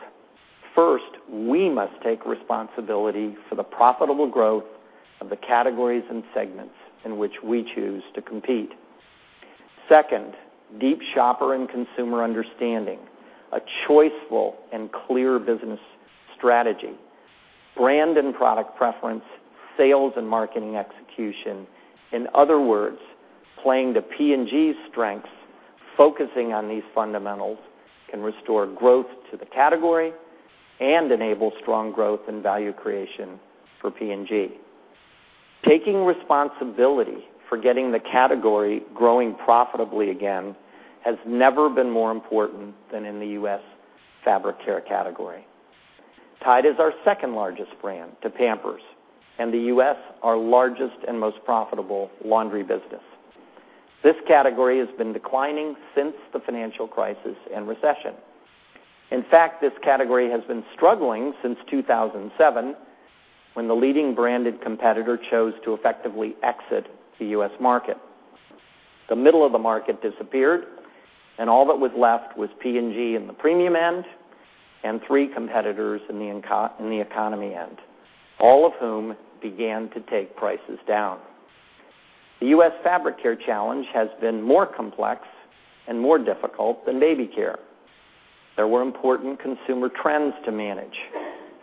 First, we must take responsibility for the profitable growth of the categories and segments in which we choose to compete. Second, deep shopper and consumer understanding, a choiceful and clear business strategy, brand and product preference, sales and marketing execution. In other words, playing to P&G's strengths, focusing on these fundamentals can restore growth to the category and enable strong growth and value creation for P&G. Taking responsibility for getting the category growing profitably again has never been more important than in the U.S. fabric care category. Tide is our second-largest brand to Pampers, and the U.S. our largest and most profitable laundry business. This category has been declining since the financial crisis and recession. In fact, this category has been struggling since 2007, when the leading branded competitor chose to effectively exit the U.S. market. The middle of the market disappeared, and all that was left was P&G in the premium end and three competitors in the economy end, all of whom began to take prices down. The U.S. fabric care challenge has been more complex and more difficult than baby care. There were important consumer trends to manage.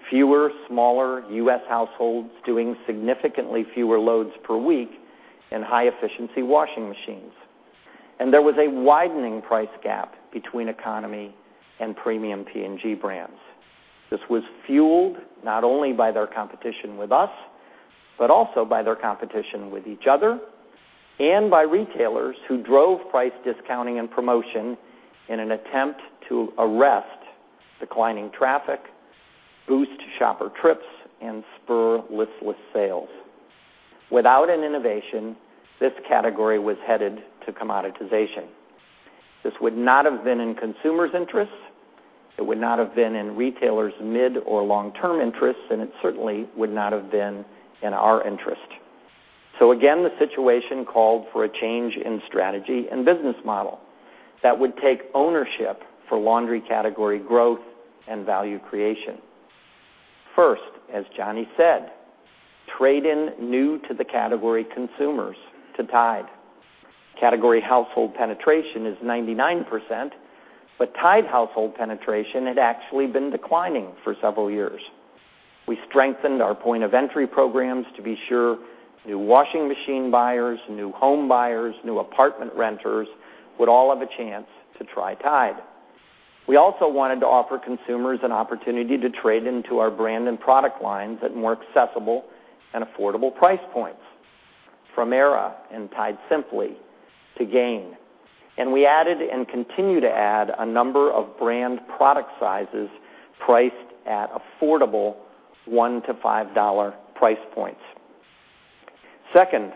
Fewer, smaller U.S. households doing significantly fewer loads per week and high-efficiency washing machines. There was a widening price gap between economy and premium P&G brands. This was fueled not only by their competition with us, but also by their competition with each other and by retailers who drove price discounting and promotion in an attempt to arrest declining traffic, boost shopper trips, and spur listless sales. Without an innovation, this category was headed to commoditization. This would not have been in consumers' interests, it would not have been in retailers' mid or long-term interests, and it certainly would not have been in our interest. Again, the situation called for a change in strategy and business model that would take ownership for laundry category growth and value creation. First, as Gianni said, trade in new to the category consumers to Tide. Category household penetration is 99%, but Tide household penetration had actually been declining for several years. We strengthened our point of entry programs to be sure new washing machine buyers, new home buyers, new apartment renters would all have a chance to try Tide. We also wanted to offer consumers an opportunity to trade into our brand and product lines at more accessible and affordable price points. From Era and Tide Simply to Gain, and we added and continue to add a number of brand product sizes priced at affordable $1-$5 price points. Second,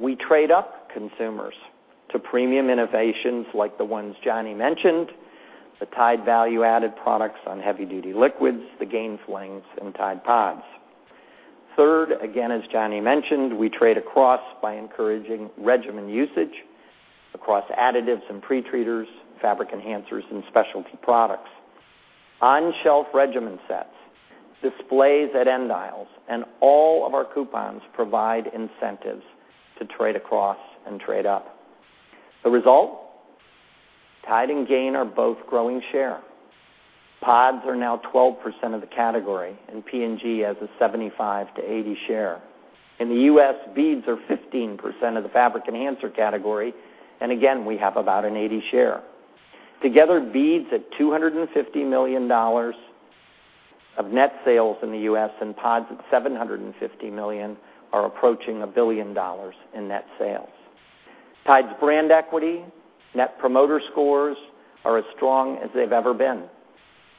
we trade up consumers to premium innovations like the ones Johnny mentioned, the Tide value-added products on heavy-duty liquids, the Gain Flings and Tide PODS. Third, again, as Johnny mentioned, we trade across by encouraging regimen usage across additives and pre-treaters, fabric enhancers, and specialty products. On-shelf regimen sets, displays at end aisles, and all of our coupons provide incentives to trade across and trade up. The result? Tide and Gain are both growing share. PODS are now 12% of the category, and P&G has a 75%-80% share. In the U.S., beads are 15% of the fabric enhancer category, and again, we have about an 80% share. Together, beads at $250 million of net sales in the U.S. and PODS at $750 million are approaching $1 billion in net sales. Tide's brand equity, Net Promoter Scores are as strong as they've ever been.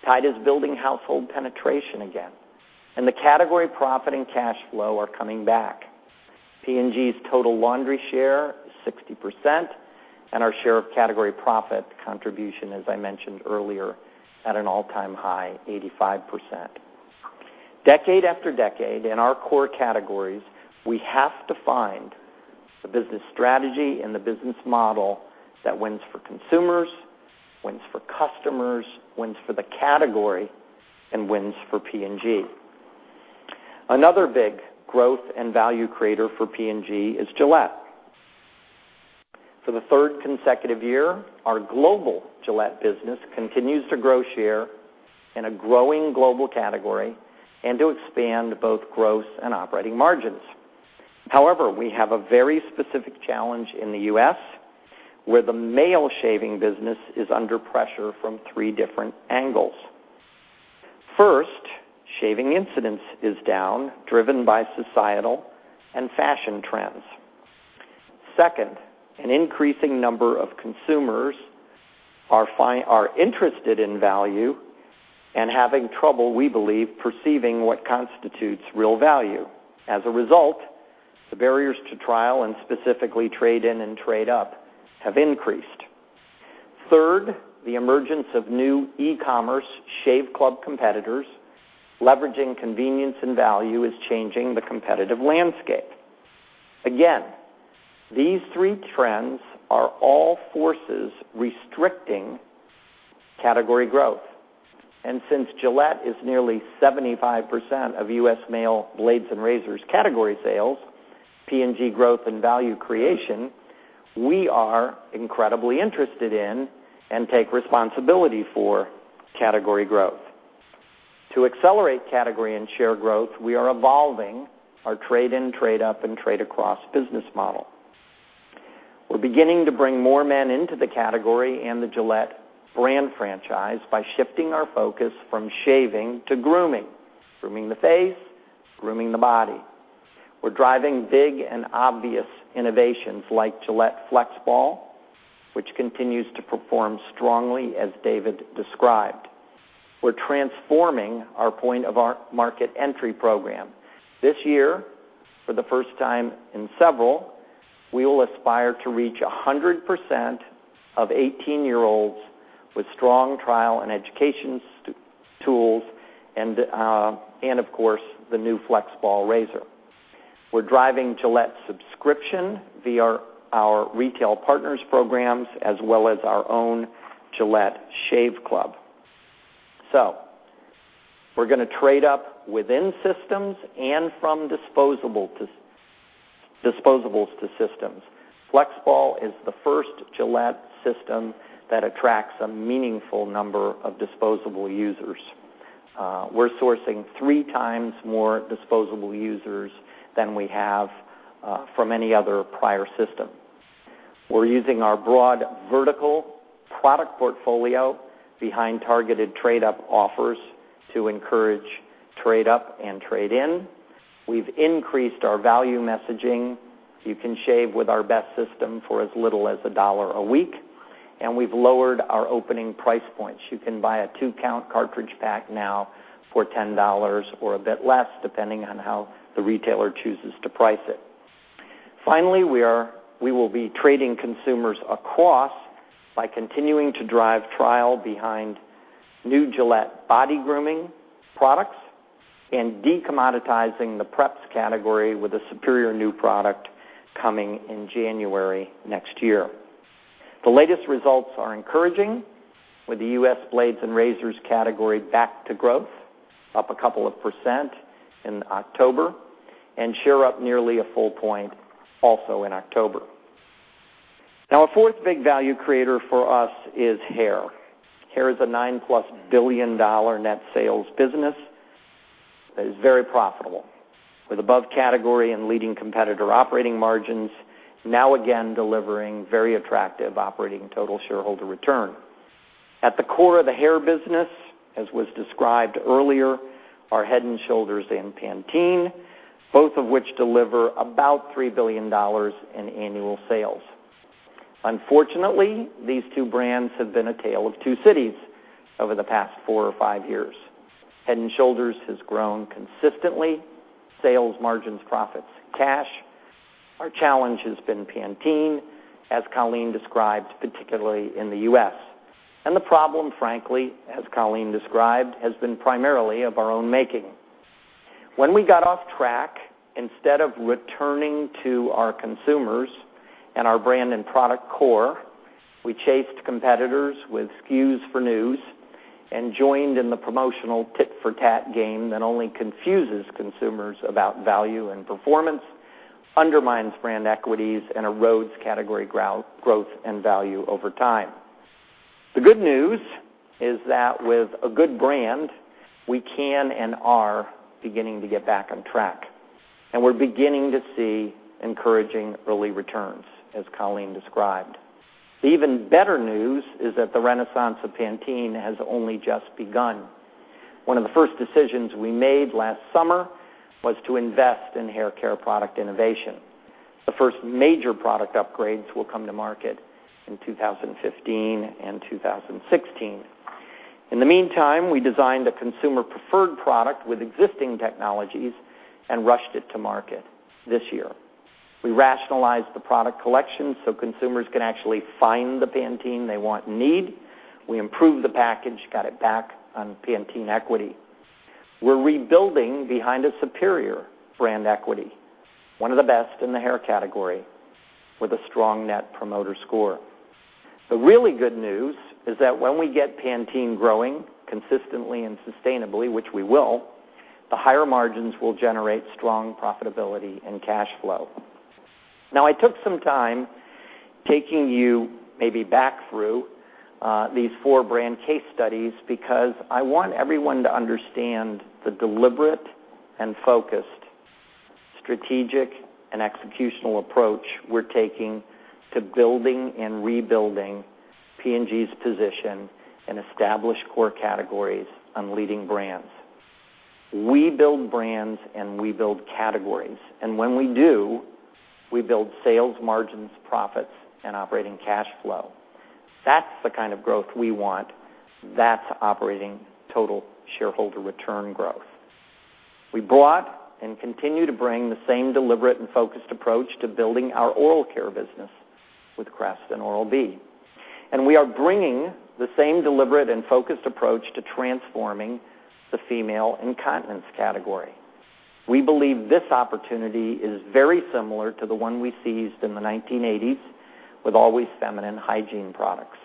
Tide is building household penetration again, and the category profit and cash flow are coming back. P&G's total laundry share is 60%, and our share of category profit contribution, as I mentioned earlier, at an all-time high, 85%. Decade after decade in our core categories, we have to find the business strategy and the business model that wins for consumers, wins for customers, wins for the category, and wins for P&G. Another big growth and value creator for P&G is Gillette. For the third consecutive year, our global Gillette business continues to grow share in a growing global category and to expand both gross and operating margins. However, we have a very specific challenge in the U.S., where the male shaving business is under pressure from three different angles. First, shaving incidence is down, driven by societal and fashion trends. Second, an increasing number of consumers are interested in value and having trouble, we believe, perceiving what constitutes real value. As a result, the barriers to trial, and specifically trade-in and trade-up, have increased. Third, the emergence of new e-commerce shave club competitors leveraging convenience and value is changing the competitive landscape. Again, these three trends are all forces restricting category growth. Since Gillette is nearly 75% of U.S. male blades and razors category sales, P&G growth and value creation, we are incredibly interested in and take responsibility for category growth. To accelerate category and share growth, we are evolving our trade in, trade up, and trade across business model. We're beginning to bring more men into the category and the Gillette brand franchise by shifting our focus from shaving to grooming. Grooming the face, grooming the body. We're driving big and obvious innovations like Gillette FlexBall, which continues to perform strongly as David described. We're transforming our point of our market entry program. This year, for the first time in several, we will aspire to reach 100% of 18-year-olds with strong trial and education tools and, of course, the new FlexBall razor. We're driving Gillette subscription via our retail partners programs, as well as our own Gillette Shave Club. We're going to trade up within systems and from disposables to systems. FlexBall is the first Gillette system that attracts a meaningful number of disposable users. We're sourcing three times more disposable users than we have from any other prior system. We're using our broad vertical product portfolio behind targeted trade-up offers to encourage trade up and trade in. We've increased our value messaging. You can shave with our best system for as little as $1 a week, and we've lowered our opening price points. You can buy a two-count cartridge pack now for $10 or a bit less, depending on how the retailer chooses to price it. Finally, we will be trading consumers across by continuing to drive trial behind new Gillette body grooming products and de-commoditizing the preps category with a superior new product coming in January next year. The latest results are encouraging with the U.S. blades and razors category back to growth, up a couple of percent in October, and share up nearly a full point also in October. A fourth big value creator for us is hair. Hair is a $9-plus billion net sales business that is very profitable. With above category and leading competitor operating margins, again delivering very attractive operating total shareholder return. At the core of the hair business, as was described earlier, are Head & Shoulders and Pantene, both of which deliver about $3 billion in annual sales. Unfortunately, these two brands have been a tale of two cities over the past four or five years. Head & Shoulders has grown consistently, sales margins, profits, cash. Our challenge has been Pantene, as Colleen described, particularly in the U.S. The problem, frankly, as Colleen described, has been primarily of our own making. When we got off track, instead of returning to our consumers and our brand and product core, we chased competitors with SKUs for news and joined in the promotional tit-for-tat game that only confuses consumers about value and performance, undermines brand equities, and erodes category growth and value over time. The good news is that with a good brand, we can and are beginning to get back on track, and we're beginning to see encouraging early returns, as Colleen described. The even better news is that the renaissance of Pantene has only just begun. One of the first decisions we made last summer was to invest in hair care product innovation. The first major product upgrades will come to market in 2015 and 2016. In the meantime, we designed a consumer-preferred product with existing technologies and rushed it to market this year. We rationalized the product collection so consumers can actually find the Pantene they want and need. We improved the package, got it back on Pantene equity. We're rebuilding behind a superior brand equity, one of the best in the hair category, with a strong Net Promoter Score. The really good news is that when we get Pantene growing consistently and sustainably, which we will, the higher margins will generate strong profitability and cash flow. Now, I took some time taking you maybe back through these four brand case studies because I want everyone to understand the deliberate and focused strategic and executional approach we're taking to building and rebuilding P&G's position in established core categories on leading brands. We build brands, we build categories. When we do, we build sales margins, profits, and operating cash flow. That's the kind of growth we want. That's Operating Total Shareholder Return growth. We brought and continue to bring the same deliberate and focused approach to building our oral care business with Crest and Oral-B. We are bringing the same deliberate and focused approach to transforming the female incontinence category. We believe this opportunity is very similar to the one we seized in the 1980s with Always feminine hygiene products.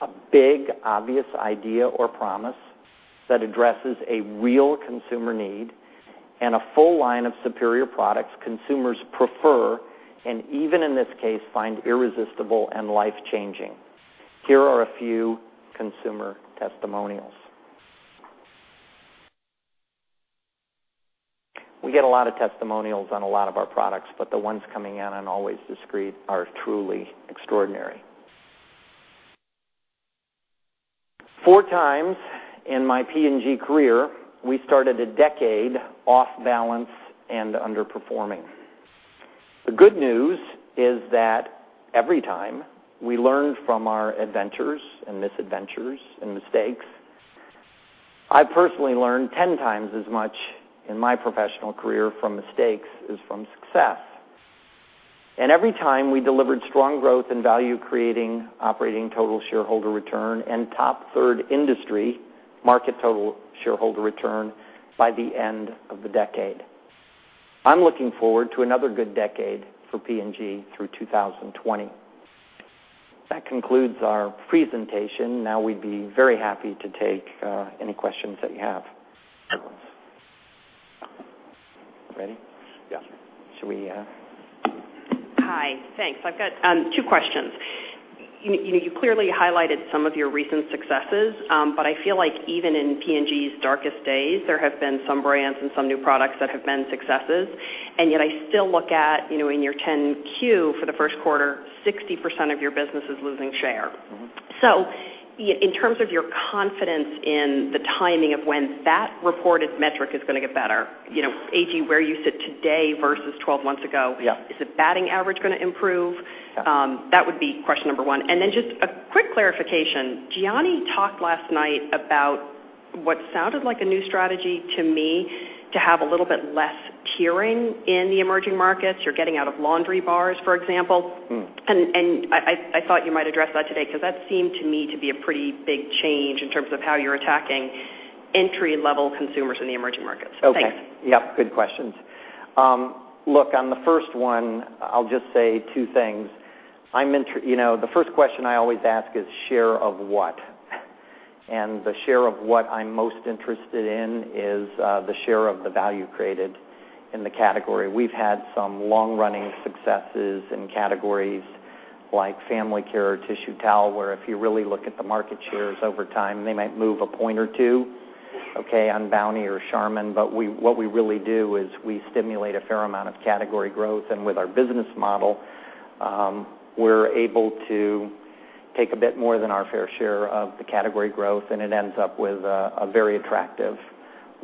A big, obvious idea or promise that addresses a real consumer need and a full line of superior products consumers prefer, and even in this case, find irresistible and life-changing. Here are a few consumer testimonials. We get a lot of testimonials on a lot of our products, but the ones coming in on Always Discreet are truly extraordinary. Four times in my P&G career, we started a decade off balance and underperforming. The good news is that every time, we learned from our adventures and misadventures and mistakes. I personally learned 10 times as much in my professional career from mistakes as from success. Every time, we delivered strong growth and value creating Operating Total Shareholder Return, and top third industry market total shareholder return by the end of the decade. I'm looking forward to another good decade for P&G through 2020. That concludes our presentation. We'd be very happy to take any questions that you have. Ready? Yeah. Should we Hi. Thanks. I've got two questions. You clearly highlighted some of your recent successes, I feel like even in P&G's darkest days, there have been some brands and some new products that have been successes, yet I still look at, in your 10-Q for the first quarter, 60% of your business is losing share. In terms of your confidence in the timing of when that reported metric is going to get better, A.G., where you sit today versus 12 months ago. Yeah Is the batting average going to improve? That would be question number one. Just a quick clarification. Gianni talked last night about what sounded like a new strategy to me to have a little bit less tiering in the emerging markets. You're getting out of laundry bars, for example. I thought you might address that today because that seemed to me to be a pretty big change in terms of how you're attacking entry-level consumers in the emerging markets. Thanks. Okay. Yeah, good questions. Look, on the first one, I'll just say two things. The first question I always ask is, share of what? The share of what I'm most interested in is the share of the value created in the category. We've had some long-running successes in categories like family care or tissue towel, where if you really look at the market shares over time, they might move a point or two on Bounty or Charmin. What we really do is we stimulate a fair amount of category growth, and with our business model, we're able to take a bit more than our fair share of the category growth, and it ends up with a very attractive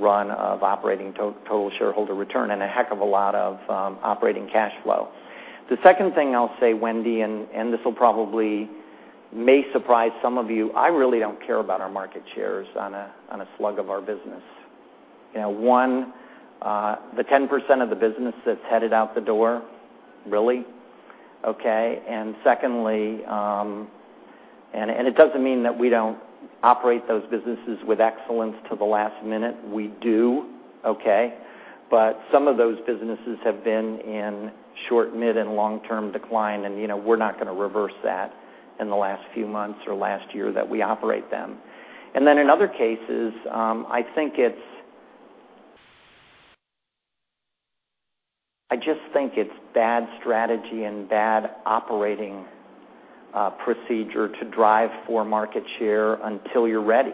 run of operating total shareholder return and a heck of a lot of operating cash flow. The second thing I'll say, Wendy, this will probably surprise some of you, I really don't care about our market shares on a slug of our business. One, the 10% of the business that's headed out the door, really? Okay. Secondly, it doesn't mean that we don't operate those businesses with excellence to the last minute. We do. Okay. Some of those businesses have been in short, mid, and long-term decline, and we're not going to reverse that in the last few months or last year that we operate them. In other cases, I just think it's bad strategy and bad operating procedure to drive for market share until you're ready.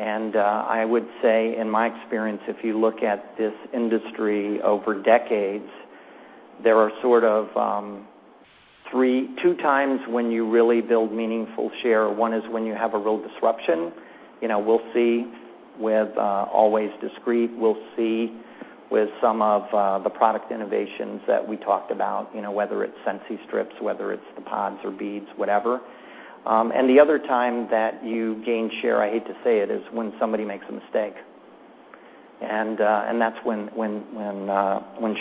I would say, in my experience, if you look at this industry over decades, there are sort of two times when you really build meaningful share. One is when you have a real disruption. We'll see with Always Discreet, we'll see with some of the product innovations that we talked about, whether it's Sensi strips, whether it's the pods or beads, whatever. The other time that you gain share, I hate to say it, is when somebody makes a mistake. That's when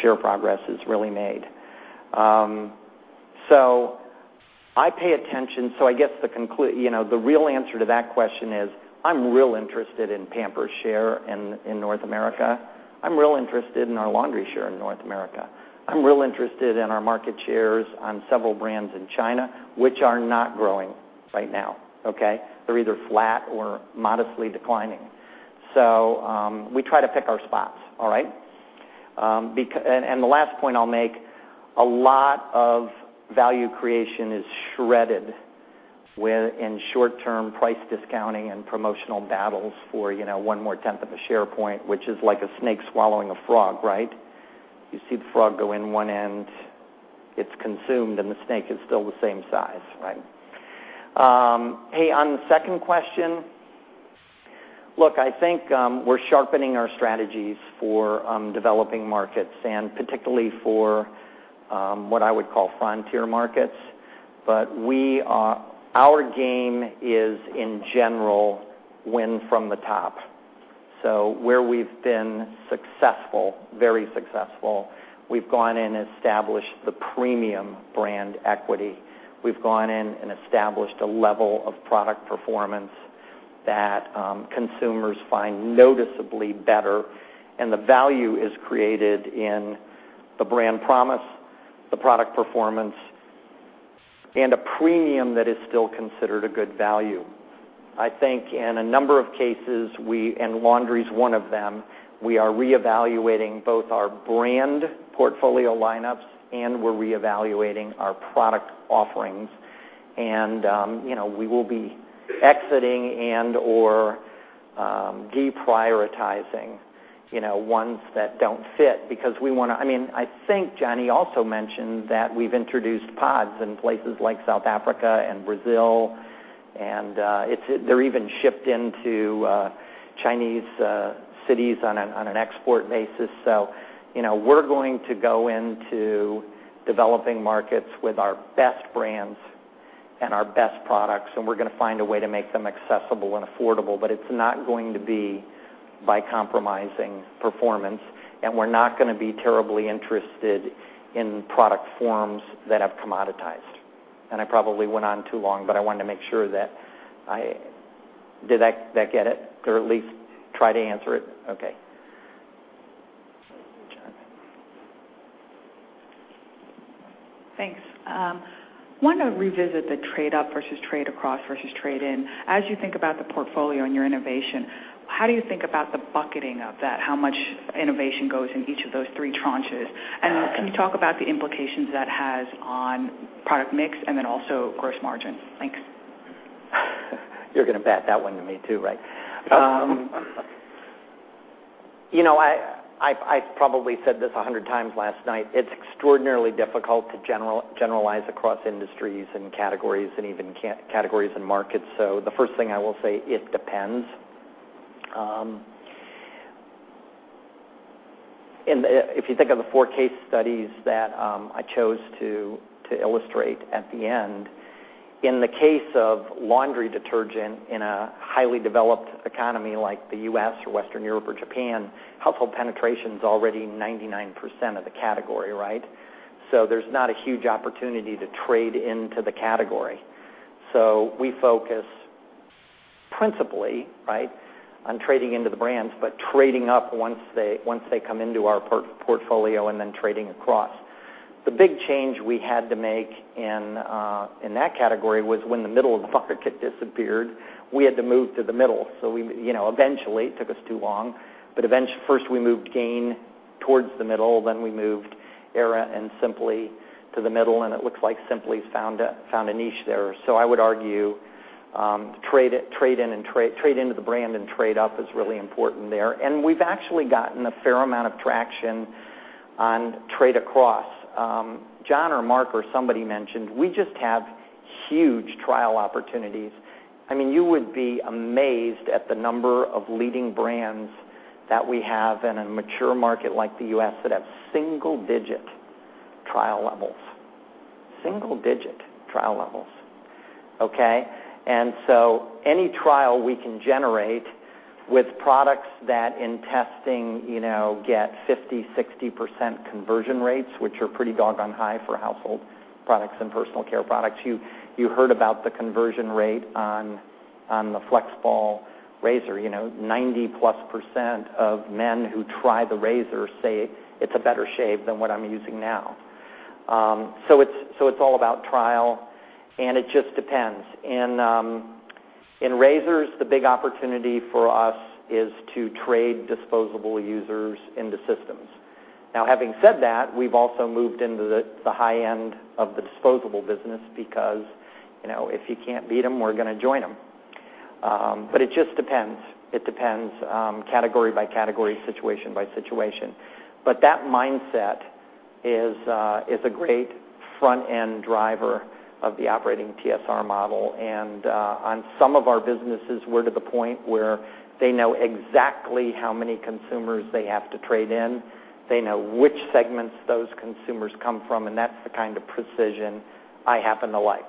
share progress is really made. I pay attention. I guess the real answer to that question is, I'm real interested in Pampers share in North America. I'm real interested in our laundry share in North America. I'm real interested in our market shares on several brands in China, which are not growing right now. Okay? They're either flat or modestly declining. We try to pick our spots. All right? The last point I'll make, a lot of value creation is shredded in short-term price discounting and promotional battles for one more tenth of a share point, which is like a snake swallowing a frog, right? You see the frog go in one end, it's consumed, and the snake is still the same size, right? Hey, on the second question, look, I think we're sharpening our strategies for developing markets and particularly for what I would call frontier markets. Our game is, in general, win from the top. Where we've been very successful, we've gone in and established the premium brand equity. We've gone in and established a level of product performance that consumers find noticeably better, and the value is created in the brand promise, the product performance, and a premium that is still considered a good value. I think in a number of cases, and laundry is one of them, we are reevaluating both our brand portfolio lineups, and we're reevaluating our product offerings. We will be exiting and/or deprioritizing ones that don't fit because I think Gianni also mentioned that we've introduced pods in places like South Africa and Brazil, and they're even shipped into Chinese cities on an export basis. We're going to go into developing markets with our best brands and our best products, and we're going to find a way to make them accessible and affordable, but it's not going to be by compromising performance, and we're not going to be terribly interested in product forms that have commoditized. I probably went on too long, but I wanted to make sure that Did that get it? Or at least try to answer it? Okay. Jon. Thanks. I want to revisit the trade up versus trade across versus trade in. As you think about the portfolio and your innovation, how do you think about the bucketing of that? How much innovation goes in each of those three tranches? Can you talk about the implications that has on product mix and then also gross margin? Thanks. You're going to bat that one to me too, right? I probably said this 100 times last night. It's extraordinarily difficult to generalize across industries and categories and even categories and markets. The first thing I will say, it depends. If you think of the four case studies that I chose to illustrate at the end, in the case of laundry detergent in a highly developed economy like the U.S. or Western Europe or Japan, household penetration's already 99% of the category. There's not a huge opportunity to trade into the category. We focus principally on trading into the brands, but trading up once they come into our portfolio and then trading across. The big change we had to make in that category was when the middle of the market disappeared, we had to move to the middle. Eventually, took us too long, but first we moved Gain towards the middle, then we moved Era and Simply to the middle, and it looks like Simply's found a niche there. I would argue trade into the brand and trade up is really important there. We've actually gotten a fair amount of traction on trade across. Jon or Marc or somebody mentioned, we just have huge trial opportunities. You would be amazed at the number of leading brands that we have in a mature market like the U.S. that have single-digit trial levels. Single-digit trial levels. Okay? Any trial we can generate with products that in testing get 50%, 60% conversion rates, which are pretty doggone high for household products and personal care products. You heard about the conversion rate on the FlexBall razor. 90-plus percent of men who try the razor say it's a better shave than what I'm using now. It's all about trial, and it just depends. In razors, the big opportunity for us is to trade disposable users into systems. Now, having said that, we've also moved into the high end of the disposable business because, if you can't beat them, we're going to join them. It just depends. It depends category by category, situation by situation. That mindset is a great front-end driver of the Operating TSR model, and on some of our businesses, we're to the point where they know exactly how many consumers they have to trade in. They know which segments those consumers come from, and that's the kind of precision I happen to like.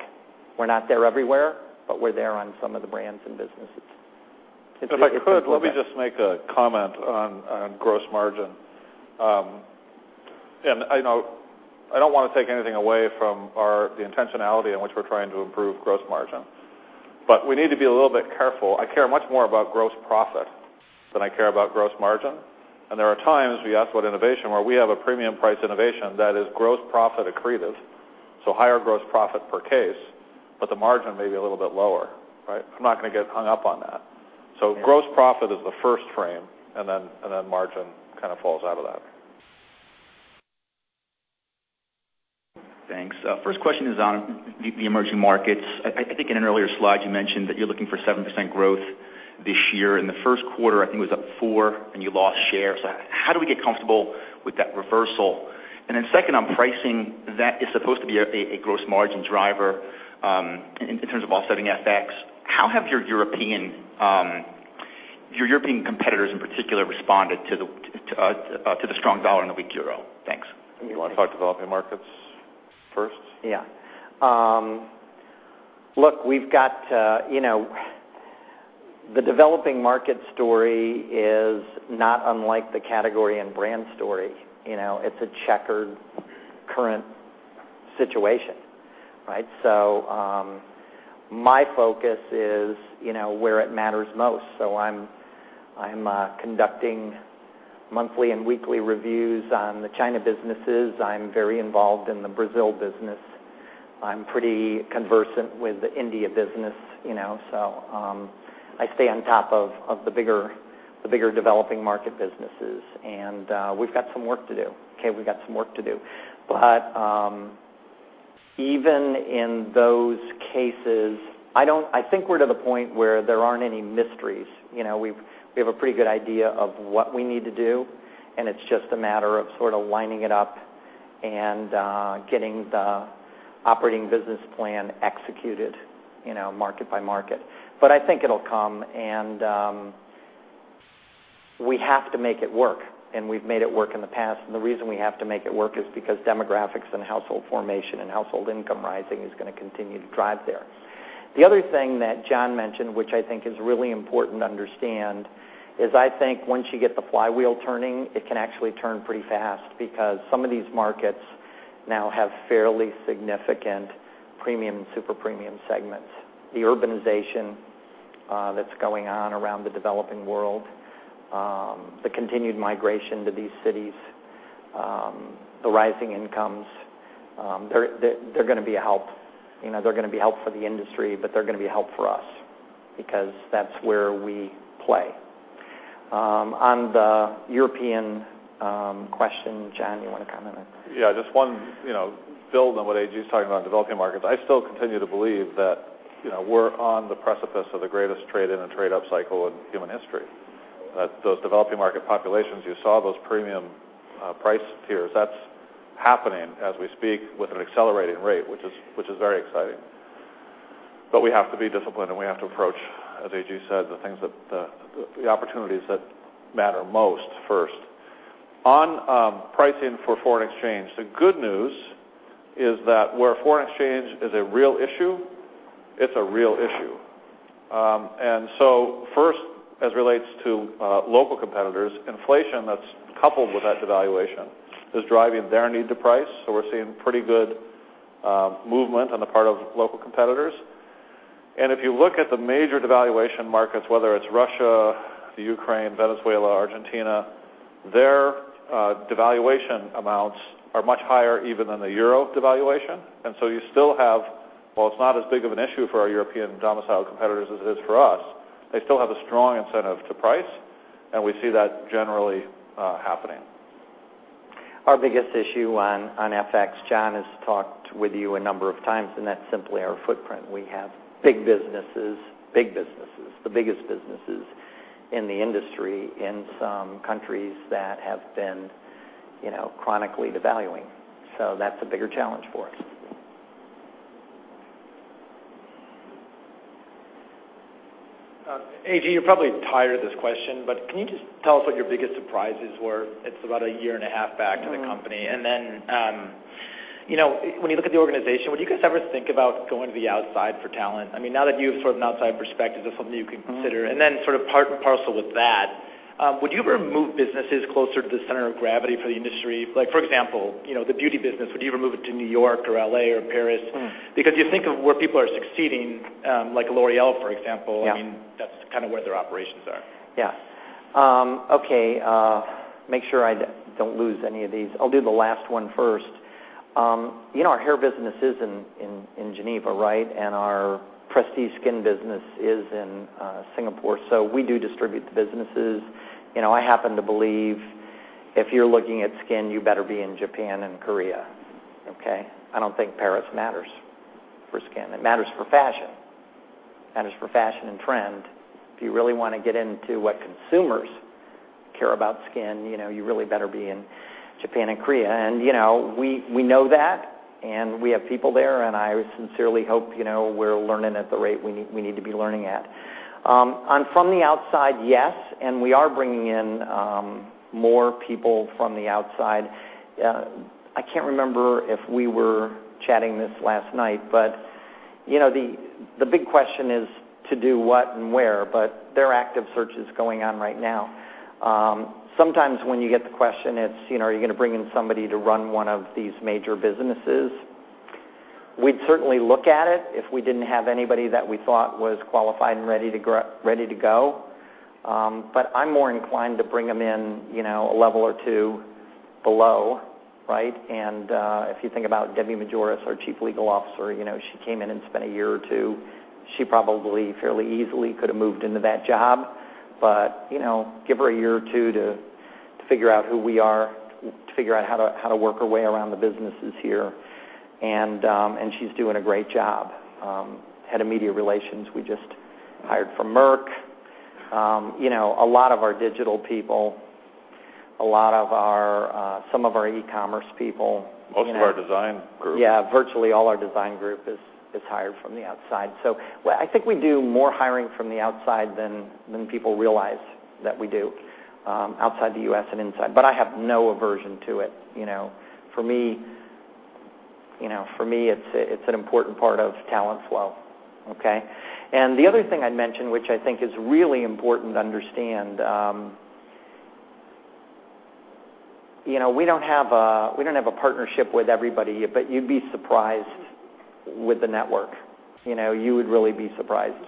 We're not there everywhere, but we're there on some of the brands and businesses. If I could, let me just make a comment on gross margin. I know I don't want to take anything away from the intentionality in which we're trying to improve gross margin, we need to be a little bit careful. I care much more about gross profit than I care about gross margin, there are times, we asked about innovation, where we have a premium price innovation that is gross profit accretive, higher gross profit per case, the margin may be a little bit lower. I'm not going to get hung up on that. Gross profit is the first frame, then margin kind of falls out of that. Thanks. First question is on the emerging markets. I think in an earlier slide, you mentioned that you are looking for 7% growth this year. In the first quarter, I think it was up four, and you lost share. How do we get comfortable with that reversal? Second, on pricing, that is supposed to be a gross margin driver in terms of offsetting FX. How have your European competitors in particular responded to the strong dollar and the weak euro? Thanks. You want to talk developing markets first? Yeah. Look, the developing market story is not unlike the category and brand story. It's a checkered current situation. My focus is where it matters most. I'm conducting monthly and weekly reviews on the China businesses. I'm very involved in the Brazil business. I'm pretty conversant with the India business. I stay on top of the bigger developing market businesses, and we've got some work to do. Okay, we've got some work to do. Even in those cases, I think we're to the point where there aren't any mysteries. We have a pretty good idea of what we need to do, and it's just a matter of sort of lining it up and getting the operating business plan executed market by market. I think it'll come and we have to make it work, and we've made it work in the past. The reason we have to make it work is because demographics and household formation and household income rising is going to continue to drive there. The other thing that Jon mentioned, which I think is really important to understand, is I think once you get the flywheel turning, it can actually turn pretty fast because some of these markets now have fairly significant premium and super-premium segments. The urbanization that's going on around the developing world, the continued migration to these cities, the rising incomes, they're going to be a help. They're going to be a help for the industry, but they're going to be a help for us because that's where we play. On the European question, Jon, you want to comment on it? Just want to build on what A.G. is talking about in developing markets. I still continue to believe that we're on the precipice of the greatest trade-in and trade-up cycle in human history. Those developing market populations, you saw those premium price tiers. That's happening as we speak with an accelerating rate, which is very exciting. We have to be disciplined, and we have to approach, as A.G. said, the opportunities that matter most first. On pricing for foreign exchange, the good news is that where foreign exchange is a real issue, it's a real issue. First, as relates to local competitors, inflation that's coupled with that devaluation is driving their need to price. We're seeing pretty good movement on the part of local competitors. If you look at the major devaluation markets, whether it's Russia, Ukraine, Venezuela, Argentina, their devaluation amounts are much higher even than the EUR devaluation. You still have, while it's not as big of an issue for our European domicile competitors as it is for us, they still have a strong incentive to price, and we see that generally happening. Our biggest issue on FX, Jon has talked with you a number of times, that's simply our footprint. We have big businesses, the biggest businesses in the industry in some countries that have been chronically devaluing. That's a bigger challenge for us. A.G., you're probably tired of this question, can you just tell us what your biggest surprises were? It's about 1.5 years back in the company. When you look at the organization, would you guys ever think about going to the outside for talent? Now that you have sort of an outside perspective, is that something you consider? Sort of part and parcel with that, would you ever move businesses closer to the center of gravity for the industry? For example, the beauty business, would you ever move it to New York or L.A. or Paris? Because you think of where people are succeeding, like L'Oréal, for example. Yeah that's kind of where their operations are. Yeah. Okay, make sure I don't lose any of these. I'll do the last one first. Our hair business is in Geneva, and our prestige skin business is in Singapore. We do distribute the businesses. I happen to believe if you're looking at skin, you better be in Japan and Korea, okay? I don't think Paris matters for skin. It matters for fashion and trend. If you really want to get into what consumers care about skin, you really better be in Japan and Korea. We know that, and we have people there, and I sincerely hope we're learning at the rate we need to be learning at. On from the outside, yes, and we are bringing in more people from the outside. I can't remember if we were chatting this last night, but the big question is to do what and where, but there are active searches going on right now. Sometimes when you get the question, it's, "Are you going to bring in somebody to run one of these major businesses?" We'd certainly look at it if we didn't have anybody that we thought was qualified and ready to go. I'm more inclined to bring them in a level or two below. If you think about Deborah Majoras, our Chief Legal Officer, she came in and spent a year or two. She probably fairly easily could have moved into that job, but give her a year or two to figure out who we are, to figure out how to work her way around the businesses here. She's doing a great job. Head of media relations, we just hired from Merck. A lot of our digital people, some of our e-commerce people- Most of our design group. Yeah, virtually all our design group is hired from the outside. I think we do more hiring from the outside than people realize that we do. Outside the U.S. and inside, but I have no aversion to it. For me, it's an important part of talent flow. Okay? The other thing I'd mention, which I think is really important to understand, we don't have a partnership with everybody, but you'd be surprised with the network. You would really be surprised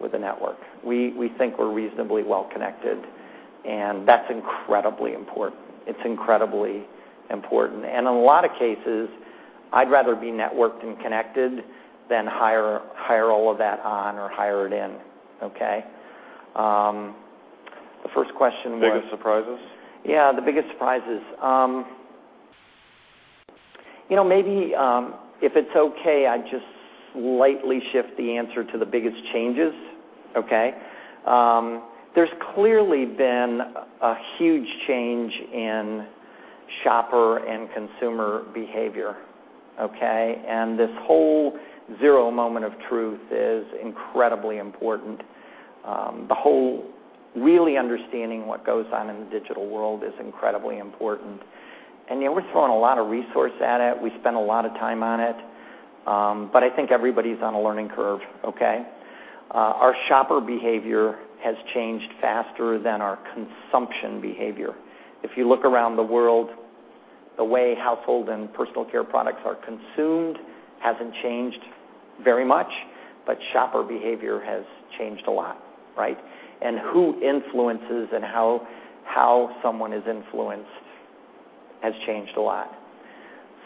with the network. We think we're reasonably well-connected, and that's incredibly important. It's incredibly important. In a lot of cases, I'd rather be networked and connected than hire all of that on or hire it in. Okay? The first question was. Biggest surprises? Yeah, the biggest surprises. Maybe, if it's okay, I just slightly shift the answer to the biggest changes. Okay? There's clearly been a huge change in shopper and consumer behavior. Okay? This whole zero moment of truth is incredibly important. The whole really understanding what goes on in the digital world is incredibly important. We're throwing a lot of resource at it. We spend a lot of time on it. I think everybody's on a learning curve. Okay? Our shopper behavior has changed faster than our consumption behavior. If you look around the world, the way household and personal care products are consumed hasn't changed very much, but shopper behavior has changed a lot. Right? Who influences and how someone is influenced has changed a lot.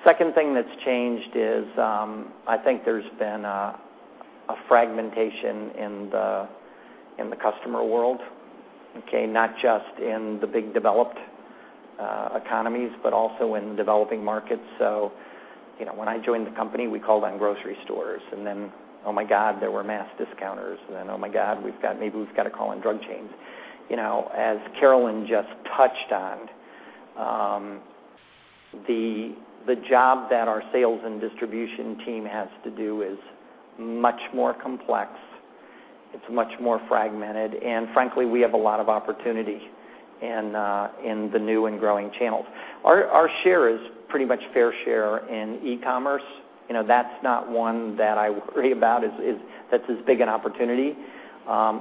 Second thing that's changed is, I think there's been a fragmentation in the customer world. Okay? Not just in the big developed economies, but also in developing markets. When I joined the company, we called on grocery stores, then, oh my God, there were mass discounters, then, oh my God, maybe we've got to call in drug chains. As Carolyn just touched on, the job that our sales and distribution team has to do is much more complex. It's much more fragmented. Frankly, we have a lot of opportunity in the new and growing channels. Our share is pretty much fair share in e-commerce. That's not one that I worry about that's as big an opportunity.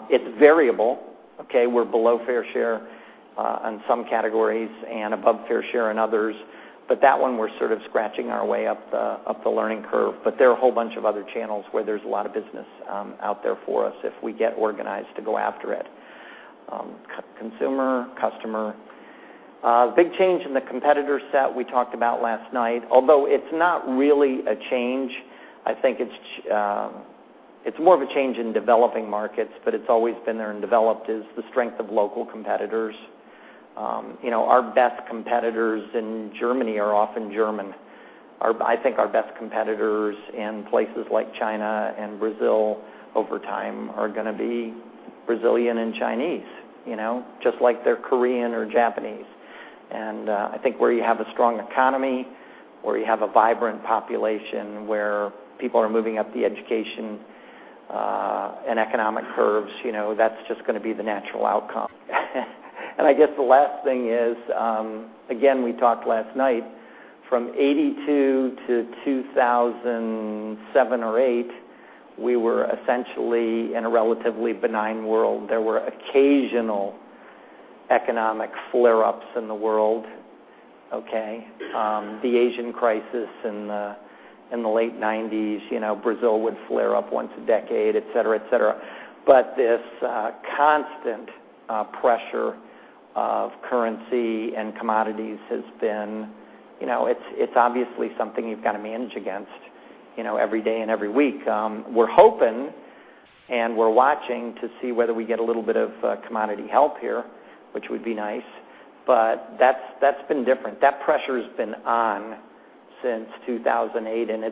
It's variable. Okay? We're below fair share on some categories and above fair share on others, but that one, we're sort of scratching our way up the learning curve. There are a whole bunch of other channels where there's a lot of business out there for us if we get organized to go after it. Consumer, customer. Big change in the competitor set we talked about last night, although it's not really a change. I think it's more of a change in developing markets, but it's always been there and developed, is the strength of local competitors. Our best competitors in Germany are often German. I think our best competitors in places like China and Brazil over time are going to be Brazilian and Chinese, just like they're Korean or Japanese. I think where you have a strong economy, where you have a vibrant population, where people are moving up the education and economic curves, that's just going to be the natural outcome. I guess the last thing is, again, we talked last night, from 1982 to 2007 or 2008, we were essentially in a relatively benign world. There were occasional economic flare-ups in the world. Okay? The Asian crisis in the late 1990s. Brazil would flare up once a decade, et cetera. This constant pressure of currency and commodities, it's obviously something you've got to manage against every day and every week. We're hoping, and we're watching to see whether we get a little bit of commodity help here, which would be nice, but that's been different. That pressure's been on since 2008, and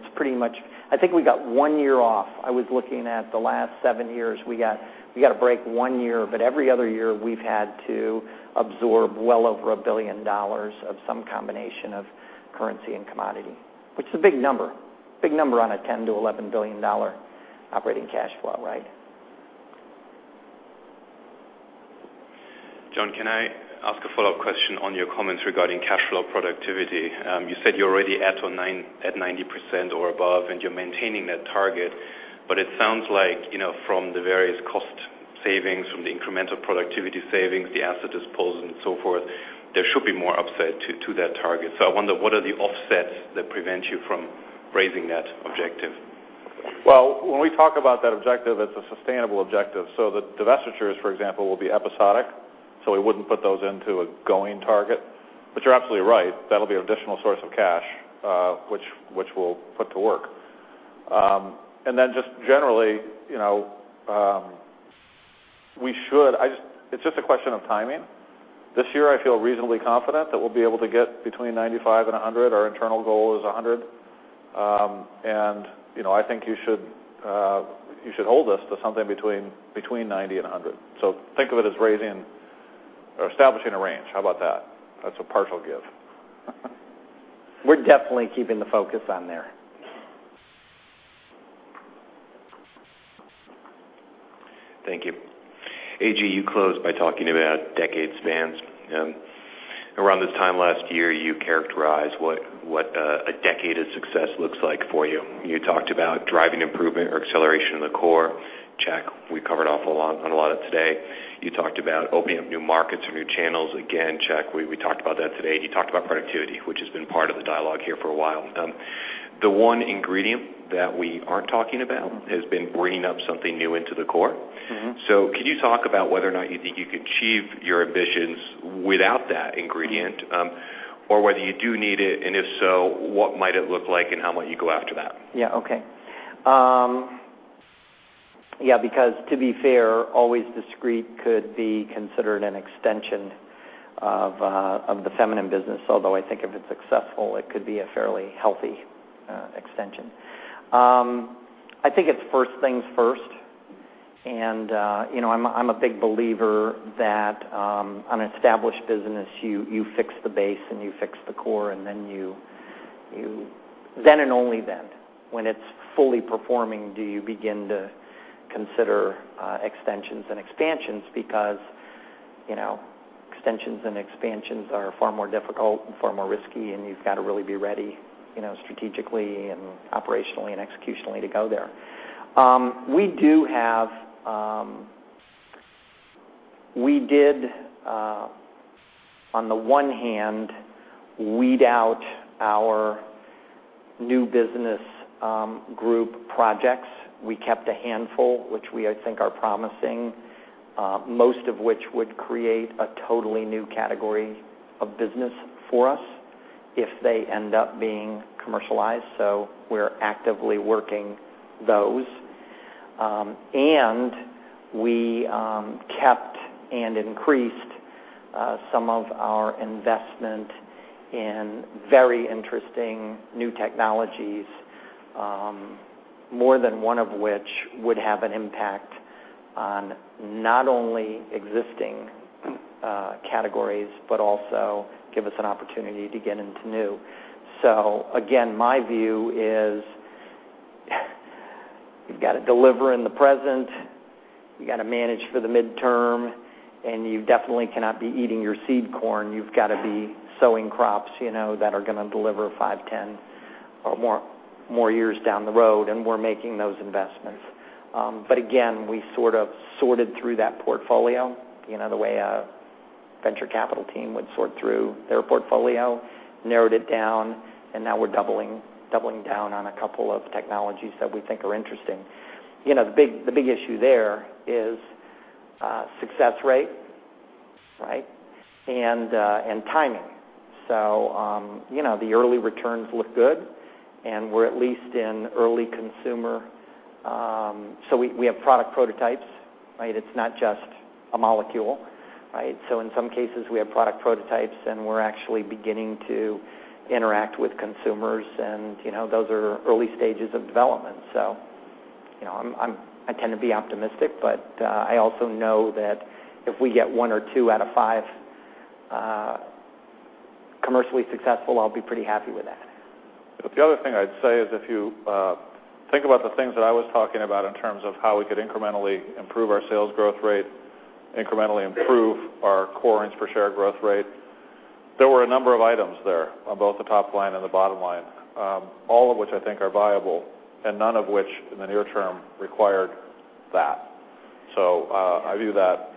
I think we got one year off. I was looking at the last seven years. We got a break one year, every other year, we've had to absorb well over $1 billion of some combination of currency and commodity, which is a big number. Big number on a $10 billion-$11 billion operating cash flow, right? Jon, can I ask a follow-up question on your comments regarding cash flow productivity? You said you're already at 90% or above, and you're maintaining that target, it sounds like from the various cost savings, from the incremental productivity savings, the asset disposals, and so forth, there should be more offset to that target. I wonder, what are the offsets that prevent you from raising that objective? Well, when we talk about that objective, it's a sustainable objective. The divestitures, for example, will be episodic. We wouldn't put those into a going target. You're absolutely right, that'll be an additional source of cash, which we'll put to work. Then just generally, it's just a question of timing. This year, I feel reasonably confident that we'll be able to get between 95 and 100. Our internal goal is 100. I think you should hold us to something between 90 and 100. Think of it as raising or establishing a range. How about that? That's a partial give. We're definitely keeping the focus on there. Thank you. A.G., you closed by talking about decade spans. Around this time last year, you characterized what a decade of success looks like for you. You talked about driving improvement or acceleration in the core. Check. We covered on a lot of it today. You talked about opening up new markets or new channels. Again, check. We talked about that today. You talked about productivity, which has been part of the dialogue here for a while. The one ingredient that we aren't talking about has been bringing up something new into the core. Can you talk about whether or not you think you could achieve your ambitions without that ingredient, or whether you do need it, and if so, what might it look like, and how might you go after that? Yeah. Okay. Yeah, because to be fair, Always Discreet could be considered an extension of the feminine business. Although, I think if it's successful, it could be a fairly healthy extension. I think it's first things first, and I'm a big believer that on established business, you fix the base and you fix the core, and then and only then, when it's fully performing, do you begin to consider extensions and expansions because extensions and expansions are far more difficult and far more risky, and you've got to really be ready strategically and operationally and executionally to go there. We did, on the one hand, weed out our new business group projects. We kept a handful, which we, I think, are promising, most of which would create a totally new category of business for us if they end up being commercialized. We're actively working those. We kept and increased some of our investment in very interesting new technologies, more than one of which would have an impact on not only existing categories, but also give us an opportunity to get into new. Again, my view is you've got to deliver in the present, you got to manage for the midterm, and you definitely cannot be eating your seed corn. You've got to be sowing crops that are going to deliver five, 10, or more years down the road, and we're making those investments. Again, we sort of sorted through that portfolio the way a venture capital team would sort through their portfolio, narrowed it down, and now we're doubling down on a couple of technologies that we think are interesting. The big issue there is success rate, right, and timing. The early returns look good, and we're at least in early consumer. We have product prototypes, right? It's not just a molecule. Right? In some cases, we have product prototypes, and we're actually beginning to interact with consumers, and those are early stages of development. I tend to be optimistic, but I also know that if we get one or two out of five commercially successful, I'll be pretty happy with that. The other thing I would say is if you think about the things that I was talking about in terms of how we could incrementally improve our sales growth rate, incrementally improve our core earnings per share growth rate, there were a number of items there on both the top line and the bottom line, all of which I think are viable and none of which, in the near term, required that. I view that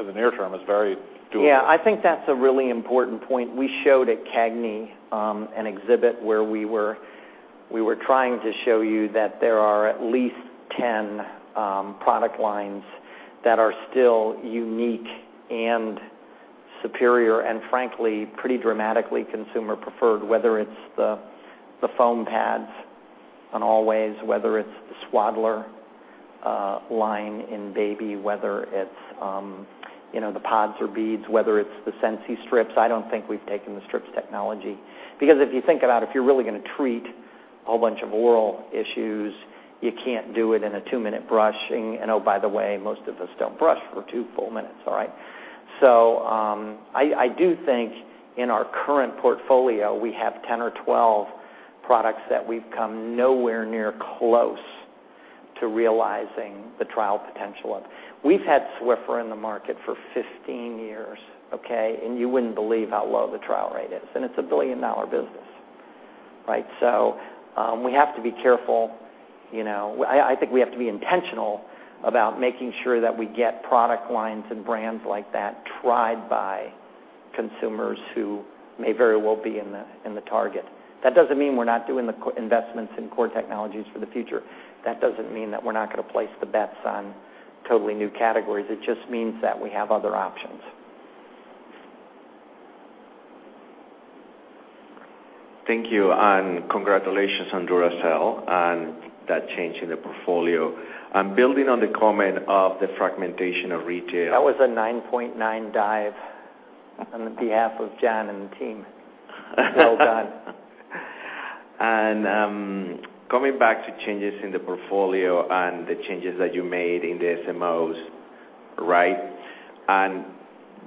in the near term as very doable. Yeah. I think that's a really important point. We showed at CAGNY an exhibit where we were trying to show you that there are at least 10 product lines that are still unique and superior and frankly, pretty dramatically consumer preferred, whether it's the foam pads on Always, whether it's the Swaddler line in baby, whether it's the pods or beads, whether it's the Crest Sensi-Stop Strips. I don't think we've taken the strips technology. Because if you think about if you're really going to treat a whole bunch of oral issues, you can't do it in a two-minute brushing. Oh, by the way, most of us don't brush for two full minutes, all right? I do think in our current portfolio, we have 10 or 12 products that we've come nowhere near close to realizing the trial potential of. We've had Swiffer in the market for 15 years, okay? You wouldn't believe how low the trial rate is, and it's a billion-dollar business. Right? We have to be careful. I think we have to be intentional about making sure that we get product lines and brands like that tried by consumers who may very well be in the target. That doesn't mean we're not doing the investments in core technologies for the future. That doesn't mean that we're not going to place the bets on totally new categories. It just means that we have other options. Thank you. Congratulations on Duracell and that change in the portfolio. Building on the comment of the fragmentation of retail- That was a 9.9 dive on behalf of Jon and the team. Well done. Coming back to changes in the portfolio and the changes that you made in the SMOs. Right.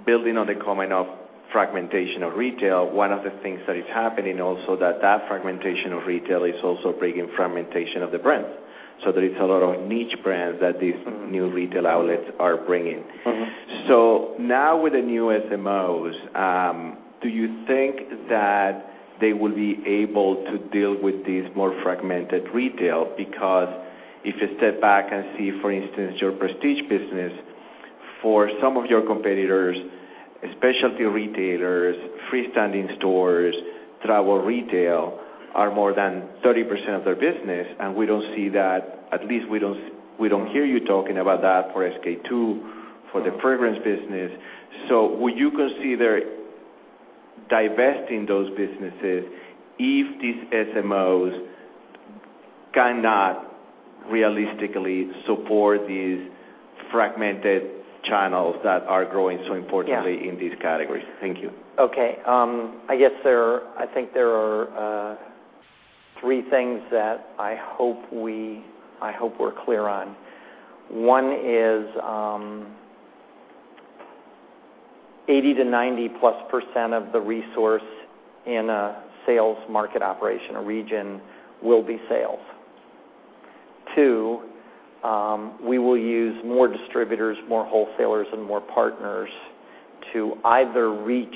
Building on the comment of fragmentation of retail, one of the things that is happening also that that fragmentation of retail is also bringing fragmentation of the brands. There is a lot of niche brands that these new retail outlets are bringing. Now with the new SMOs, do you think that they will be able to deal with these more fragmented retail? Because if you step back and see, for instance, your prestige business, for some of your competitors, specialty retailers, freestanding stores, travel retail, are more than 30% of their business, and we don't see that. At least we don't hear you talking about that for SK-II, for the fragrance business. Would you consider divesting those businesses if these SMOs cannot realistically support these fragmented channels that are growing so importantly? Yeah In these categories? Thank you. Okay. I think there are three things that I hope we're clear on. One is, 80%-90%-plus of the resource in a sales market operation or region will be sales. Two, we will use more distributors, more wholesalers, and more partners to either reach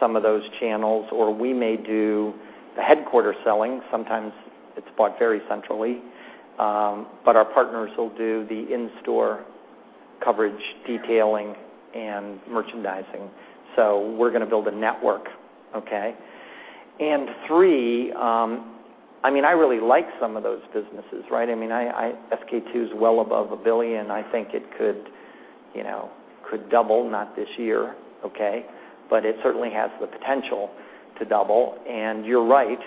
some of those channels, or we may do the headquarter selling. Sometimes it's bought very centrally. Our partners will do the in-store coverage, detailing, and merchandising. We're going to build a network. Okay? Three, I really like some of those businesses, right? SK-II is well above $1 billion. I think it could double, not this year. Okay? It certainly has the potential to double. You're right,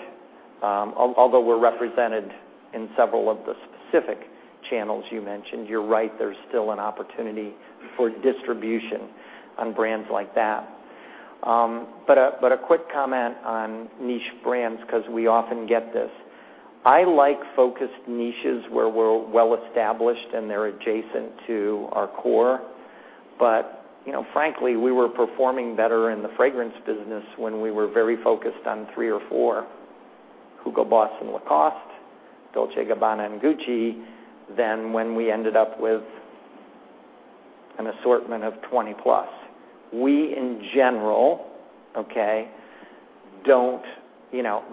although we're represented in several of the specific channels you mentioned, you're right, there's still an opportunity for distribution on brands like that. A quick comment on niche brands, because we often get this. I like focused niches where we're well-established, and they're adjacent to our core. Frankly, we were performing better in the fragrance business when we were very focused on three or four, Hugo Boss and Lacoste, Dolce & Gabbana, and Gucci, than when we ended up with an assortment of 20-plus. In general,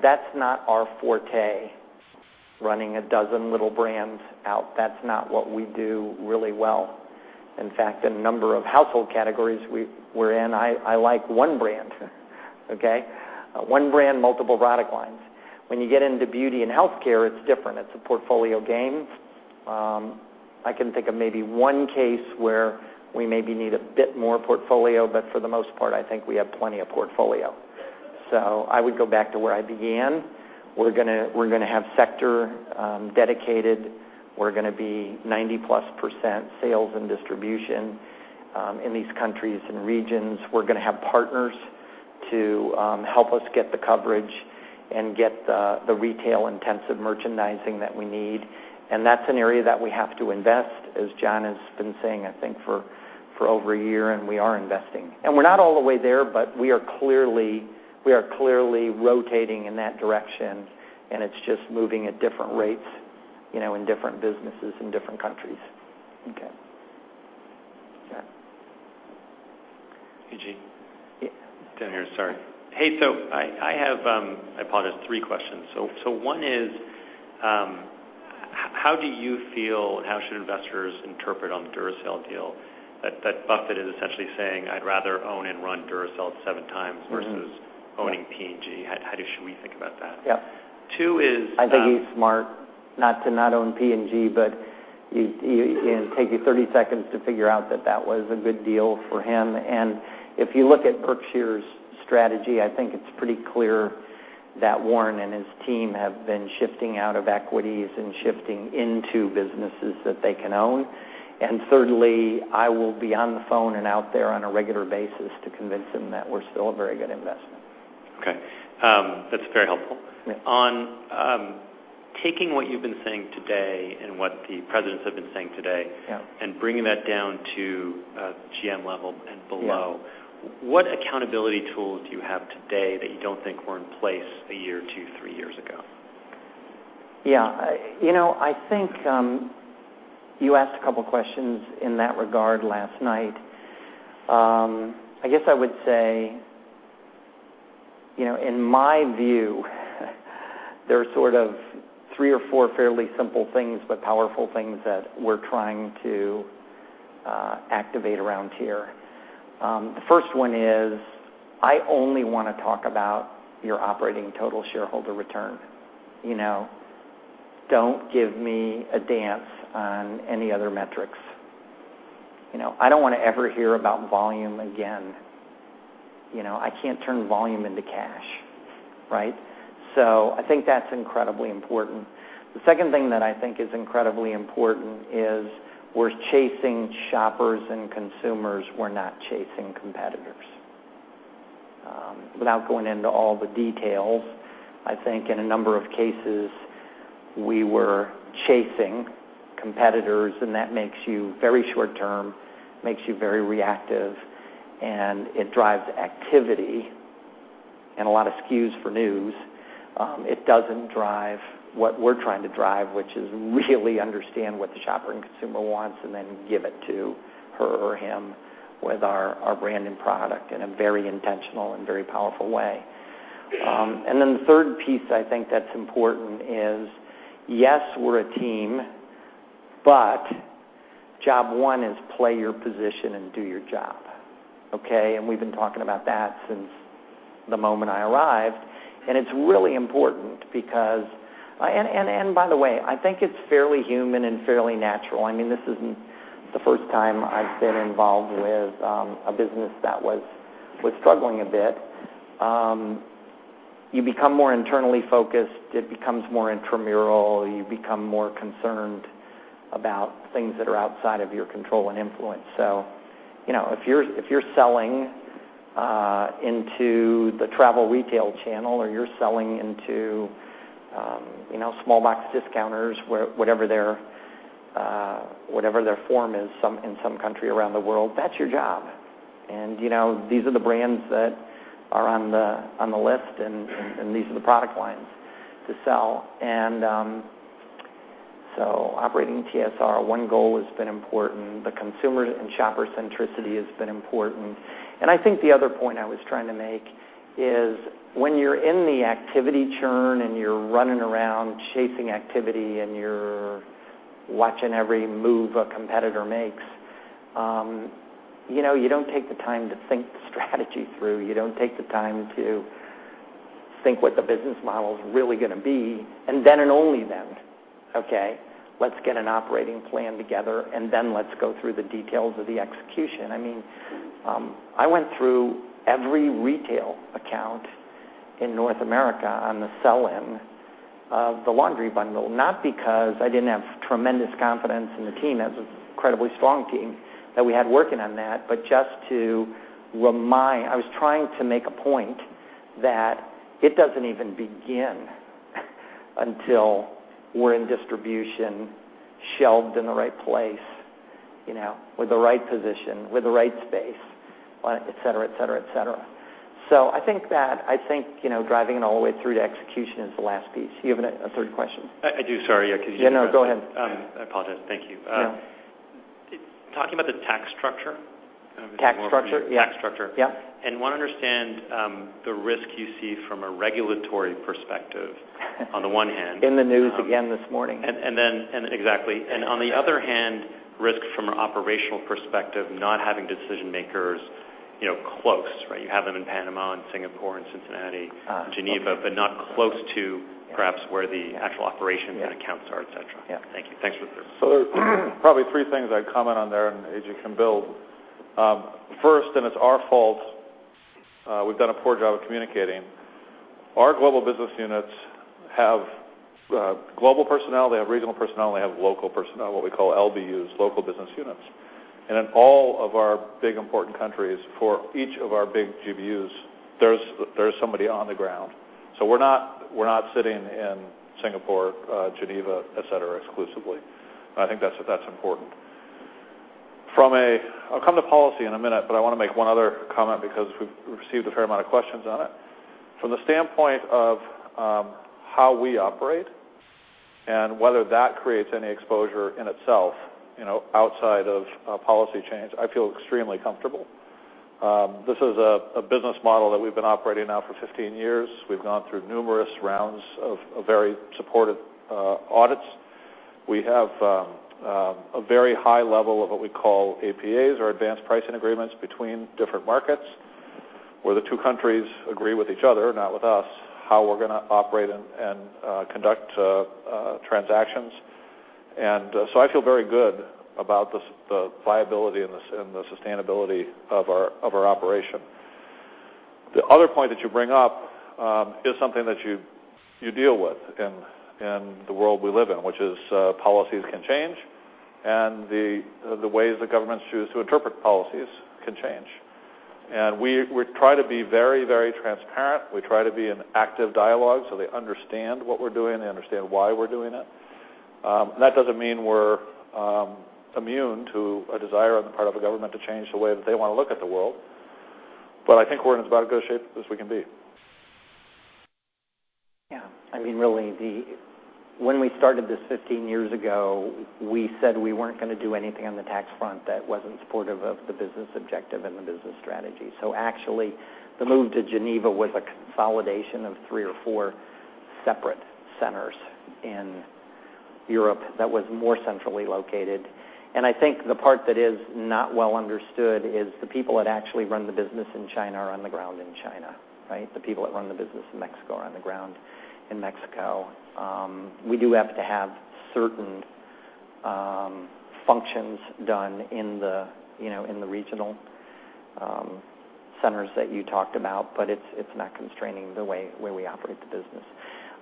that's not our forte, running a dozen little brands out. That's not what we do really well. In fact, in a number of household categories we're in, I like one brand. Okay? One brand, multiple product lines. When you get into beauty and healthcare, it's different. It's a portfolio game. I can think of maybe one case where we maybe need a bit more portfolio, for the most part, I think we have plenty of portfolio. I would go back to where I began. We're going to have sector-dedicated. We're going to be 90%-plus sales and distribution in these countries and regions. We're going to have partners to help us get the coverage and get the retail-intensive merchandising that we need, That's an area that we have to invest, as Jon has been saying, I think for over a year, We are investing. We're not all the way there, We are clearly rotating in that direction, It's just moving at different rates in different businesses in different countries. Okay. Yeah. Eugene. Yeah. Sorry. I have, I apologize, three questions. One is, how do you feel, how should investors interpret on the Duracell deal, that Buffett is essentially saying, "I'd rather own and run Duracell seven times versus owning P&G"? How should we think about that? Yeah. Two is I think he's smart not to not own P&G, but it'd take you 30 seconds to figure out that that was a good deal for him. If you look at Berkshire's strategy, I think it's pretty clear that Warren and his team have been shifting out of equities and shifting into businesses that they can own. Thirdly, I will be on the phone and out there on a regular basis to convince him that we're still a very good investment. Okay. That's very helpful. Yeah. On taking what you've been saying today and what the presidents have been saying today Yeah Bringing that down to a GM level and below. Yeah. What accountability tools do you have today that you don't think were in place a year or two, three years ago? Yeah. I think you asked a couple questions in that regard last night. I guess I would say, in my view, there are sort of three or four fairly simple things, but powerful things that we're trying to activate around here. The first one is, I only want to talk about your Operating Total Shareholder Return. Don't give me a dance on any other metrics. I don't want to ever hear about volume again. I can't turn volume into cash, right? I think that's incredibly important. The second thing that I think is incredibly important is we're chasing shoppers and consumers. We're not chasing competitors. Without going into all the details, I think in a number of cases, we were chasing competitors, and that makes you very short-term, makes you very reactive, and it drives activity and a lot of SKUs for news. It doesn't drive what we're trying to drive, which is really understand what the shopper and consumer wants and then give it to her or him with our brand and product in a very intentional and very powerful way. The third piece I think that's important is, yes, we're a team, but job one is play your position and do your job, okay? We've been talking about that since the moment I arrived. It's really important because, by the way, I think it's fairly human and fairly natural. This isn't the first time I've been involved with a business that was struggling a bit. You become more internally focused. It becomes more intramural. You become more concerned about things that are outside of your control and influence. If you're selling into the travel retail channel or you're selling into small box discounters, whatever their form is in some country around the world, that's your job. These are the brands that are on the list, these are the product lines to sell. Operating TSR, one goal has been important. The consumer and shopper centricity has been important. I think the other point I was trying to make is when you're in the activity churn and you're running around chasing activity, you're watching every move a competitor makes, you don't take the time to think the strategy through. You don't take the time to think what the business model is really going to be. Then and only then, okay, let's get an operating plan together, then let's go through the details of the execution. I went through every retail account in North America on the sell-in of the laundry bundle, not because I didn't have tremendous confidence in the team, that was an incredibly strong team that we had working on that, but just to make a point that it doesn't even begin until we're in distribution, shelved in the right place, with the right position, with the right space, et cetera. I think that driving it all the way through to execution is the last piece. You have a third question? I do. Sorry. No, go ahead. I apologize. Thank you. Yeah. Talking about the tax structure- Tax structure? Yeah tax structure. Yeah. want to understand the risk you see from a regulatory perspective on the one hand. In the news again this morning. Exactly. on the other hand, risk from an operational perspective, not having decision-makers close, right? You have them in Panama and Singapore and Cincinnati. Okay. Geneva, not close to perhaps where the actual operations and accounts are, et cetera. Yeah. Thank you. Thanks for the service. Probably three things I'd comment on there, A.G. can build. First, and it's our fault, we've done a poor job of communicating. Our Global Business Units have global personnel, they have regional personnel, and they have Local Business Units personnel, what we call LBUs, Local Business Units. In all of our big, important countries, for each of our big GBUs, there's somebody on the ground. We're not sitting in Singapore, Geneva, et cetera, exclusively. I think that's important. I'll come to policy in a minute, but I want to make one other comment because we've received a fair amount of questions on it. From the standpoint of how we operate and whether that creates any exposure in itself, outside of policy change, I feel extremely comfortable. This is a business model that we've been operating now for 15 years. We've gone through numerous rounds of very supportive audits. We have a very high level of what we call APAs, or Advanced Pricing Agreements, between different markets, where the two countries agree with each other, not with us, how we're going to operate and conduct transactions. I feel very good about the viability and the sustainability of our operation. The other point that you bring up is something that you deal with in the world we live in, which is policies can change, and the ways that governments choose to interpret policies can change. We try to be very transparent. We try to be an active dialogue so they understand what we're doing, they understand why we're doing it. That doesn't mean we're immune to a desire on the part of a government to change the way that they want to look at the world. I think we're in as about as good a shape as we can be. Yeah. Really, when we started this 15 years ago, we said we weren't going to do anything on the tax front that wasn't supportive of the business objective and the business strategy. Actually, the move to Geneva was a consolidation of three or four separate centers in Europe that was more centrally located. I think the part that is not well understood is the people that actually run the business in China are on the ground in China, right? The people that run the business in Mexico are on the ground in Mexico. We do have to have certain functions done in the regional centers that you talked about, but it's not constraining the way we operate the business.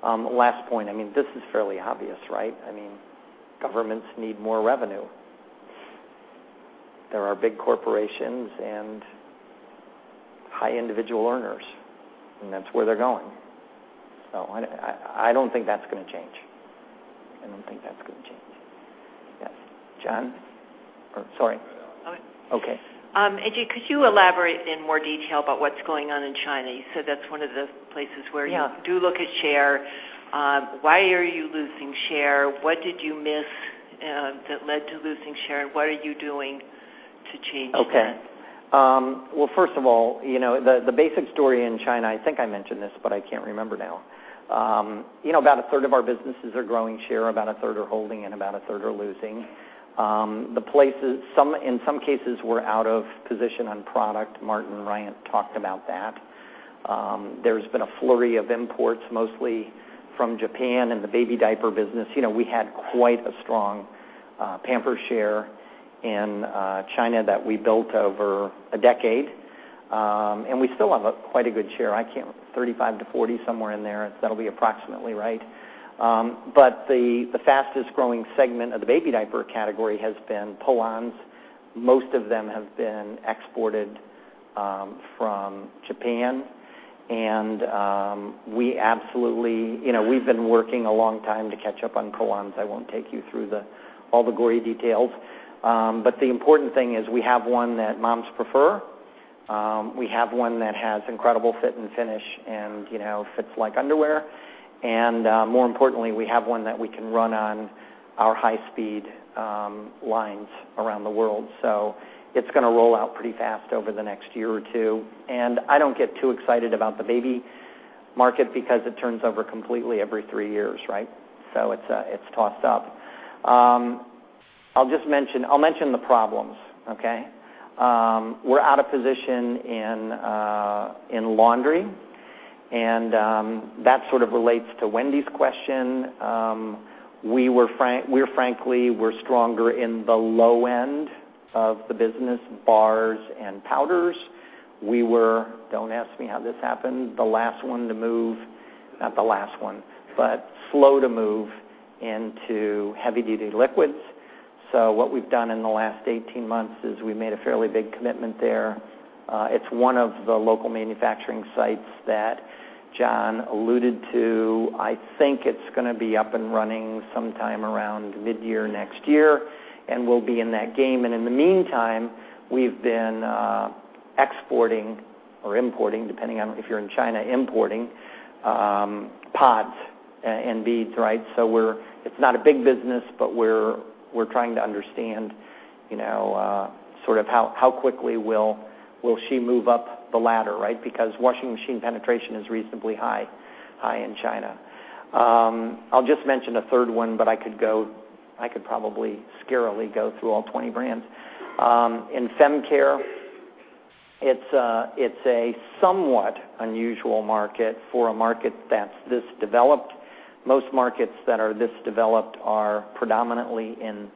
Last point, this is fairly obvious, right? Governments need more revenue. There are big corporations and high individual earners, and that's where they're going. I don't think that's going to change. Yes. Jon? Oh, sorry. No. Okay. A.G., could you elaborate in more detail about what's going on in China? You said that's one of the places where- Yeah. You do look at share. Why are you losing share? What did you miss that led to losing share? What are you doing to change that? Well, first of all, the basic story in China, I think I mentioned this. I can't remember now. About a third of our businesses are growing share, about a third are holding, and about a third are losing. In some cases, we're out of position on product. Martin Riant talked about that. There's been a flurry of imports, mostly from Japan, in the baby diaper business. We had quite a strong Pampers share in China that we built over a decade. We still have quite a good share. I count 35 to 40, somewhere in there. That'll be approximately right. The fastest-growing segment of the baby diaper category has been pull-ons. Most of them have been exported from Japan. We've been working a long time to catch up on pull-ons. I won't take you through all the gory details. The important thing is we have one that moms prefer. We have one that has incredible fit and finish and fits like underwear. More importantly, we have one that we can run on our high-speed lines around the world. It's going to roll out pretty fast over the next year or two. I don't get too excited about the baby market because it turns over completely every three years, right? It's tossed up. I'll mention the problems, okay? We're out of position in laundry. That sort of relates to Wendy Nicholson's question. We frankly were stronger in the low end of the business, bars and powders. We were, don't ask me how this happened, the last one to move, not the last one, slow to move into heavy-duty liquids. What we've done in the last 18 months is we made a fairly big commitment there. It's one of the local manufacturing sites that Jon alluded to. I think it's going to be up and running sometime around mid-year next year, and we'll be in that game. In the meantime, we've been exporting or importing, depending on if you're in China, importing pods and beads, right? It's not a big business, but we're trying to understand sort of how quickly will she move up the ladder, right? Washing machine penetration is reasonably high in China. I'll just mention a third one, but I could probably scarily go through all 20 brands. In fem care, it's a somewhat unusual market for a market that's this developed. Most markets that are this developed are predominantly in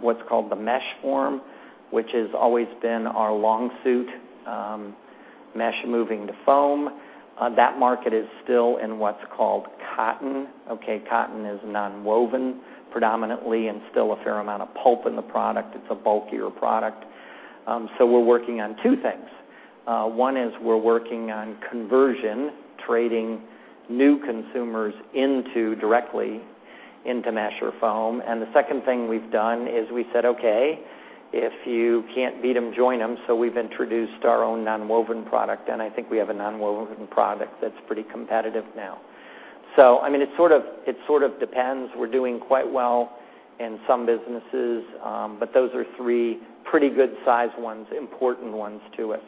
what's called the mesh form, which has always been our long suit. Mesh moving to foam. That market is still in what's called cotton, okay? Cotton is non-woven predominantly and still a fair amount of pulp in the product. It's a bulkier product. We're working on two things. One is we're working on conversion, trading new consumers directly into mesh or foam. The second thing we've done is we said, "Okay, if you can't beat them, join them." We've introduced our own non-woven product, and I think we have a non-woven product that's pretty competitive now. It sort of depends. We're doing quite well in some businesses. Those are three pretty good-sized ones, important ones to us.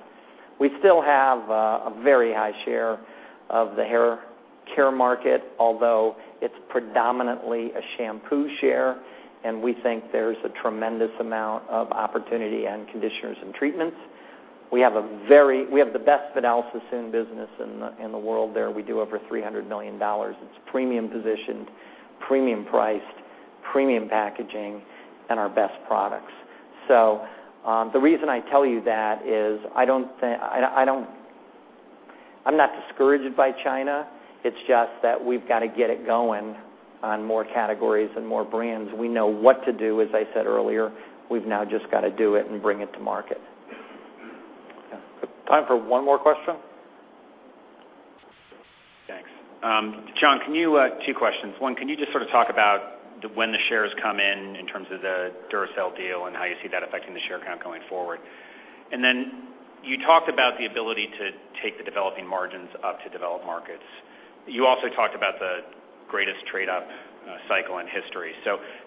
We still have a very high share of the hair care market, although it's predominantly a shampoo share, and we think there's a tremendous amount of opportunity in conditioners and treatments. We have the best Vidal Sassoon business in the world there. We do over $300 million. It's premium positioned, premium priced, premium packaging, and our best products. The reason I tell you that is I'm not discouraged by China. It's just that we've got to get it going on more categories and more brands. We know what to do, as I said earlier. We've now just got to do it and bring it to market. Time for one more question. Thanks. Jon, two questions. One, can you just sort of talk about when the shares come in terms of the Duracell deal, and how you see that affecting the share count going forward? Then you talked about the ability to take the developing margins up to developed markets. You also talked about the greatest trade-up cycle in history.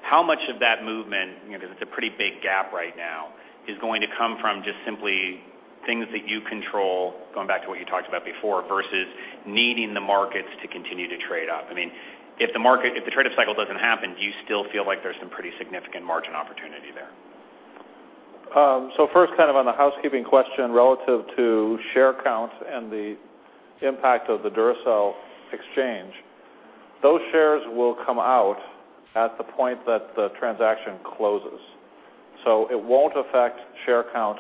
How much of that movement, because it's a pretty big gap right now, is going to come from just simply things that you control, going back to what you talked about before, versus needing the markets to continue to trade up? If the trade-up cycle doesn't happen, do you still feel like there's some pretty significant margin opportunity there? First, kind of on the housekeeping question, relative to share count and the impact of the Duracell exchange. Those shares will come out at the point that the transaction closes. It won't affect share count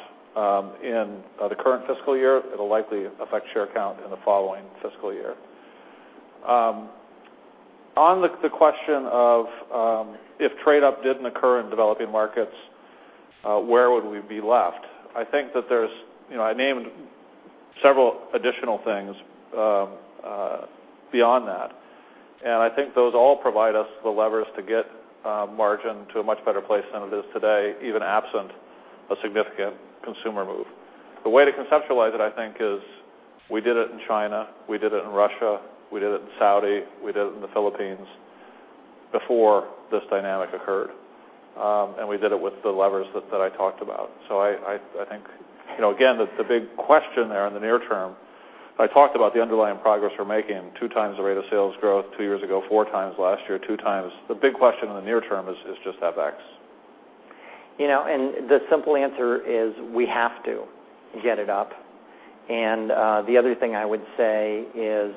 in the current fiscal year. It'll likely affect share count in the following fiscal year. On the question of if trade up didn't occur in developing markets, where would we be left? I named several additional things beyond that. I think those all provide us the levers to get margin to a much better place than it is today, even absent a significant consumer move. The way to conceptualize it, I think, is we did it in China, we did it in Russia, we did it in Saudi, we did it in the Philippines before this dynamic occurred. We did it with the levers that I talked about. I think, again, the big question there in the near term, I talked about the underlying progress we're making. 2 times the rate of sales growth two years ago, 4 times last year, 2 times. The big question in the near term is just FX. The simple answer is we have to get it up. The other thing I would say is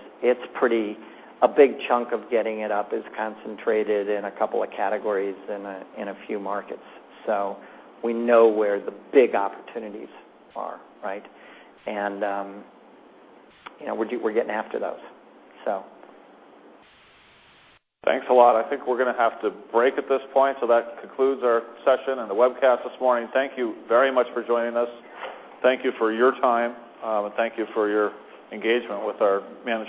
a big chunk of getting it up is concentrated in a couple of categories in a few markets. We know where the big opportunities are, right? We're getting after those. Thanks a lot. I think we're going to have to break at this point. That concludes our session and the webcast this morning. Thank you very much for joining us. Thank you for your time. Thank you for your engagement with our management